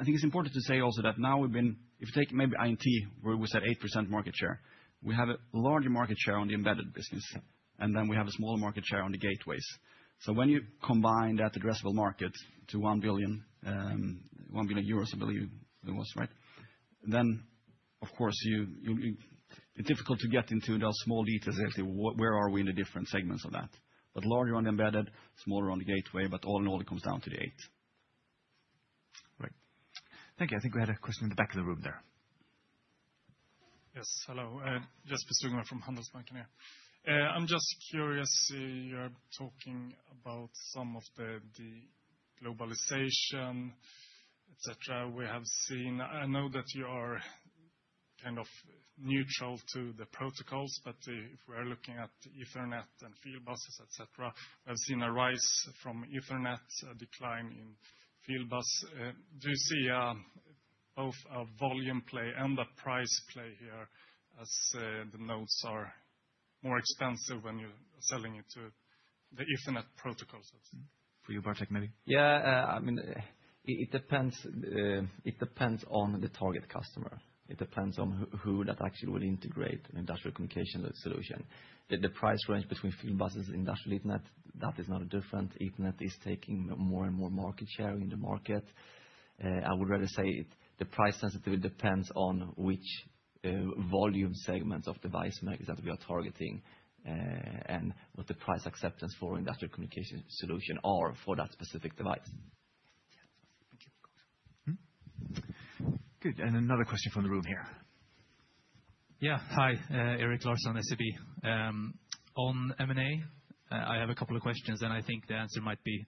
I think it's important to say also that now we've been. If you take maybe INT, where we said 8% market share, we have a larger market share on the embedded business, and then we have a smaller market share on the gateways. So when you combine that addressable market to 1 billion, 1 billion euros, I believe it was, right? Then- ...Of course, it's difficult to get into those small details, actually, where are we in the different segments of that? But larger on the embedded, smaller on the gateway, but all in all, it comes down to the eight. Great. Thank you. I think we had a question in the back of the room there. Yes. Hello, Jesper Skogmar from Handelsbanken here. I'm just curious, you are talking about some of the, the globalization, et cetera. We have seen - I know that you are kind of neutral to the protocols, but, if we're looking at Ethernet and fieldbuses, et cetera, I've seen a rise from Ethernet, a decline in fieldbus. Do you see both a volume play and a price play here, as the nodes are more expensive when you're selling it to the Ethernet protocols? For you, Bartek, maybe. Yeah, I mean, it depends on the target customer. It depends on who that actually would integrate industrial communication solution. The price range between fieldbuses and industrial Ethernet, that is not different. Ethernet is taking more and more market share in the market. I would rather say the price sensitivity depends on which volume segments of device makers that we are targeting, and what the price acceptance for industrial communication solution are for that specific device. Good. And another question from the room here. Yeah. Hi, Erik Larsson, SEB. On M&A, I have a couple of questions, and I think the answer might be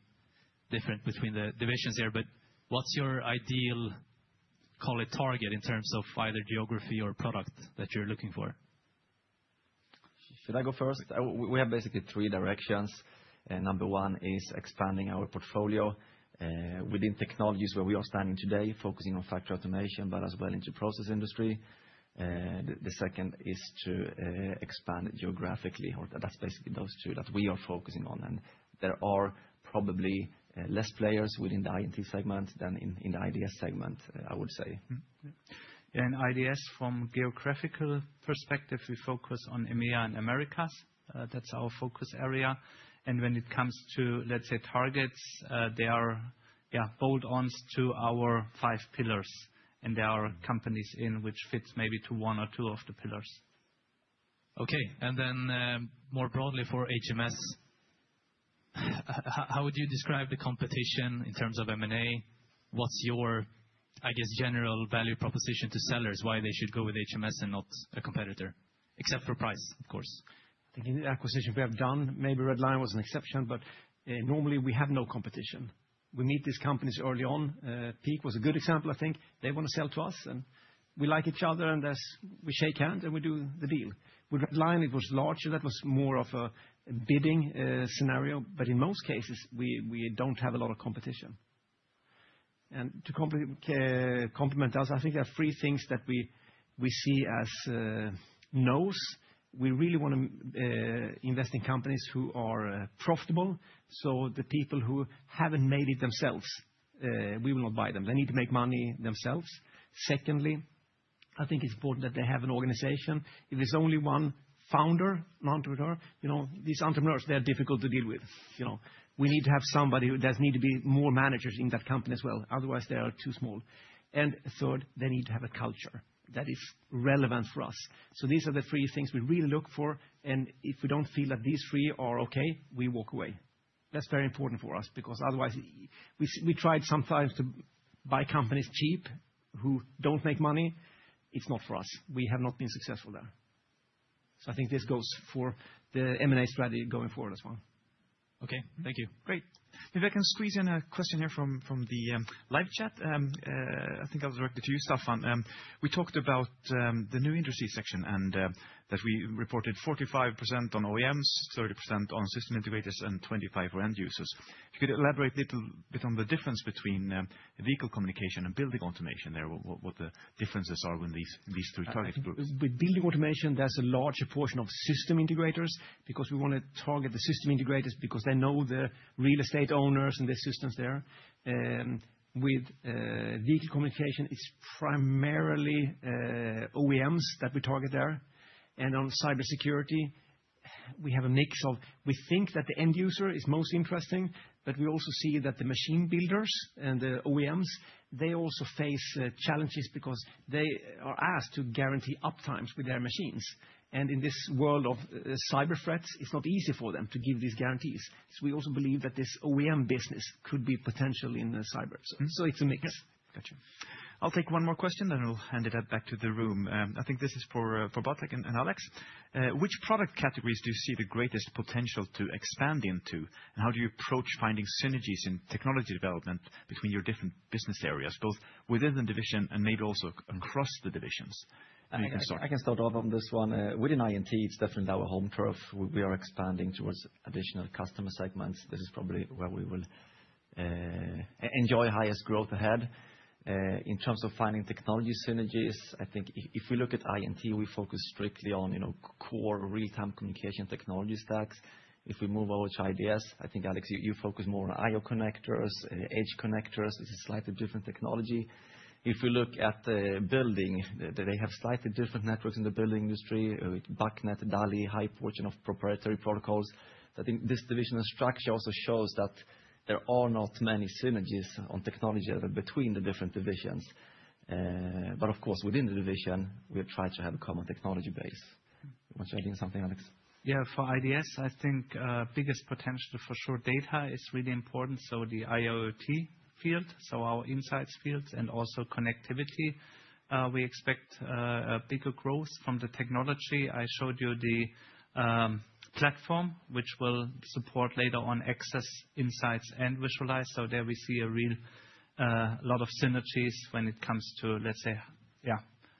different between the divisions here, but what's your ideal, call it, target in terms of either geography or product that you're looking for? Should I go first? We have basically three directions. Number one is expanding our portfolio, within technologies where we are standing today, focusing on factory automation, but as well into process industry. The second is to expand geographically, or that's basically those two that we are focusing on. And there are probably less players within the INT segment than in the IDS segment, I would say. Mm-hmm. And IDS, from geographical perspective, we focus on EMEA and Americas. That's our focus area. And when it comes to, let's say, targets, they are, yeah, bolt-ons to our five pillars, and there are companies in which fits maybe to one or two of the pillars. Okay. And then, more broadly for HMS, how would you describe the competition in terms of M&A? What's your, I guess, general value proposition to sellers, why they should go with HMS and not a competitor, except for price, of course? I think in the acquisition we have done, maybe Red Lion was an exception, but normally we have no competition. We meet these companies early on. PEAK-System was a good example, I think. They want to sell to us, and we like each other, and we shake hands, and we do the deal. With Red Lion, it was larger. That was more of a bidding scenario, but in most cases, we don't have a lot of competition. And to complement us, I think there are three things that we see as no's. We really want to invest in companies who are profitable. So the people who haven't made it themselves, we will not buy them. They need to make money themselves. Secondly, I think it's important that they have an organization. If it's only one founder and entrepreneur, you know, these entrepreneurs, they are difficult to deal with, you know. We need to have somebody who... There need to be more managers in that company as well. Otherwise, they are too small. And third, they need to have a culture that is relevant for us. So these are the three things we really look for, and if we don't feel that these three are okay, we walk away. That's very important for us, because otherwise, we tried sometimes to buy companies cheap who don't make money. It's not for us. We have not been successful there. So I think this goes for the M&A strategy going forward as well. Okay. Thank you. Great. If I can squeeze in a question here from the live chat, I think I'll direct it to you, Staffan. We talked about the new industry section and that we reported 45% on OEMs, 30% on system integrators, and 25 were end users. Could you elaborate a little bit on the difference between vehicle communication and building automation there, what the differences are when these three target groups? With building automation, there's a larger portion of system integrators because we wanna target the system integrators because they know the real estate owners and the systems there. With vehicle communication, it's primarily OEMs that we target there. And on cybersecurity, we have a mix. We think that the end user is most interesting, but we also see that the machine builders and the OEMs, they also face challenges because they are asked to guarantee uptimes with their machines. And in this world of cyber threats, it's not easy for them to give these guarantees. So we also believe that this OEM business could be potential in the cyber. So it's a mix. Yes. Gotcha. I'll take one more question, then I'll hand it back to the room. I think this is for Bartek and Alex. Which product categories do you see the greatest potential to expand into? And how do you approach finding synergies in technology development between your different business areas, both within the division and maybe also across the divisions? I can start, I can start off on this one. Within INT, it's definitely our home turf. We are expanding towards additional customer segments. This is probably where we will enjoy highest growth ahead. In terms of finding technology synergies, I think if we look at INT, we focus strictly on, you know, core real-time communication technology stacks. If we move over to IDS, I think, Alex, you focus more on I/O connectors, edge connectors. It's a slightly different technology. If you look at the building, they have slightly different networks in the building industry, with BACnet, DALI, high portion of proprietary protocols. I think this divisional structure also shows that there are not many synergies on technology level between the different divisions. But of course, within the division, we try to have a common technology base.... You want to add in something, Alex? Yeah, for IDS, I think, biggest potential for sure, data is really important, so the IIoT field, so our insights fields and also connectivity. We expect a bigger growth from the technology. I showed you the platform, which will support later on access, insights, and visualize. So there we see a real lot of synergies when it comes to, let's say, yeah,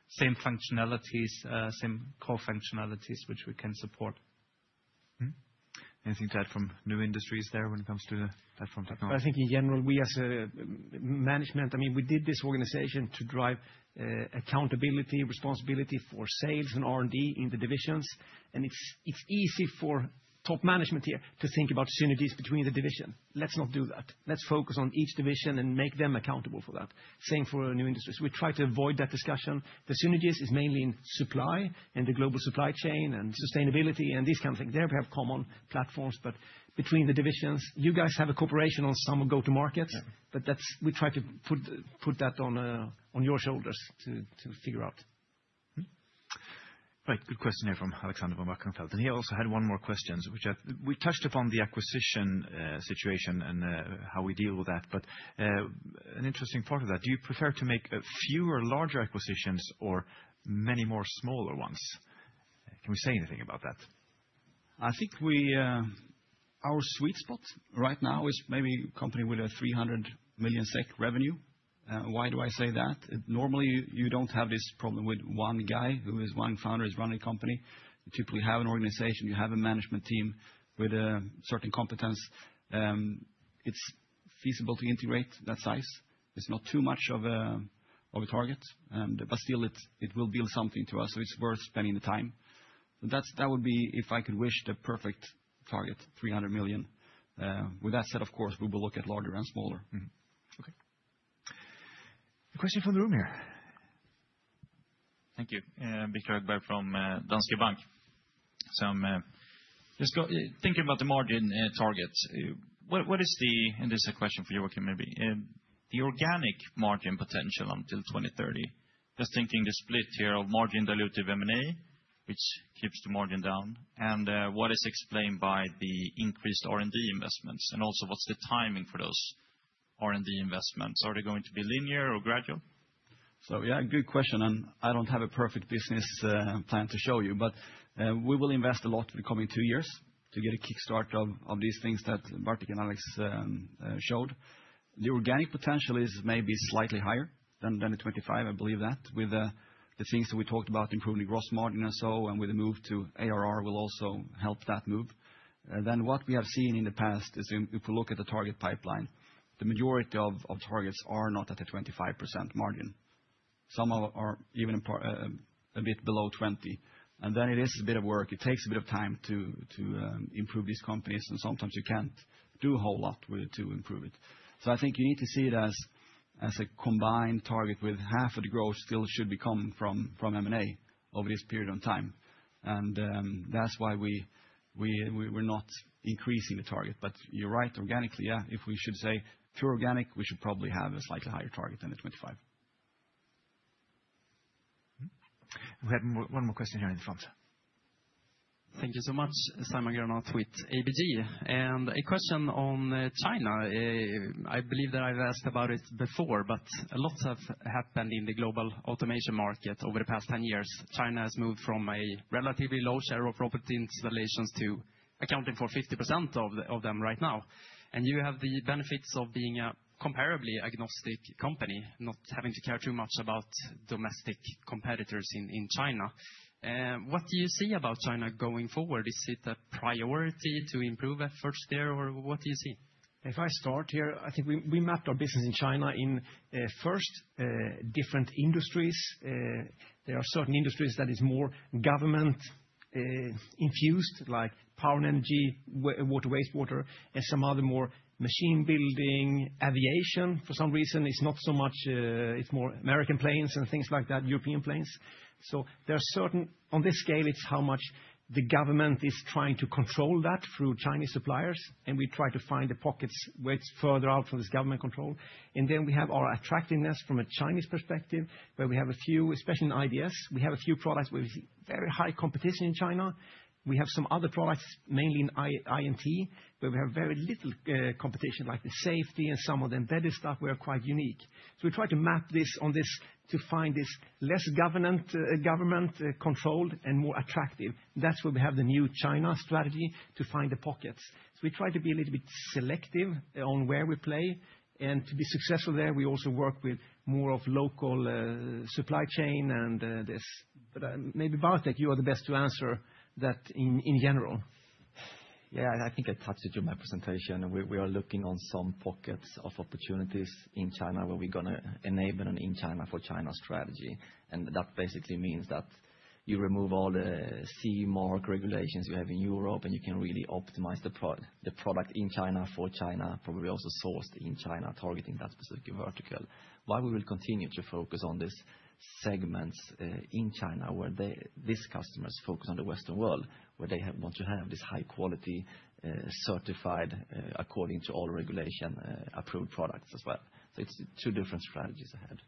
same functionalities, same core functionalities, which we can support. Mm-hmm. Anything to add from new industries there when it comes to the platform technology? I think in general, we as a management, I mean, we did this organization to drive, accountability, responsibility for sales and R&D in the divisions. And it's, it's easy for top management here to think about synergies between the division. Let's not do that. Let's focus on each division and make them accountable for that. Same for new industries. We try to avoid that discussion. The synergies is mainly in supply, in the global supply chain, and sustainability, and this kind of thing. There we have common platforms, but between the divisions, you guys have a cooperation on some go-to-markets- Yeah. But that's, we try to put that on your shoulders to figure out. Mm-hmm. Right. Good question here from Alexander von Wachenfeldt, and he also had one more question, which I—we touched upon the acquisition situation and how we deal with that. But an interesting part of that: Do you prefer to make a fewer larger acquisitions or many more smaller ones? Can we say anything about that? I think we, our sweet spot right now is maybe a company with a 300 million SEK revenue. Why do I say that? Normally, you don't have this problem with one guy who is one founder is running a company. Typically, you have an organization, you have a management team with a certain competence. It's feasible to integrate that size. It's not too much of a target, and but still, it will build something to us, so it's worth spending the time. That would be, if I could wish, the perfect target, 300 million. With that said, of course, we will look at larger and smaller. Mm-hmm. Okay. A question from the room here. Thank you. Viktor Trollsten from Danske Bank. So, thinking about the margin target, what is the, and this is a question for you, Joakim, maybe, the organic margin potential until 2030? Just thinking the split here of margin dilutive M&A, which keeps the margin down, and what is explained by the increased R&D investments, and also, what's the timing for those R&D investments? Are they going to be linear or gradual? So, yeah, good question, and I don't have a perfect business plan to show you. But, we will invest a lot in the coming two years to get a kickstart of these things that Bartek and Alex showed. The organic potential is maybe slightly higher than the 25, I believe that, with the things that we talked about, improving gross margin and so, and with the move to ARR will also help that move. Then what we have seen in the past is if we look at the target pipeline, the majority of targets are not at a 25% margin. Some are even a par, a bit below 20, and then it is a bit of work. It takes a bit of time to improve these companies, and sometimes you can't do a whole lot with it to improve it. So I think you need to see it as a combined target, with half of the growth still should be coming from M&A over this period of time. And that's why we're not increasing the target. But you're right, organically, yeah, if we should say pure organic, we should probably have a slightly higher target than the 25. Mm-hmm. We have one more, one more question here in the front. Thank you so much. Simon Granath with ABG, and a question on, China. I believe that I've asked about it before, but a lot have happened in the global automation market over the past 10 years. China has moved from a relatively low share of proprietary installations to accounting for 50% of the, of them right now, and you have the benefits of being a protocol-agnostic company, not having to care too much about domestic competitors in, in China. What do you see about China going forward? Is it a priority to improve efforts there, or what do you see? If I start here, I think we, we mapped our business in China in first different industries. There are certain industries that is more government infused, like power and energy, water, wastewater, and some other more machine building. Aviation, for some reason, is not so much, it's more American planes and things like that, European planes. So there are certain... On this scale, it's how much the government is trying to control that through Chinese suppliers, and we try to find the pockets where it's further out from this government control. And then we have our attractiveness from a Chinese perspective, where we have a few, especially in IDS, we have a few products where we see very high competition in China. We have some other products, mainly in INT, where we have very little competition, like the safety and some of the embedded stuff; we are quite unique. So we try to map this on this to find this less government controlled and more attractive. That's where we have the new China strategy, to find the pockets. So we try to be a little bit selective on where we play, and to be successful there, we also work with more of local supply chain and this. But maybe Bartek, you are the best to answer that in general. Yeah, I think I touched it in my presentation. We are looking on some pockets of opportunities in China where we're gonna enable an in China for China strategy. And that basically means that you remove all the CMAR regulations you have in Europe, and you can really optimize the product in China for China, probably also sourced in China, targeting that specific vertical. While we will continue to focus on these segments in China, where these customers focus on the Western world, where they want to have this high quality, certified, according to all regulation, approved products as well. So it's two different strategies ahead.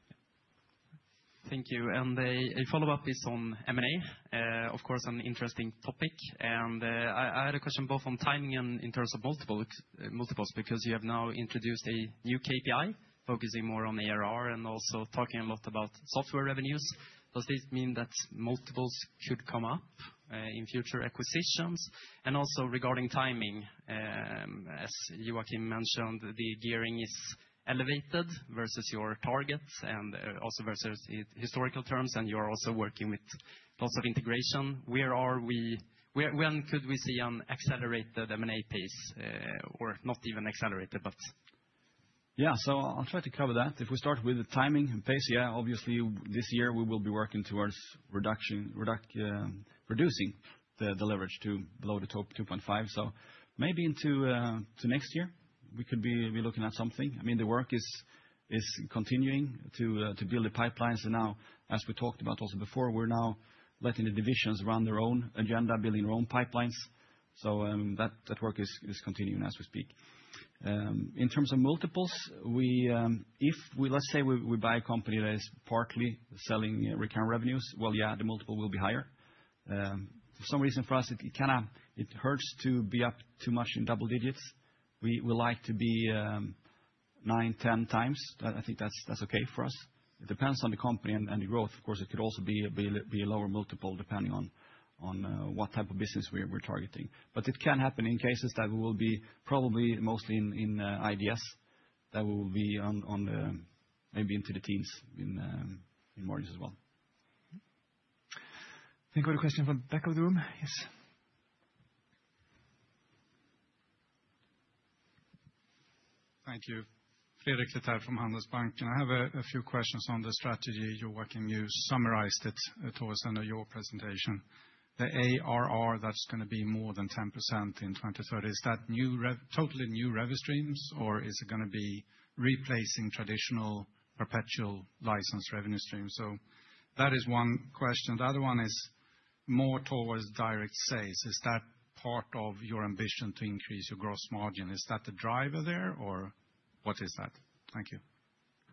...Thank you. And a follow-up is on M&A, of course, an interesting topic. And I had a question both on timing and in terms of multiples, multiples, because you have now introduced a new KPI, focusing more on ARR and also talking a lot about software revenues. Does this mean that multiples should come up in future acquisitions? And also regarding timing, as Joachim mentioned, the gearing is elevated versus your targets and also versus historical terms, and you're also working with lots of integration. Where are we? When could we see an accelerated M&A pace? Or not even accelerated, but- Yeah, so I'll try to cover that. If we start with the timing and pace, yeah, obviously, this year we will be working towards reduction, reducing the leverage to below the top 2.5. So maybe into to next year, we could be looking at something. I mean, the work is continuing to build the pipelines. And now, as we talked about also before, we're now letting the divisions run their own agenda, building their own pipelines. So, that work is continuing as we speak. In terms of multiples, if we-- let's say we buy a company that is partly selling recurring revenues, well, yeah, the multiple will be higher. For some reason, for us, it kinda hurts to be up too much in double digits. We, we like to be 9-10x. I, I think that's okay for us. It depends on the company and the growth. Of course, it could also be a lower multiple, depending on what type of business we're targeting. But it can happen in cases that we will be probably mostly in IDS, that we will be on, maybe into the teens, in margins as well. I think we have a question from the back of the room. Yes. Thank you. Fredrik Lithell from Handelsbanken. I have a few questions on the strategy, Joakim, you summarized it towards the end of your presentation. The ARR, that's gonna be more than 10% in 2030. Is that new totally new revenue streams, or is it gonna be replacing traditional perpetual license revenue streams? So that is one question. The other one is more towards direct sales. Is that part of your ambition to increase your gross margin? Is that the driver there, or what is that? Thank you.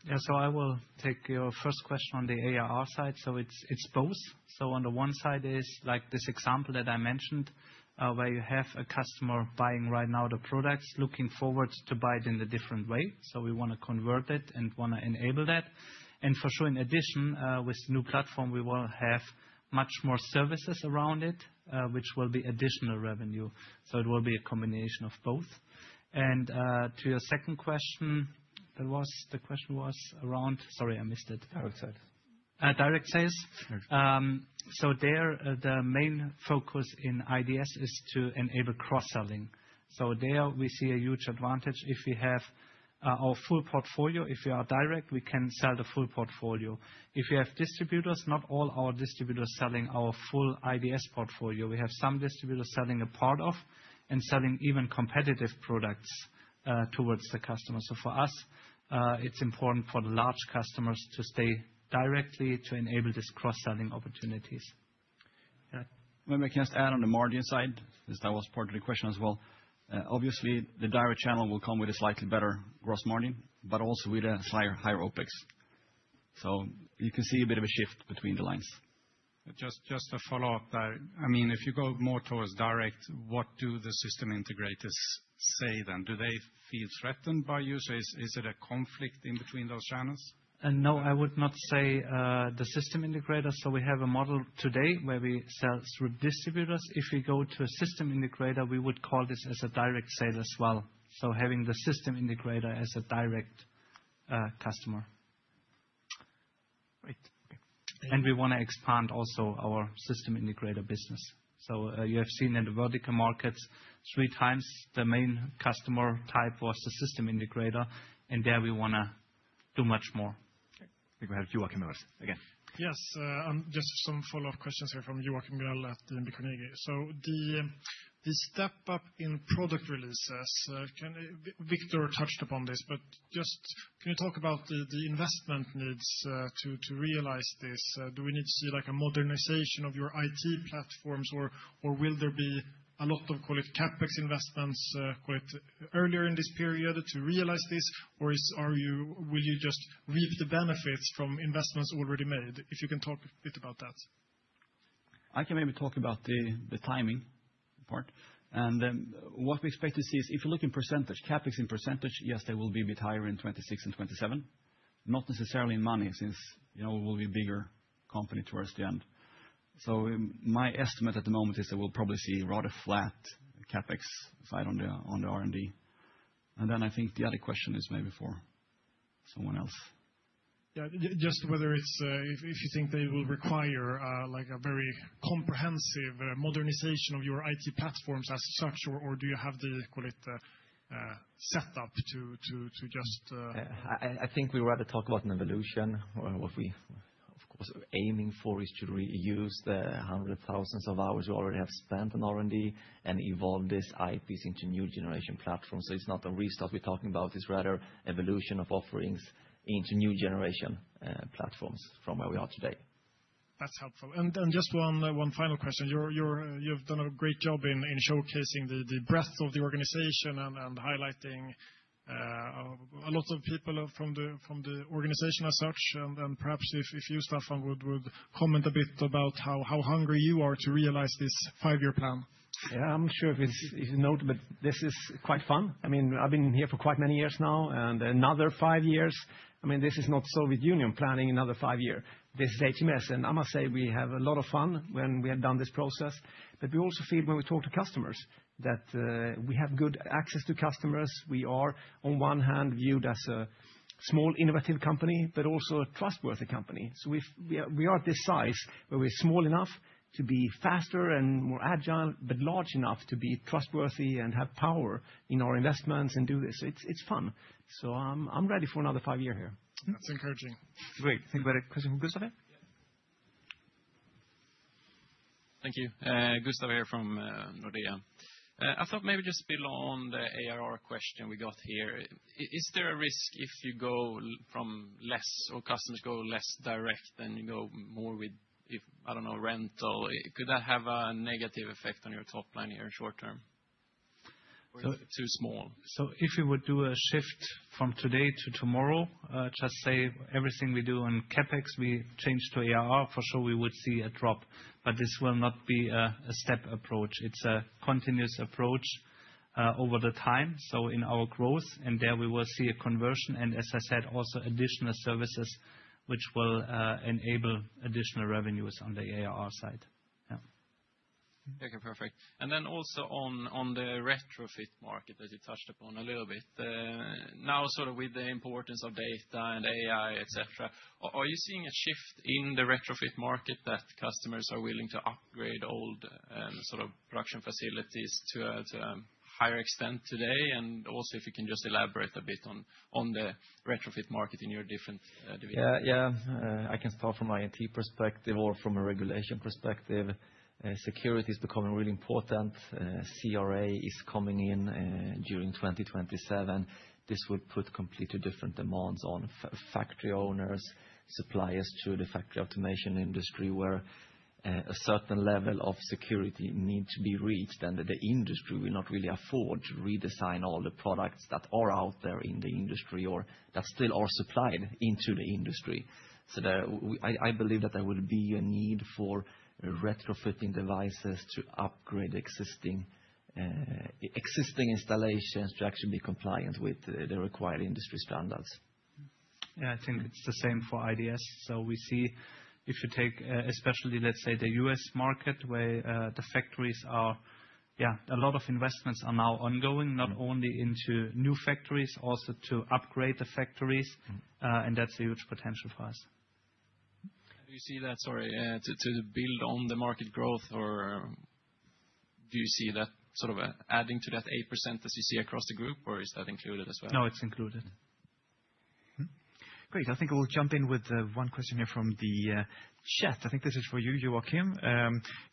Yeah, so I will take your first question on the ARR side. So it's, it's both. So on the one side is, like this example that I mentioned, where you have a customer buying right now the products, looking forward to buy it in a different way. So we wanna convert it and wanna enable that. And for sure, in addition, with the new platform, we will have much more services around it, which will be additional revenue. So it will be a combination of both. And, to your second question, that was... The question was around? Sorry, I missed it. Direct sales. Direct sales. Sure. So there, the main focus in IDS is to enable cross-selling. So there, we see a huge advantage if we have our full portfolio. If we are direct, we can sell the full portfolio. If we have distributors, not all our distributors selling our full IDS portfolio. We have some distributors selling a part of and selling even competitive products towards the customers. So for us, it's important for the large customers to stay directly to enable this cross-selling opportunities. Yeah. Let me just add on the margin side, as that was part of the question as well. Obviously, the direct channel will come with a slightly better gross margin, but also with a slighter higher OpEx. So you can see a bit of a shift between the lines. Just to follow up there, I mean, if you go more towards direct, what do the system integrators say then? Do they feel threatened by you? So is it a conflict in between those channels? No, I would not say the system integrator. So we have a model today where we sell through distributors. If we go to a system integrator, we would call this as a direct sale as well. So having the system integrator as a direct customer. Great. We wanna expand also our system integrator business. So, you have seen in the vertical markets, three times the main customer type was the system integrator, and there we wanna do much more. Okay. We have Joachim again. Yes, just some follow-up questions here from Joachim Biél at AB Carnegie. So the step up in product releases, Viktor touched upon this, but just can you talk about the investment needs to realize this? Do we need to see, like, a modernization of your IT platforms, or will there be a lot of, call it, CapEx investments, call it, earlier in this period to realize this? Or will you just reap the benefits from investments already made? If you can talk a bit about that. I can maybe talk about the timing part. What we expect to see is if you look in percentage, CapEx in percentage, yes, they will be a bit higher in 2026 and 2027. Not necessarily in money, since, you know, we'll be a bigger company towards the end. So my estimate at the moment is that we'll probably see rather flat CapEx side on the R&D. And then I think the other question is maybe for someone else. Yeah, just whether it's, if, if you think they will require, like, a very comprehensive modernization of your IT platforms as such, or, or do you have the, call it, setup to, to, to just, I think we rather talk about an evolution. Or what we, of course, are aiming for is to reuse the hundreds of thousands of hours we already have spent on R&D and evolve these IPs into new generation platforms. So it's not a restart we're talking about, it's rather evolution of offerings into new generation platforms from where we are today.... That's helpful. And just one final question. You've done a great job in showcasing the breadth of the organization and highlighting a lot of people from the organization as such. And perhaps if you, Staffan, would comment a bit about how hungry you are to realize this five-year plan? Yeah, I'm sure if it's, if you note, but this is quite fun. I mean, I've been here for quite many years now, and another five years, I mean, this is not Soviet Union planning another five-year. This is HMS, and I must say we have a lot of fun when we have done this process. But we also see it when we talk to customers, that we have good access to customers. We are, on one hand, viewed as a small, innovative company, but also a trustworthy company. So if we are, we are this size, where we're small enough to be faster and more agile, but large enough to be trustworthy and have power in our investments and do this. It's, it's fun. So I'm, I'm ready for another five-year here. That's encouraging. Great. Thank you. Question from Gustav? Thank you. Gustav here from Nordea. I thought maybe just build on the ARR question we got here. Is there a risk if you go from less or customers go less direct, then you go more with, if, I don't know, rental, could that have a negative effect on your top line here short term? Or is it too small? So if you would do a shift from today to tomorrow, just say everything we do on CapEx, we change to ARR, for sure, we would see a drop, but this will not be a step approach. It's a continuous approach over the time, so in our growth, and there we will see a conversion, and as I said, also additional services which will enable additional revenues on the ARR side. Yeah. Okay, perfect. And then also on the retrofit market, as you touched upon a little bit, now sort of with the importance of data and AI, et cetera, are you seeing a shift in the retrofit market that customers are willing to upgrade old sort of production facilities to a higher extent today? And also, if you can just elaborate a bit on the retrofit market in your different divisions. Yeah, yeah. I can start from an IT perspective or from a regulation perspective. Security is becoming really important. CRA is coming in during 2027. This will put completely different demands on factory owners, suppliers to the factory automation industry, where a certain level of security needs to be reached, and the industry will not really afford to redesign all the products that are out there in the industry, or that still are supplied into the industry. So, I believe that there will be a need for retrofitting devices to upgrade existing installations to actually be compliant with the required industry standards. Yeah, I think it's the same for IDS. So we see if you take, especially, let's say, the US market, where the factories are... Yeah, a lot of investments are now ongoing, not only into new factories, also to upgrade the factories, and that's a huge potential for us. Do you see that, sorry, to build on the market growth, or do you see that sort of adding to that 8% that you see across the group, or is that included as well? No, it's included. Mm-hmm. Great. I think I will jump in with one question here from the chat. I think this is for you, Joakim.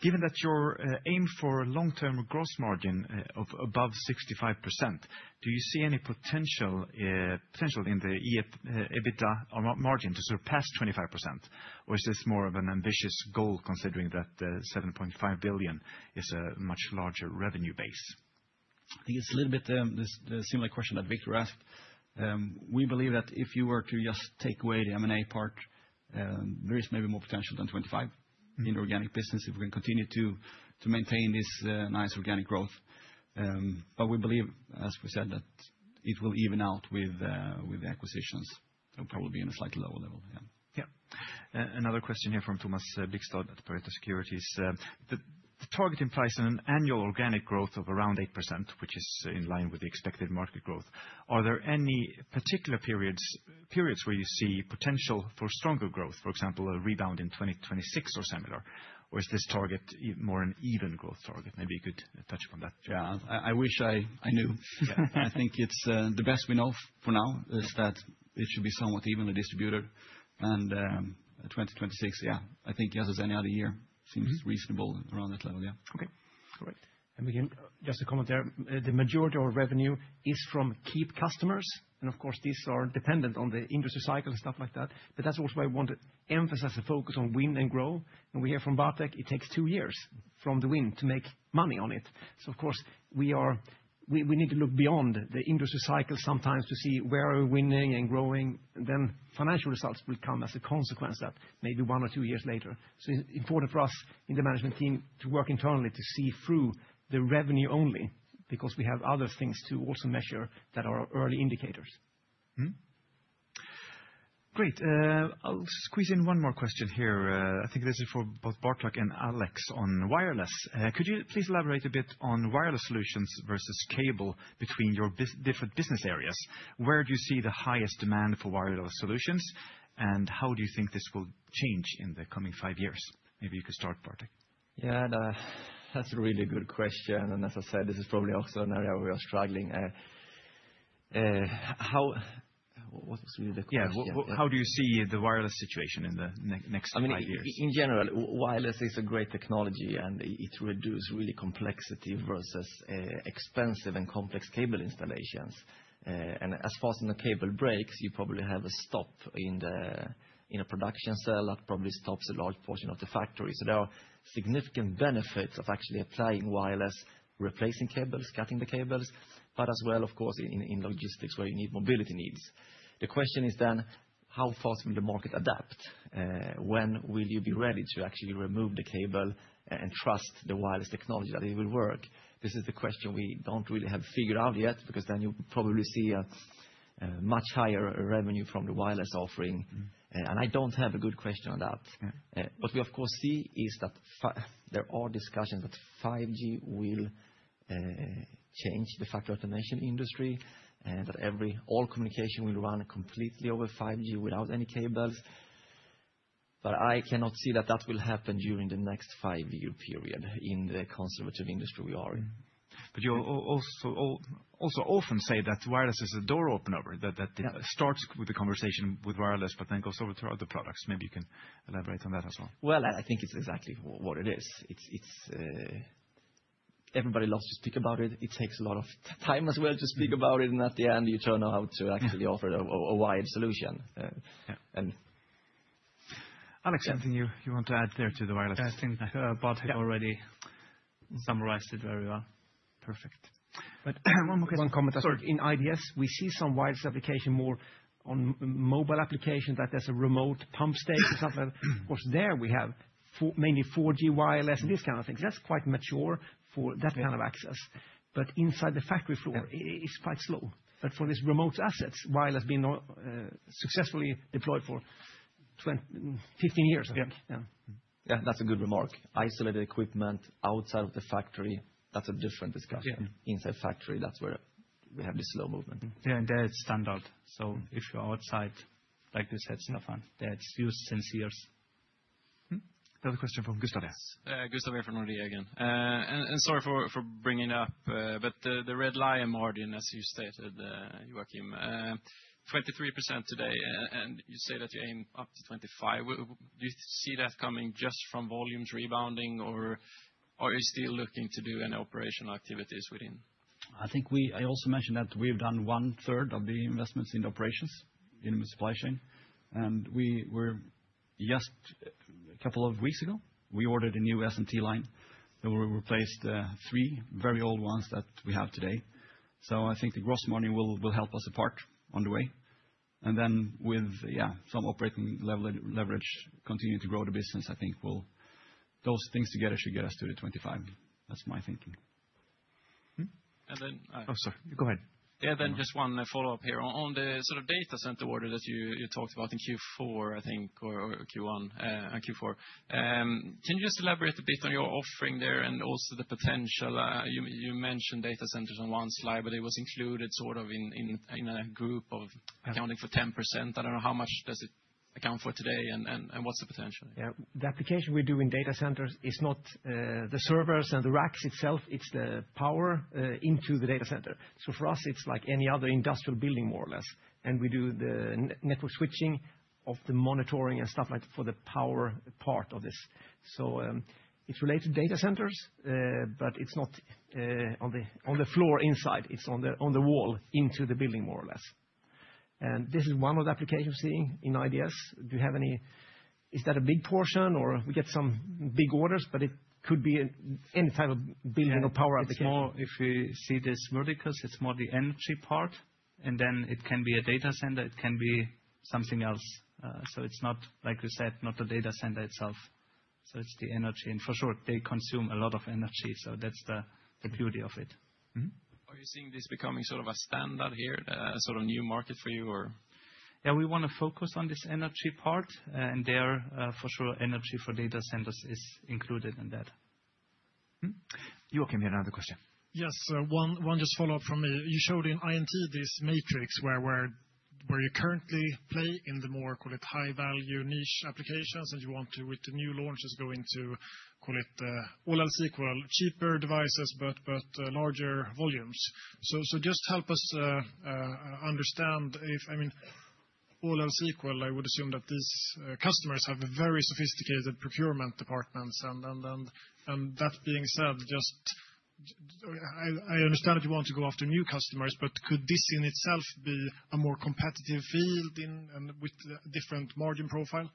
Given that your aim for long-term gross margin of above 65%, do you see any potential in the EBITDA or margin to surpass 25%, or is this more of an ambitious goal, considering that the 7.5 billion is a much larger revenue base? I think it's a little bit, the similar question that Viktor asked. We believe that if you were to just take away the M&A part, there is maybe more potential than 25 in the organic business, if we can continue to maintain this nice organic growth. But we believe, as we said, that it will even out with the acquisitions, it'll probably be in a slightly lower level. Yeah. Yeah. Another question here from Thomas Bergqvist at Pareto Securities. The target price on an annual organic growth of around 8%, which is in line with the expected market growth, are there any particular periods where you see potential for stronger growth, for example, a rebound in 2026 or similar? Or is this target more an even growth target? Maybe you could touch upon that. Yeah, I wish I knew. I think it's the best we know for now is that it should be somewhat evenly distributed. And, 2026, yeah, I think as any other year, seems reasonable around that level. Yeah. Okay. All right. And again, just a comment there. The majority of our revenue is from key customers, and of course, these are dependent on the industry cycle and stuff like that. But that's also why I want to emphasize the focus on win and grow. And we hear from Bartek, it takes two years from the win to make money on it. So of course, we need to look beyond the industry cycle sometimes to see where are we winning and growing, then financial results will come as a consequence of that, maybe one or two years later. So it's important for us in the management team to work internally to see through the revenue only, because we have other things to also measure that are early indicators. Mm-hmm. Great, I'll squeeze in one more question here. I think this is for both Bartek and Alex on wireless. Could you please elaborate a bit on wireless solutions versus cable between your different business areas? Where do you see the highest demand for wireless solutions, and how do you think this will change in the coming five years? Maybe you could start, Bartek. Yeah, that's a really good question, and as I said, this is probably also an area we are struggling.... how, what was really the question? Yeah, how do you see the wireless situation in the next five years? I mean, in general, wireless is a great technology, and it reduce really complexity versus expensive and complex cable installations. And as far as when the cable breaks, you probably have a stop in a production cell, that probably stops a large portion of the factory. So there are significant benefits of actually applying wireless, replacing cables, cutting the cables, but as well, of course, in logistics, where you need mobility needs. The question is then: How fast will the market adapt? When will you be ready to actually remove the cable and trust the wireless technology that it will work? This is the question we don't really have figured out yet, because then you probably see much higher revenue from the wireless offering, and I don't have a good question on that. Yeah. What we, of course, see is that there are discussions that 5G will change the factory automation industry, and that all communication will run completely over 5G without any cables. But I cannot see that that will happen during the next five-year period in the conservative industry we are in. But you also often say that wireless is a door opener, that, that- Yeah... it starts with a conversation with wireless, but then goes over to other products. Maybe you can elaborate on that as well. Well, I think it's exactly what it is. It's, it's, everybody loves to speak about it. It takes a lot of time as well to speak about it, and at the end, you turn out to actually offer a, a wide solution. Yeah. And- Alex, anything you want to add there to the wireless? I think, Bart has already summarized it very well. Perfect. But one more, one comment. Sorry. In IDS, we see some wireless applications, more on mobile applications, that there's a remote pump station or something. Of course, there we have for mainly 4G wireless and these kind of things. That's quite mature for that kind of access. But inside the factory floor- Yeah. It's quite slow. But for these remote assets, wireless has been successfully deployed for 15 years, I think. Yeah. Yeah. Yeah, that's a good remark. Isolated equipment outside of the factory, that's a different discussion. Yeah. Inside the factory, that's where we have this slow movement. Yeah, and there it's standard. So if you're outside, like you said, Staffan, that's used since years. Another question from Gustav Hageus. Yeah. Gustav from Nordea again. And sorry for bringing it up, but the red line margin, as you stated, Joakim, 23% today, and you say that you aim up to 25. Do you see that coming just from volumes rebounding, or are you still looking to do any operational activities within? I think we—I also mentioned that we've done one third of the investments in the operations, in the supply chain, and we were just a couple of weeks ago we ordered a new SMT line that will replace the three very old ones that we have today. So I think the gross margin will help us apart on the way. And then with yeah some operating level leverage continue to grow the business, I think we'll—those things together should get us to the 25. That's my thinking. Mm-hmm. And then- Oh, sorry. Go ahead. Yeah, then just one follow-up here. On the sort of data center order that you talked about in Q4, I think, or Q1 and Q4, can you just elaborate a bit on your offering there and also the potential? You mentioned data centers on one slide, but it was included sort of in a group of accounting for 10%. I don't know, how much does it account for today, and what's the potential? Yeah. The application we do in data centers is not the servers and the racks itself, it's the power into the data center. So for us, it's like any other industrial building, more or less, and we do the network switching of the monitoring and stuff like for the power part of this. So it's related to data centers, but it's not on the floor inside. It's on the wall, into the building, more or less. And this is one of the applications we're seeing in IDS. Do you have any-- Is that a big portion, or we get some big orders, but it could be any type of building or power application. Yeah, it's more if we see this verticals, it's more the energy part, and then it can be a data center, it can be something else. So it's not, like we said, not the data center itself. So it's the energy. And for sure, they consume a lot of energy, so that's the beauty of it. Mm-hmm. Are you seeing this becoming sort of a standard here, a sort of new market for you, or? Yeah, we wanna focus on this energy part, and there, for sure, energy for data centers is included in that. Mm-hmm. Joachim, you had another question. Yes, one just follow-up from me. You showed in INT this matrix where you currently play in the more, call it, high-value niche applications, and you want to, with the new launches, go into, call it, all else equal, cheaper devices, but larger volumes. So just help us understand if... I mean, all else equal, I would assume that these customers have very sophisticated procurement departments. And that being said, just, I understand that you want to go after new customers, but could this in itself be a more competitive field, and with a different margin profile?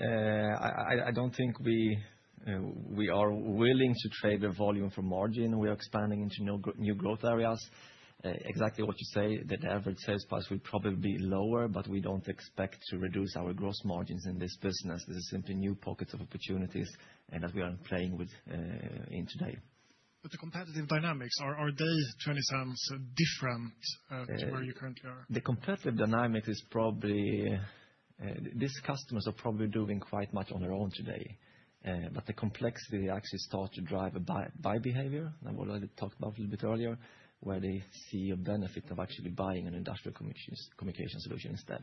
I don't think we are willing to trade the volume for margin. We are expanding into new growth areas. Exactly what you say, that average sales price will probably be lower, but we don't expect to reduce our gross margins in this business. This is simply new pockets of opportunities, and that we are playing with in today. The competitive dynamics, are they $0.20 different to where you currently are? The competitive dynamic is probably. These customers are probably doing quite much on their own today. But the complexity actually starts to drive a buy behavior, and what I talked about a little bit earlier, where they see a benefit of actually buying an industrial communication solution instead....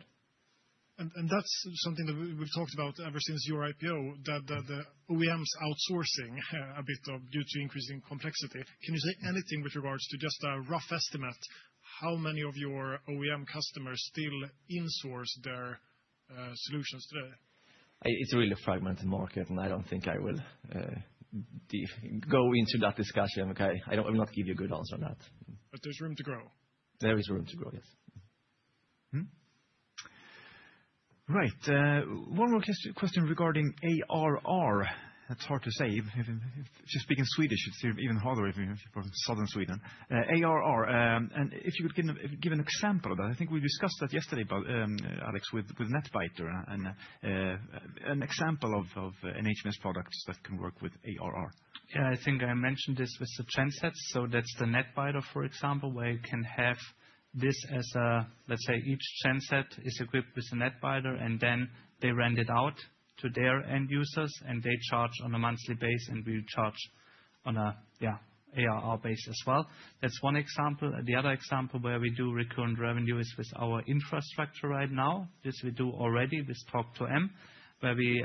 And that's something that we've talked about ever since your IPO, that the OEMs outsourcing a bit more due to increasing complexity. Can you say anything with regards to just a rough estimate, how many of your OEM customers still in-source their solutions today? It's a really fragmented market, and I don't think I will go into that discussion, okay? I don't, I will not give you a good answer on that. There's room to grow? There is room to grow, yes. Right, one more question regarding ARR. That's hard to say, if you speak in Swedish, it's even harder if you're from southern Sweden. ARR, and if you would give an example of that. I think we discussed that yesterday, but Alex, with Netbiter, and an example of HMS products that can work with ARR. Yeah, I think I mentioned this with the transsets. So that's the Netbiter, for example, where you can have this as a... Let's say, each transset is equipped with a Netbiter, and then they rent it out to their end users, and they charge on a monthly basis, and we charge on a, yeah, ARR basis as well. That's one example. The other example where we do recurrent revenue is with our infrastructure right now. This we do already with Talk2M, where we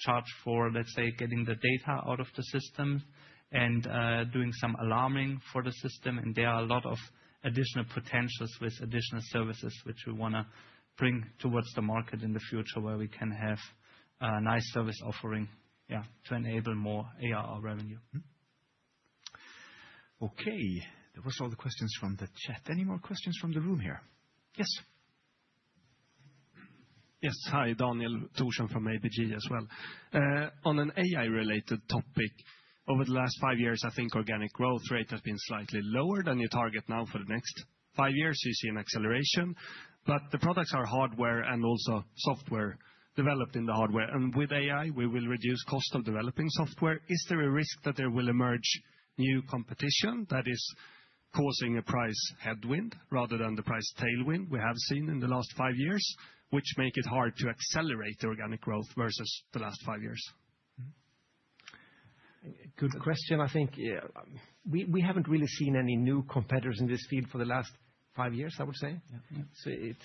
charge for, let's say, getting the data out of the system and doing some alarming for the system. And there are a lot of additional potentials with additional services, which we wanna bring towards the market in the future, where we can have a nice service offering, yeah, to enable more ARR revenue. Okay, that was all the questions from the chat. Any more questions from the room here? Yes. Yes. Hi, Daniel Thorsson from ABG as well. On an AI-related topic, over the last five years, I think organic growth rate has been slightly lower than your target. Now for the next five years, you see an acceleration. But the products are hardware and also software developed in the hardware, and with AI, we will reduce cost of developing software. Is there a risk that there will emerge new competition that is causing a price headwind, rather than the price tailwind we have seen in the last five years, which make it hard to accelerate the organic growth versus the last five years? Good question. I think, yeah, we haven't really seen any new competitors in this field for the last five years, I would say. Yeah. So it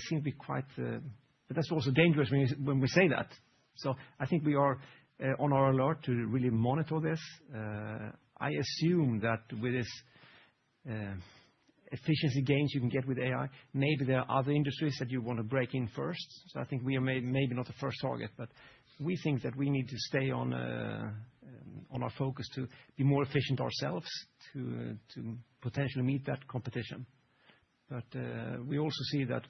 seems to be quite. But that's also dangerous when you, when we say that. So I think we are on our alert to really monitor this. I assume that with this efficiency gains you can get with AI, maybe there are other industries that you wanna break in first. So I think we are maybe not the first target, but we think that we need to stay on our focus to be more efficient ourselves, to potentially meet that competition. But we also see that.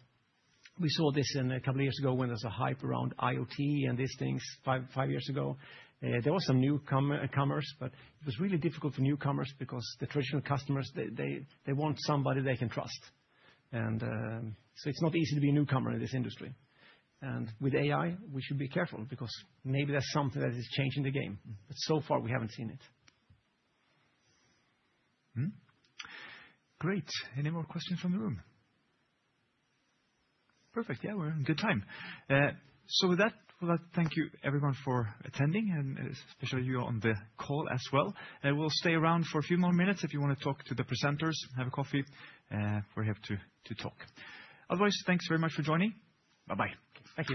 We saw this in a couple years ago when there was a hype around IoT and these things 5 years ago. There was some newcomers, but it was really difficult for newcomers because the traditional customers they want somebody they can trust. And, so it's not easy to be a newcomer in this industry. And with AI, we should be careful because maybe that's something that is changing the game. But so far, we haven't seen it. Mm-hmm. Great. Any more questions from the room? Perfect. Yeah, we're in good time. So with that, with that, thank you everyone for attending, and, especially you on the call as well. I will stay around for a few more minutes if you wanna talk to the presenters, have a coffee, we're here to, to talk. Otherwise, thanks very much for joining. Bye-bye. Thank you.